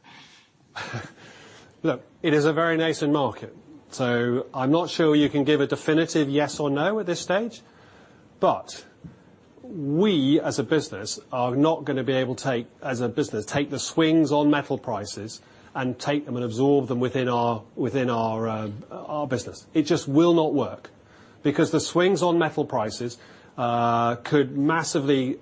S3: Look, it is a very nascent market, so I'm not sure you can give a definitive yes or no at this stage. We, as a business, are not going to be able to, as a business, take the swings on metal prices and take them and absorb them within our business. It just will not work, because the swings on metal prices could massively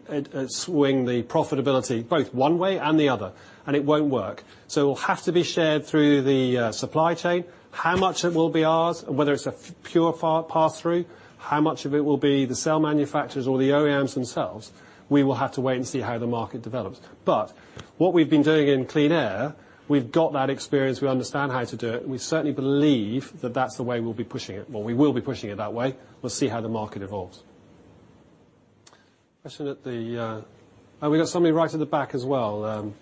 S3: swing the profitability both one way and the other, and it won't work. It will have to be shared through the supply chain. How much it will be ours, and whether it's a pure pass-through, how much of it will be the cell manufacturers or the OEMs themselves, we will have to wait and see how the market develops. What we've been doing in Clean Air, we've got that experience. We understand how to do it, and we certainly believe that that's the way we'll be pushing it. Well, we will be pushing it that way. We'll see how the market evolves. We've got somebody right at the back as well.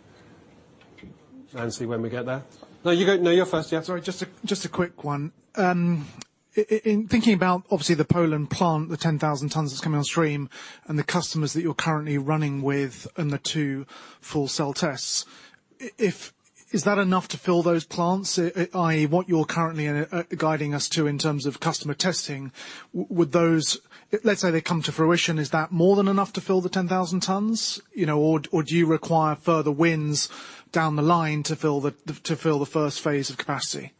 S3: Nancy, when we get there. No, you're first. Yeah.
S11: Sorry, just a quick one. In thinking about obviously the Poland plant, the 10,000 tons that's coming on stream and the customers that you're currently running with and the two full cell tests, is that enough to fill those plants, i.e., what you're currently guiding us to in terms of customer testing? Let's say they come to fruition, is that more than enough to fill the 10,000 tons? Do you require further wins down the line to fill the first phase of capacity?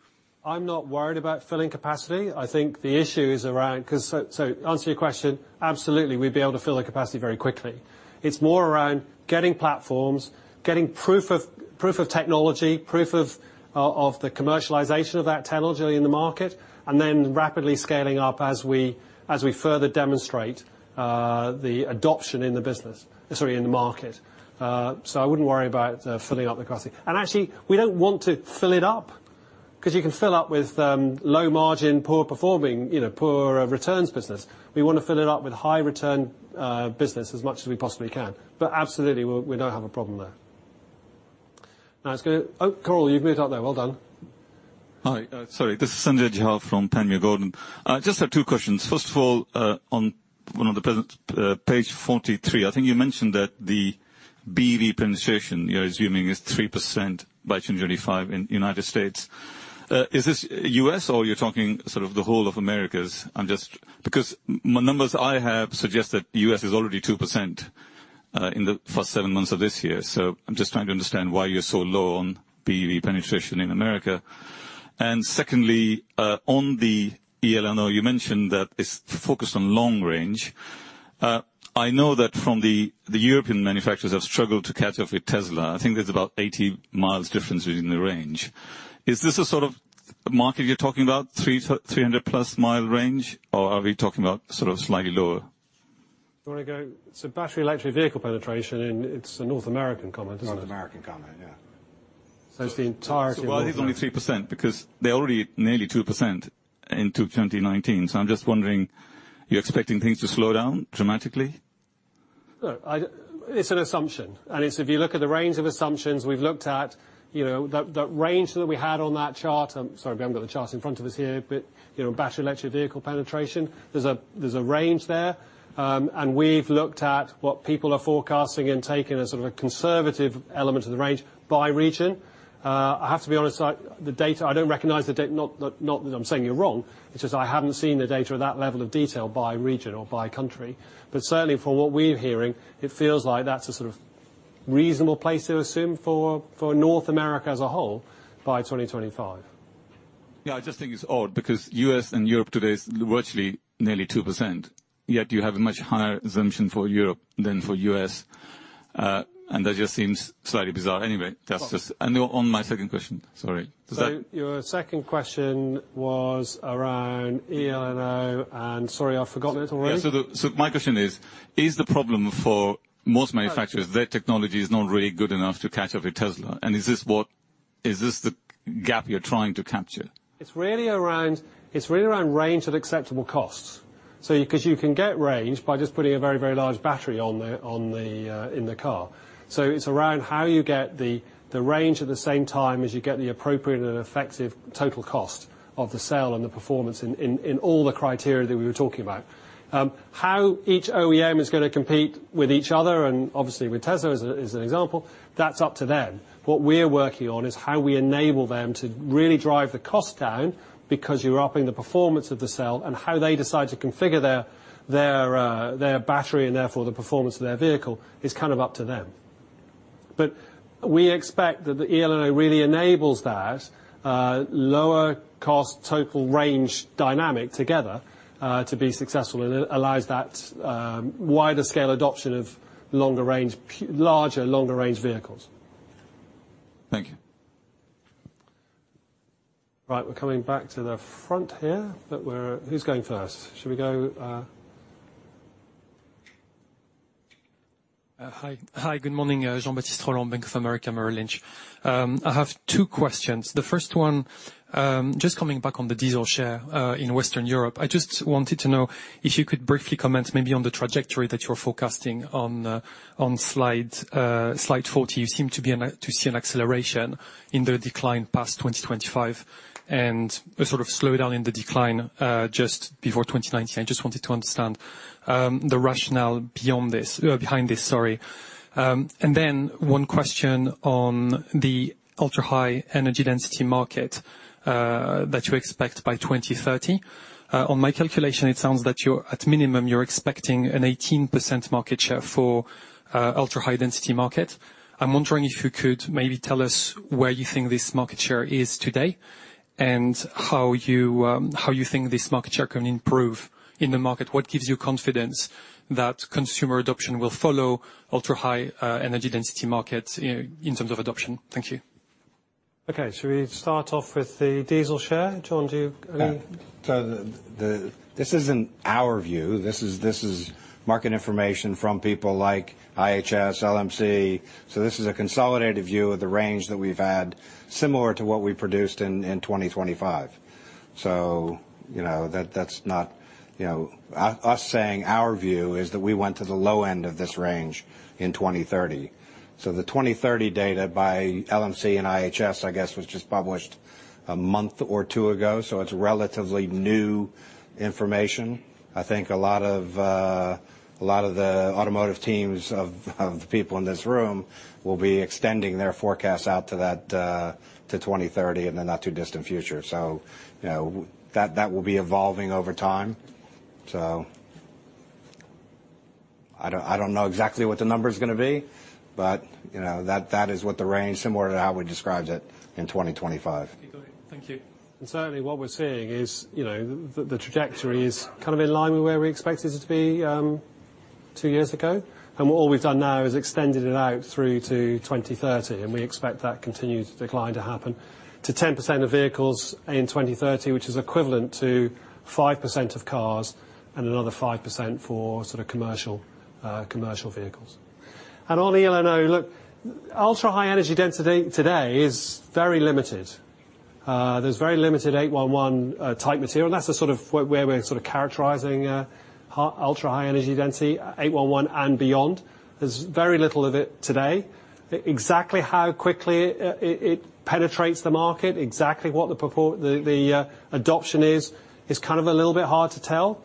S3: I'm not worried about filling capacity. I think the issue is around. Answer your question, absolutely. We'd be able to fill the capacity very quickly. It's more around getting platforms, getting proof of technology, proof of the commercialization of that technology in the market, and then rapidly scaling up as we further demonstrate the adoption in the business. Sorry, in the market. I wouldn't worry about filling up the capacity. Actually, we don't want to fill it up, because you can fill up with low margin, poor performing, poor returns business. We want to fill it up with high return business as much as we possibly can. Absolutely, we don't have a problem there. Oh, Carl, you've moved up there. Well done.
S16: Hi. Sorry, this is Sanjay Jha from Panmure Gordon. I just have two questions. First of all, on one of the present page 43, I think you mentioned that the BEV penetration you're assuming is 3% by 2025 in the U.S. Is this U.S. or you're talking sort of the whole of Americas? Because numbers I have suggest that U.S. is already 2% in the first seven months of this year. I'm just trying to understand why you're so low on BEV penetration in America. Secondly, on the eLNO, you mentioned that it's focused on long range. I know that from the European manufacturers have struggled to catch up with Tesla. I think there's about 80 miles difference between the range. Is this the sort of market you're talking about, 300-plus mile range, or are we talking about sort of slightly lower?
S3: Battery electric vehicle penetration, and it's a North American comment, isn't it?
S16: North American comment, yeah.
S3: It's the entirety of North America.
S16: Why is only 3%? They're already nearly 2% in 2019. I'm just wondering, you're expecting things to slow down dramatically?
S3: Look, it's an assumption. If you look at the range of assumptions we've looked at, the range that we had on that chart, I'm sorry we haven't got the charts in front of us here, but battery electric vehicle penetration, there's a range there. We've looked at what people are forecasting and taken a sort of a conservative element of the range by region. I have to be honest, the data, I don't recognize the data, not that I'm saying you're wrong. It's just I haven't seen the data at that level of detail by region or by country. Certainly from what we're hearing, it feels like that's a sort of reasonable place to assume for North America as a whole by 2025.
S16: Yeah, I just think it's odd because U.S. and Europe today is virtually nearly 2%, yet you have a much higher assumption for Europe than for U.S. That just seems slightly bizarre. Anyway, that's just On my second question, sorry.
S3: Your second question was around eLNO and, sorry, I've forgotten it already.
S16: Yeah. My question is the problem for most manufacturers, their technology is not really good enough to catch up with Tesla? Is this what? Is this the gap you're trying to capture?
S3: It's really around range at acceptable costs. You can get range by just putting a very large battery in the car. It's around how you get the range at the same time as you get the appropriate and effective total cost of the cell and the performance in all the criteria that we were talking about. How each OEM is going to compete with each other, and obviously with Tesla as an example, that's up to them. What we're working on is how we enable them to really drive the cost down, because you're upping the performance of the cell and how they decide to configure their battery and therefore the performance of their vehicle is up to them. We expect that the eLNO really enables that lower cost total range dynamic together, to be successful, and it allows that wider scale adoption of larger, longer range vehicles.
S12: Thank you.
S3: Right. We're coming back to the front here, but who's going first? Should we go?
S17: Hi, good morning. Jean-Baptiste Rolland, Bank of America Merrill Lynch. I have two questions. The first one, just coming back on the diesel share in Western Europe, I just wanted to know if you could briefly comment maybe on the trajectory that you're forecasting on slide 40. You seem to see an acceleration in the decline past 2025, and a sort of slowdown in the decline, just before 2019. I just wanted to understand the rationale behind this. One question on the ultra-high energy density market that you expect by 2030. On my calculation, it sounds that at minimum, you're expecting an 18% market share for ultra-high density market. I'm wondering if you could maybe tell us where you think this market share is today, and how you think this market share can improve in the market. What gives you confidence that consumer adoption will follow ultra-high energy density markets in terms of adoption? Thank you.
S3: Okay, should we start off with the diesel share? John, do you?
S13: This isn't our view. This is market information from people like IHS, LMC. This is a consolidated view of the range that we've had, similar to what we produced in 2025. Us saying our view is that we went to the low end of this range in 2030. The 2030 data by LMC and IHS, I guess, was just published a month or two ago, so it's relatively new information. I think a lot of the automotive teams of the people in this room will be extending their forecasts out to 2030 in the not too distant future. That will be evolving over time. I don't know exactly what the number's going to be, but that is what the range, similar to how we described it in 2025.
S17: Okay, got it. Thank you.
S3: Certainly what we're seeing is the trajectory is kind of in line with where we expected it to be two years ago. All we've done now is extended it out through to 2030, and we expect that continued decline to happen to 10% of vehicles in 2030, which is equivalent to 5% of cars and another 5% for commercial vehicles. On the eLNO, look, ultra high energy density today is very limited. There's very limited 811 type material, and that's where we're sort of characterizing ultra high energy density, 811 and beyond. There's very little of it today. Exactly how quickly it penetrates the market, exactly what the adoption is kind of a little bit hard to tell.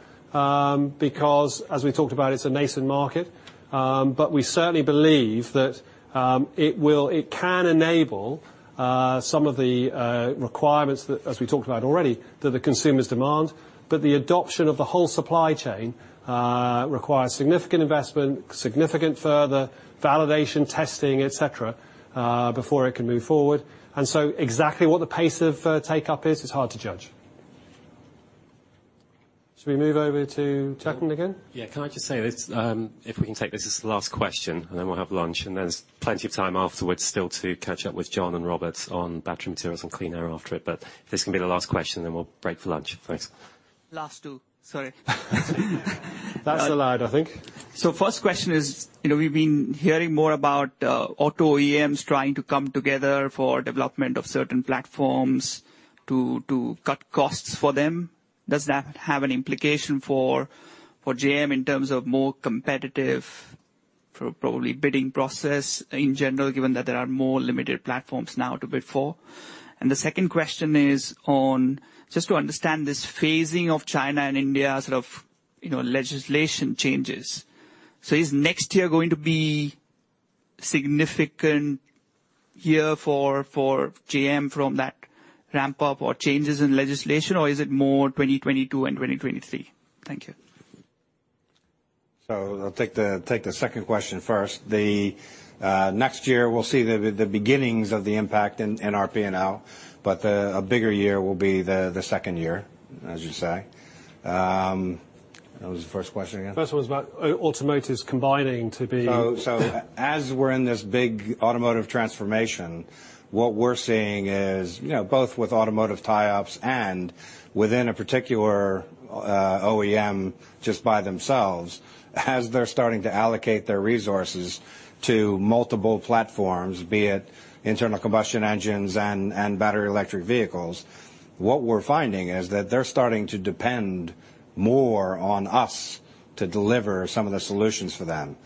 S3: Because as we talked about, it's a nascent market. We certainly believe that it can enable some of the requirements, as we talked about already, that the consumers demand. The adoption of the whole supply chain requires significant investment, significant further validation testing, et cetera, before it can move forward. Exactly what the pace of take-up is hard to judge. Should we move over to Jacqueline again?
S1: Can I just say this? We can take this as the last question, and then we'll have lunch, and there's plenty of time afterwards still to catch up with John and Robert on Battery Materials and Clean Air after it. If this can be the last question, then we'll break for lunch. Thanks.
S12: Last two. Sorry.
S3: That's allowed, I think.
S12: First question is, we've been hearing more about auto OEMs trying to come together for development of certain platforms to cut costs for them. Does that have an implication for JM in terms of more competitive, probably bidding process in general, given that there are more limited platforms now to bid for? The second question is on, just to understand this phasing of China and India, sort of legislation changes. Is next year going to be significant year for JM from that ramp-up or changes in legislation, or is it more 2022 and 2023? Thank you.
S13: I'll take the second question first. The next year, we'll see the beginnings of the impact in our P&L, but a bigger year will be the second year, as you say. What was the first question again?
S3: First one was about automotives combining.
S13: As we're in this big automotive transformation, what we're seeing is, both with automotive tie-ups and within a particular OEM just by themselves, as they're starting to allocate their resources to multiple platforms, be it internal combustion engines and battery electric vehicles, what we're finding is that they're starting to depend more on us to deliver some of the solutions for them.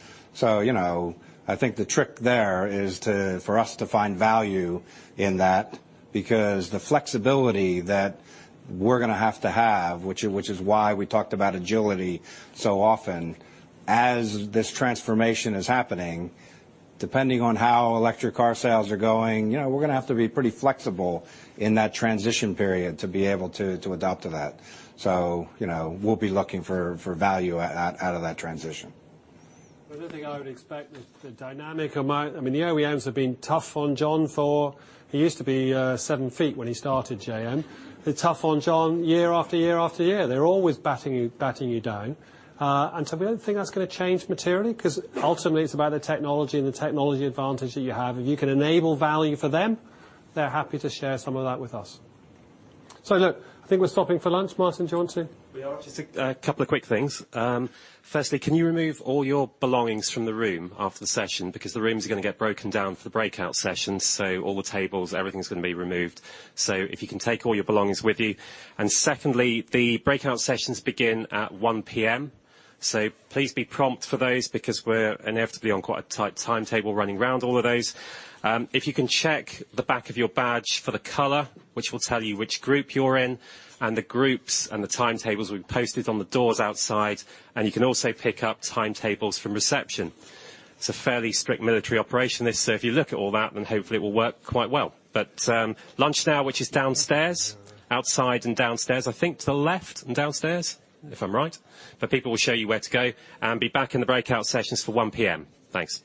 S13: I think the trick there is for us to find value in that, because the flexibility that we're going to have to have, which is why we talked about agility so often, as this transformation is happening, depending on how electric car sales are going, we're going to have to be pretty flexible in that transition period to be able to adapt to that. We'll be looking for value out of that transition.
S3: The only thing I would expect is the dynamic. The OEMs have been tough on John for, he used to be seven feet when he started JM. They're tough on John year, after year, after year. They're always batting you down. I don't think that's going to change materially, because ultimately, it's about the technology and the technology advantage that you have. If you can enable value for them, they're happy to share some of that with us. Look, I think we're stopping for lunch. Martin, do you want to?
S1: We are. Just a couple of quick things. Firstly, can you remove all your belongings from the room after the session? The rooms are going to get broken down for the breakout sessions, so all the tables, everything's going to be removed. If you can take all your belongings with you. Secondly, the breakout sessions begin at 1:00 P.M., so please be prompt for those, because we're inevitably on quite a tight timetable running around all of those. If you can check the back of your badge for the color, which will tell you which group you're in, and the groups and the timetables will be posted on the doors outside, and you can also pick up timetables from reception. It's a fairly strict military operation, this, so if you look at all that, then hopefully it will work quite well. Lunch now, which is downstairs, outside and downstairs. I think to the left and downstairs, if I'm right. People will show you where to go. Be back in the breakout sessions for 1:00 P.M. Thanks.